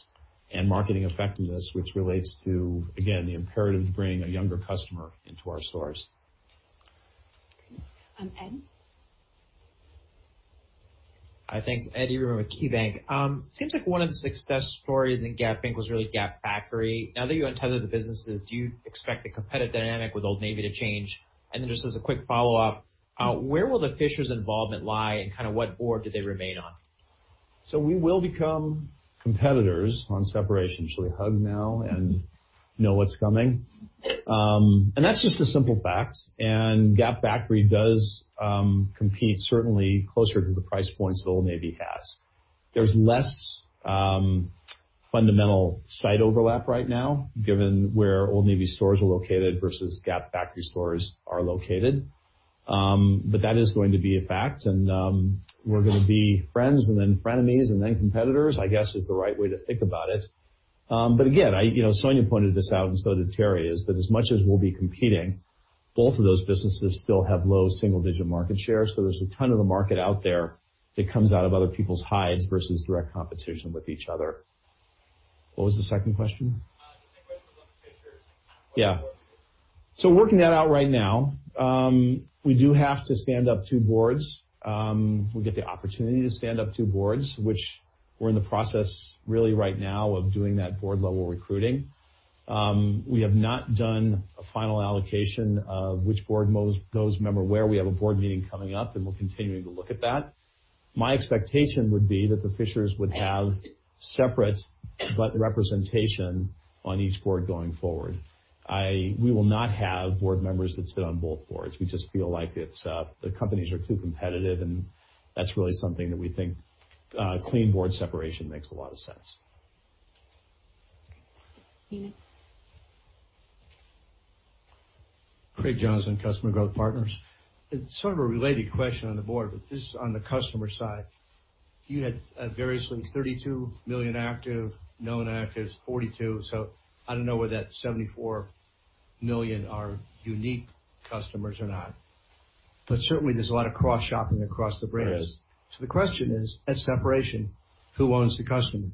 and marketing effectiveness, which relates to, again, the imperative to bring a younger customer into our stores. Okay. Ed? Hi. Thanks. Ed Yruma with KeyBanc. It seems like one of the success stories in Gap Inc. was really Gap Factory. Now that you untether the businesses, do you expect the competitive dynamic with Old Navy to change? Then just as a quick follow-up, where will the Fishers' involvement lie and what board do they remain on? We will become competitors on separation. Should we hug now and know what's coming? That's just the simple fact, and Gap Factory does compete certainly closer to the price points that Old Navy has. There's less fundamental site overlap right now given where Old Navy stores are located versus Gap Factory stores are located. That is going to be a fact, and we're going to be friends and then frenemies and then competitors, I guess, is the right way to think about it. Again, Sonia pointed this out and so did Teri, is that as much as we'll be competing, both of those businesses still have low single-digit market share. There's a ton of the market out there that comes out of other people's hides versus direct competition with each other. What was the second question? The second question was on the Fishers. Yeah. Working that out right now. We do have to stand up two boards. We get the opportunity to stand up two boards, which we're in the process really right now of doing that board-level recruiting. We have not done a final allocation of which board member goes where. We have a board meeting coming up. We're continuing to look at that. My expectation would be that the Fishers would have separate but representation on each board going forward. We will not have board members that sit on both boards. We just feel like the companies are too competitive. That's really something that we think clean board separation makes a lot of sense. Okay. Nina. Craig Johnson, Customer Growth Partners. It's sort of a related question on the board, but this is on the customer side. You had variously 32 million active, known actives 42, so I don't know whether that 74 million are unique customers or not, but certainly, there's a lot of cross shopping across the brands. There is. The question is, at separation, who owns the customer?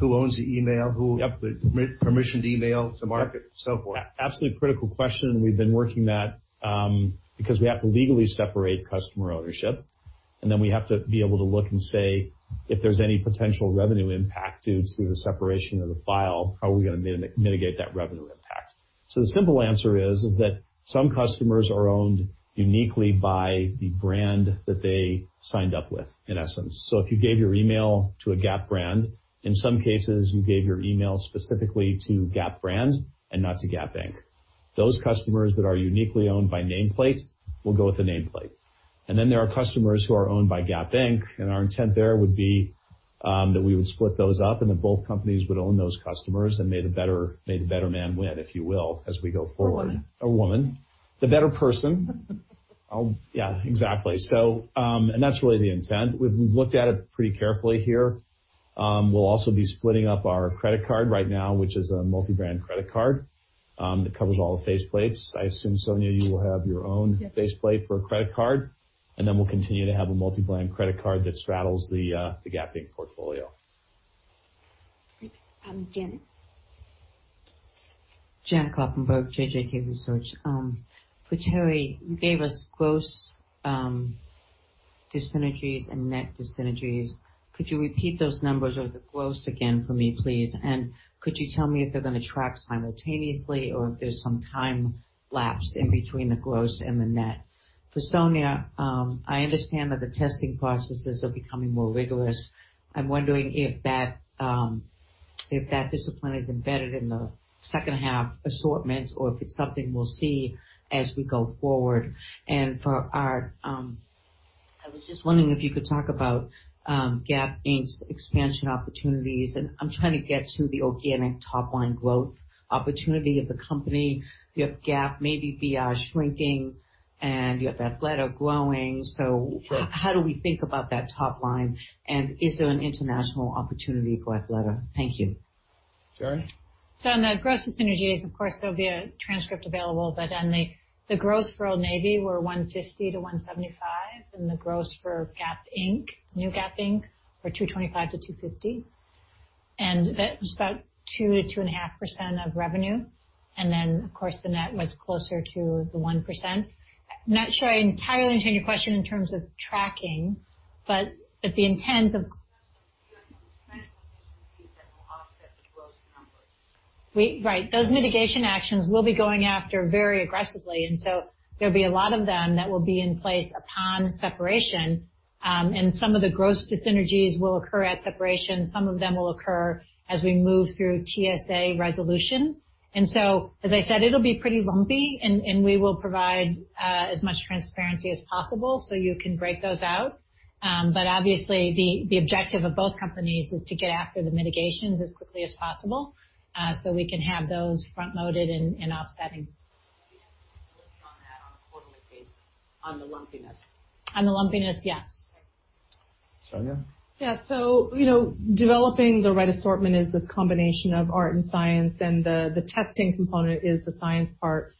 Who owns the email? Yep. Who permissioned email to market, so forth. Absolutely critical question. We've been working that because we have to legally separate customer ownership. We have to be able to look and say if there's any potential revenue impact due to the separation of the file, how are we going to mitigate that revenue impact? The simple answer is that some customers are owned uniquely by the brand that they signed up with, in essence. If you gave your email to a Gap brand, in some cases, you gave your email specifically to Gap brand and not to Gap Inc. Those customers that are uniquely owned by nameplate will go with the nameplate. There are customers who are owned by Gap Inc., and our intent there would be that we would split those up and that both companies would own those customers and may the better man win, if you will, as we go forward. Woman. Or woman. The better person. Yeah, exactly. That's really the intent. We've looked at it pretty carefully here. We'll also be splitting up our credit card right now, which is a multi-brand credit card that covers all the faceplates. I assume, Sonia, you will have your own. Yep. faceplate for a credit card, and then we'll continue to have a multi-brand credit card that straddles the Gap Inc. portfolio. Great. Janet. Janet Kloppenburg, JJK Research. For Teri, you gave us gross dyssynergies and net dyssynergies. Could you repeat those numbers or the gross again for me, please? Could you tell me if they're going to track simultaneously or if there's some time lapse in between the gross and the net? For Sonia, I understand that the testing processes are becoming more rigorous. I'm wondering if that discipline is embedded in the second half assortments or if it's something we'll see as we go forward. For Art, I was just wondering if you could talk about Gap Inc.'s expansion opportunities, and I'm trying to get to the organic top-line growth opportunity of the company. You have Gap maybe be shrinking, and you have Athleta growing. Sure. How do we think about that top line? Is there an international opportunity for Athleta? Thank you. Sharon? On the gross synergies, of course, there'll be a transcript available, but on the gross for Old Navy were $150-$175, and the gross for Gap Inc., new Gap Inc., were $225-$250. That was about 2%-2.5% of revenue. Then, of course, the net was closer to the 1%. I'm not sure I entirely understand your question in terms of tracking, but the intent of- offset the growth numbers. Right. Those mitigation actions we'll be going after very aggressively, there'll be a lot of them that will be in place upon separation. Some of the gross dis-synergies will occur at separation, some of them will occur as we move through TSA resolution. As I said, it'll be pretty lumpy, and we will provide as much transparency as possible so you can break those out. Obviously, the objective of both companies is to get after the mitigations as quickly as possible so we can have those front-loaded and offsetting. on that on a quarterly basis, on the lumpiness. On the lumpiness, yes. Sonia? Developing the right assortment is this combination of art and science, and the testing component is the science part.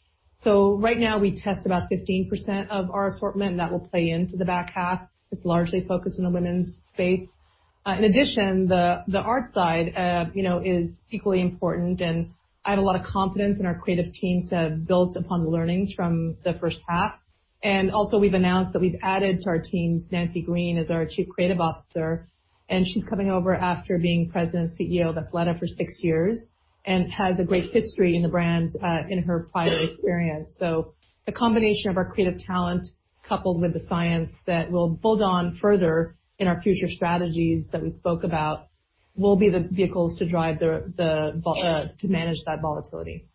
Right now, we test about 15% of our assortment, and that will play into the back half. It's largely focused in the women's space. In addition, the art side is equally important, and I have a lot of confidence in our creative team to build upon the learnings from the first half. Also, we've announced that we've added to our teams, Nancy Green as our Chief Creative Officer, and she's coming over after being President and CEO of Athleta for six years and has a great history in the brand in her prior experience. The combination of our creative talent, coupled with the science that we'll build on further in our future strategies that we spoke about, will be the vehicles to manage that volatility.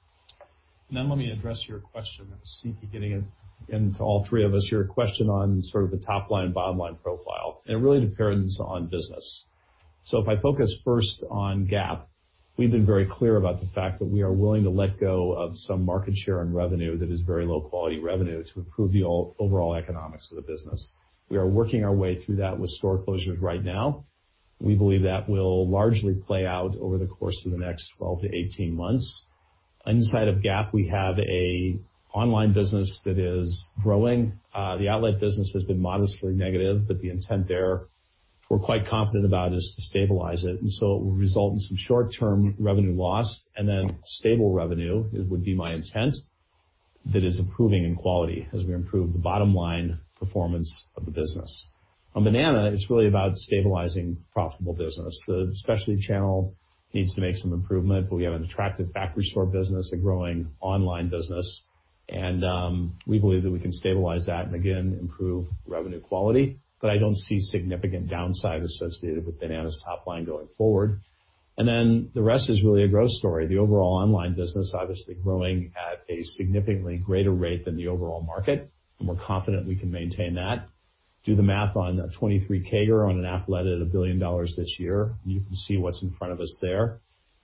Let me address your question, I see you getting into all three of us, your question on sort of the top-line, bottom-line profile. It really depends on business. If I focus first on Gap, we've been very clear about the fact that we are willing to let go of some market share and revenue that is very low-quality revenue to improve the overall economics of the business. We are working our way through that with store closures right now. We believe that will largely play out over the course of the next 12 to 18 months. Inside of Gap, we have an online business that is growing. The outlet business has been modestly negative, but the intent there we're quite confident about is to stabilize it. It will result in some short-term revenue loss, and then stable revenue, it would be my intent, that is improving in quality as we improve the bottom-line performance of the business. On Banana, it's really about stabilizing profitable business. The specialty channel needs to make some improvement, but we have an attractive factory store business, a growing online business. We believe that we can stabilize that and again, improve revenue quality. I don't see significant downside associated with Banana's top line going forward. The rest is really a growth story. The overall online business, obviously growing at a significantly greater rate than the overall market, and we're confident we can maintain that. Do the math on a 23 CAGR on an Athleta at $1 billion this year, and you can see what's in front of us there.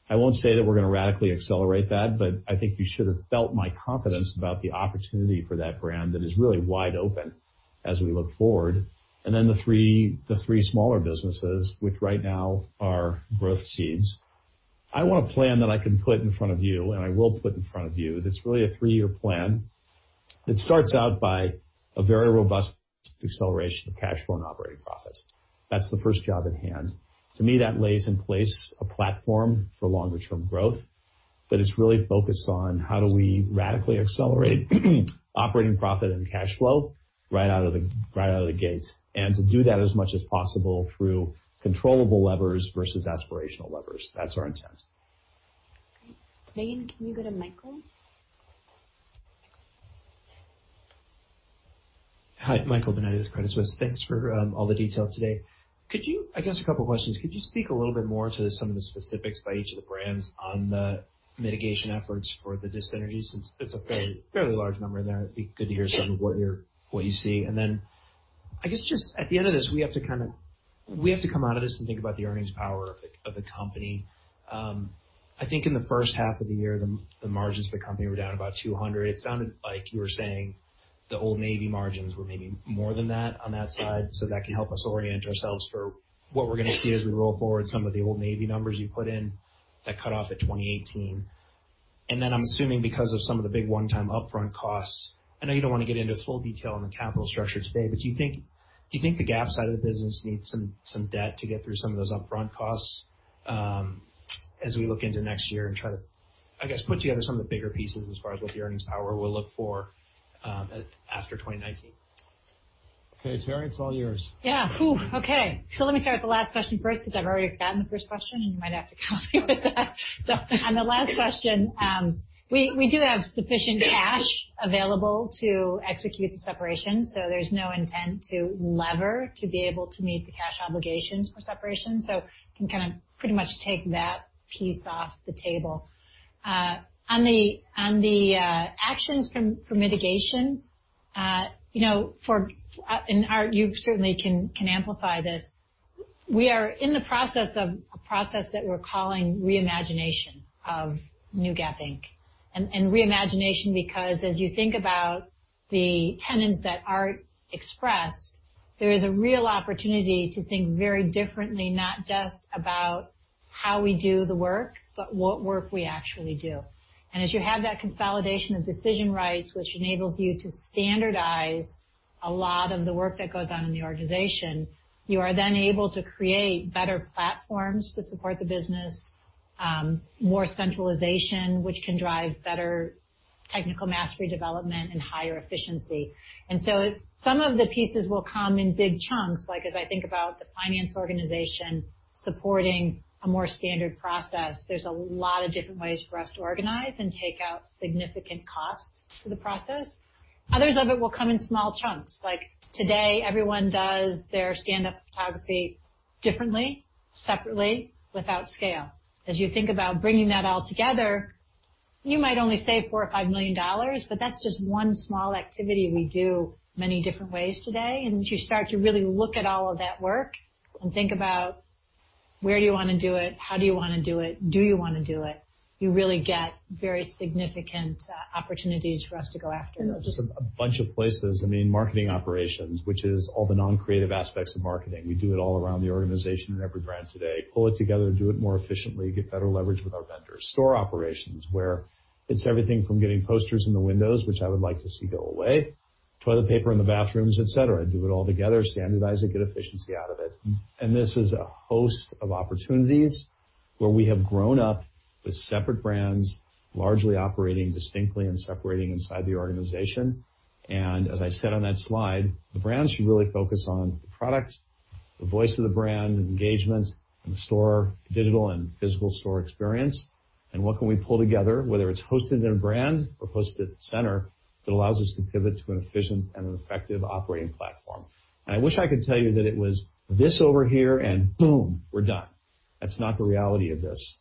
I won't say that we're going to radically accelerate that, but I think you should have felt my confidence about the opportunity for that brand that is really wide open as we look forward. The three smaller businesses, which right now are growth seeds. I want a plan that I can put in front of you, and I will put in front of you, that's really a three-year plan. It starts out by a very robust acceleration of cash flow and operating profit. That's the first job at hand. To me, that lays in place a platform for longer-term growth, but it's really focused on how do we radically accelerate operating profit and cash flow right out of the gate, and to do that as much as possible through controllable levers versus aspirational levers. That's our intent. Great. Megan, can you go to Michael? Hi, Michael Binetti with Credit Suisse. Thanks for all the detail today. I guess a couple questions. Could you speak a little bit more to some of the specifics by each of the brands on the mitigation efforts for the dis-synergies, since it's a fairly large number there. It'd be good to hear some of what you see. Then, I guess just at the end of this, we have to come out of this and think about the earnings power of the company. I think in the first half of the year, the margins of the company were down about 200. It sounded like you were saying the Old Navy margins were maybe more than that on that side, that can help us orient ourselves for what we're going to see as we roll forward some of the Old Navy numbers you put in that cut off at 2018. I'm assuming because of some of the big one-time upfront costs, I know you don't want to get into full detail on the capital structure today, but do you think the Gap side of the business needs some debt to get through some of those upfront costs as we look into next year and try to, I guess, put together some of the bigger pieces as far as what the earnings power will look for after 2019? Okay, Teri, it's all yours. Yeah. Okay. Let me start with the last question first because I've already forgotten the first question, and you might have to help me with that. On the last question, we do have sufficient cash available to execute the separation. There's no intent to lever to be able to meet the cash obligations for separation. Can kind of pretty much take that piece off the table. On the actions for mitigation, Art, you certainly can amplify this. We are in the process of a process that we're calling Re-imagination of new Gap Inc. Re-imagination because as you think about the tenets that Art expressed, there is a real opportunity to think very differently, not just about how we do the work, but what work we actually do. As you have that consolidation of decision rights, which enables you to standardize a lot of the work that goes on in the organization, you are then able to create better platforms to support the business, more centralization, which can drive better technical mastery development and higher efficiency. Some of the pieces will come in big chunks. Like as I think about the finance organization supporting a more standard process, there's a lot of different ways for us to organize and take out significant costs to the process. Others of it will come in small chunks. Like today, everyone does their stand-up photography differently, separately, without scale. As you think about bringing that all together, you might only save $4 million or $5 million, but that's just one small activity we do many different ways today. As you start to really look at all of that work and think about where do you wanna do it, how do you wanna do it, do you wanna do it, you really get very significant opportunities for us to go after. Just a bunch of places. I mean, marketing operations, which is all the non-creative aspects of marketing. We do it all around the organization in every brand today. Pull it together, do it more efficiently, get better leverage with our vendors. Store operations, where it's everything from getting posters in the windows, which I would like to see go away, toilet paper in the bathrooms, et cetera. Do it all together, standardize it, get efficiency out of it. This is a host of opportunities where we have grown up with separate brands largely operating distinctly and separating inside the organization. As I said on that slide, the brand should really focus on the product, the voice of the brand, engagement in the store, digital and physical store experience, and what can we pull together, whether it's hosted in a brand or hosted at the center, that allows us to pivot to an efficient and an effective operating platform. I wish I could tell you that it was this over here and boom, we're done. That's not the reality of this.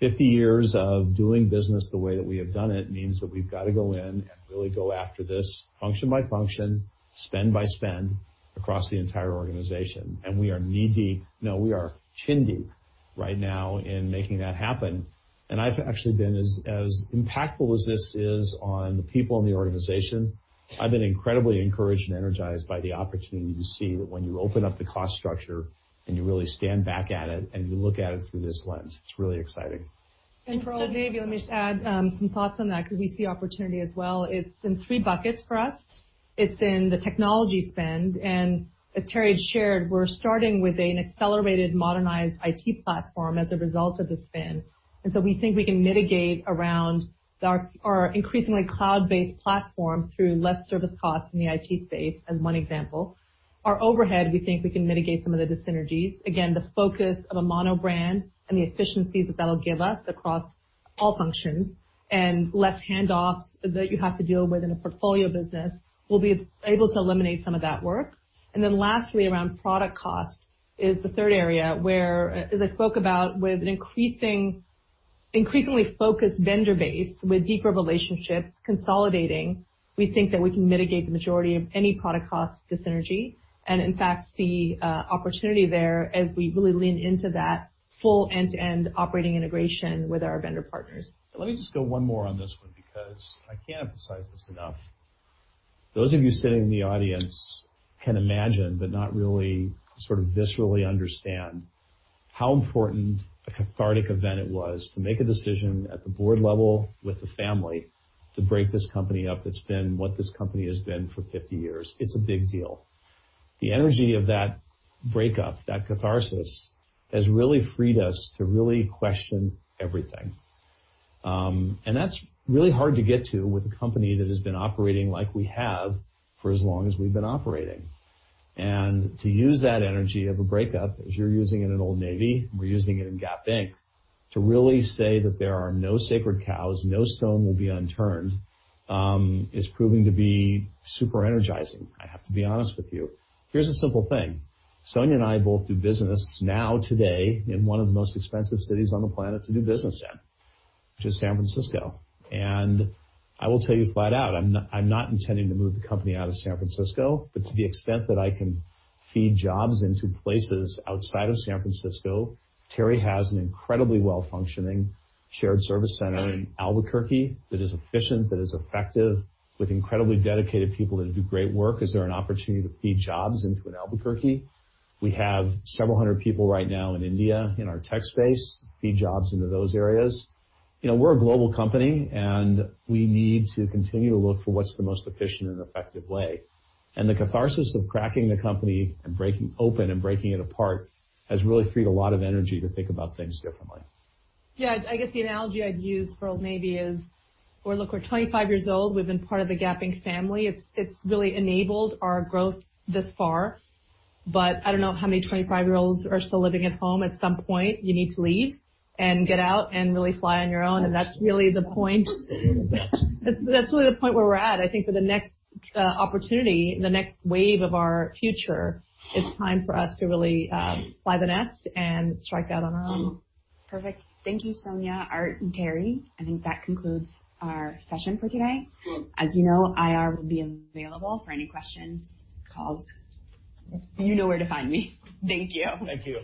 50 years of doing business the way that we have done it means that we've got to go in and really go after this function by function, spend by spend, across the entire organization. We are knee-deep-- No, we are chin-deep right now in making that happen. I've actually been as impactful as this is on the people in the organization. I've been incredibly encouraged and energized by the opportunity to see that when you open up the cost structure and you really stand back at it and you look at it through this lens, it's really exciting. For Old Navy, let me just add some thoughts on that because we see opportunity as well. It's in three buckets for us. It's in the technology spend. As Teri shared, we're starting with an accelerated, modernized IT platform as a result of the spin. We think we can mitigate around our increasingly cloud-based platform through less service costs in the IT space, as one example. Our overhead, we think we can mitigate some of the dyssynergies. Again, the focus of a monobrand and the efficiencies that that'll give us across all functions and less handoffs that you have to deal with in a portfolio business, we'll be able to eliminate some of that work. Lastly, around product cost is the third area where, as I spoke about, with an increasingly focused vendor base with deeper relationships consolidating, we think that we can mitigate the majority of any product cost dyssynergy. In fact, see opportunity there as we really lean into that full end-to-end operating integration with our vendor partners. Let me just go one more on this one because I can't emphasize this enough. Those of you sitting in the audience can imagine but not really sort of viscerally understand how important a cathartic event it was to make a decision at the board level with the family to break this company up that's been what this company has been for 50 years. It's a big deal. The energy of that breakup, that catharsis, has really freed us to really question everything. That's really hard to get to with a company that has been operating like we have for as long as we've been operating. To use that energy of a breakup, as you're using it in Old Navy, we're using it in Gap Inc, to really say that there are no sacred cows, no stone will be unturned, is proving to be super energizing, I have to be honest with you. Here's a simple thing. Sonia and I both do business now today in one of the most expensive cities on the planet to do business in, which is San Francisco. I will tell you flat out, I'm not intending to move the company out of San Francisco. To the extent that I can feed jobs into places outside of San Francisco, Teri has an incredibly well-functioning shared service center in Albuquerque that is efficient, that is effective, with incredibly dedicated people that do great work. Is there an opportunity to feed jobs into an Albuquerque? We have several hundred people right now in India in our tech space, feed jobs into those areas. We're a global company. We need to continue to look for what's the most efficient and effective way. The catharsis of cracking the company and breaking open and breaking it apart has really freed a lot of energy to think about things differently. I guess the analogy I'd use for Old Navy is, look, we're 25 years old. We've been part of the Gap Inc. family. It's really enabled our growth this far. I don't know how many 25-year-olds are still living at home. At some point, you need to leave and get out and really fly on your own. That's really the point where we're at. I think for the next opportunity, the next wave of our future, it's time for us to really fly the nest and strike out on our own. Perfect. Thank you, Sonia, Art, and Teri. I think that concludes our session for today. As you know, IR will be available for any questions, calls. You know where to find me. Thank you. Thank you.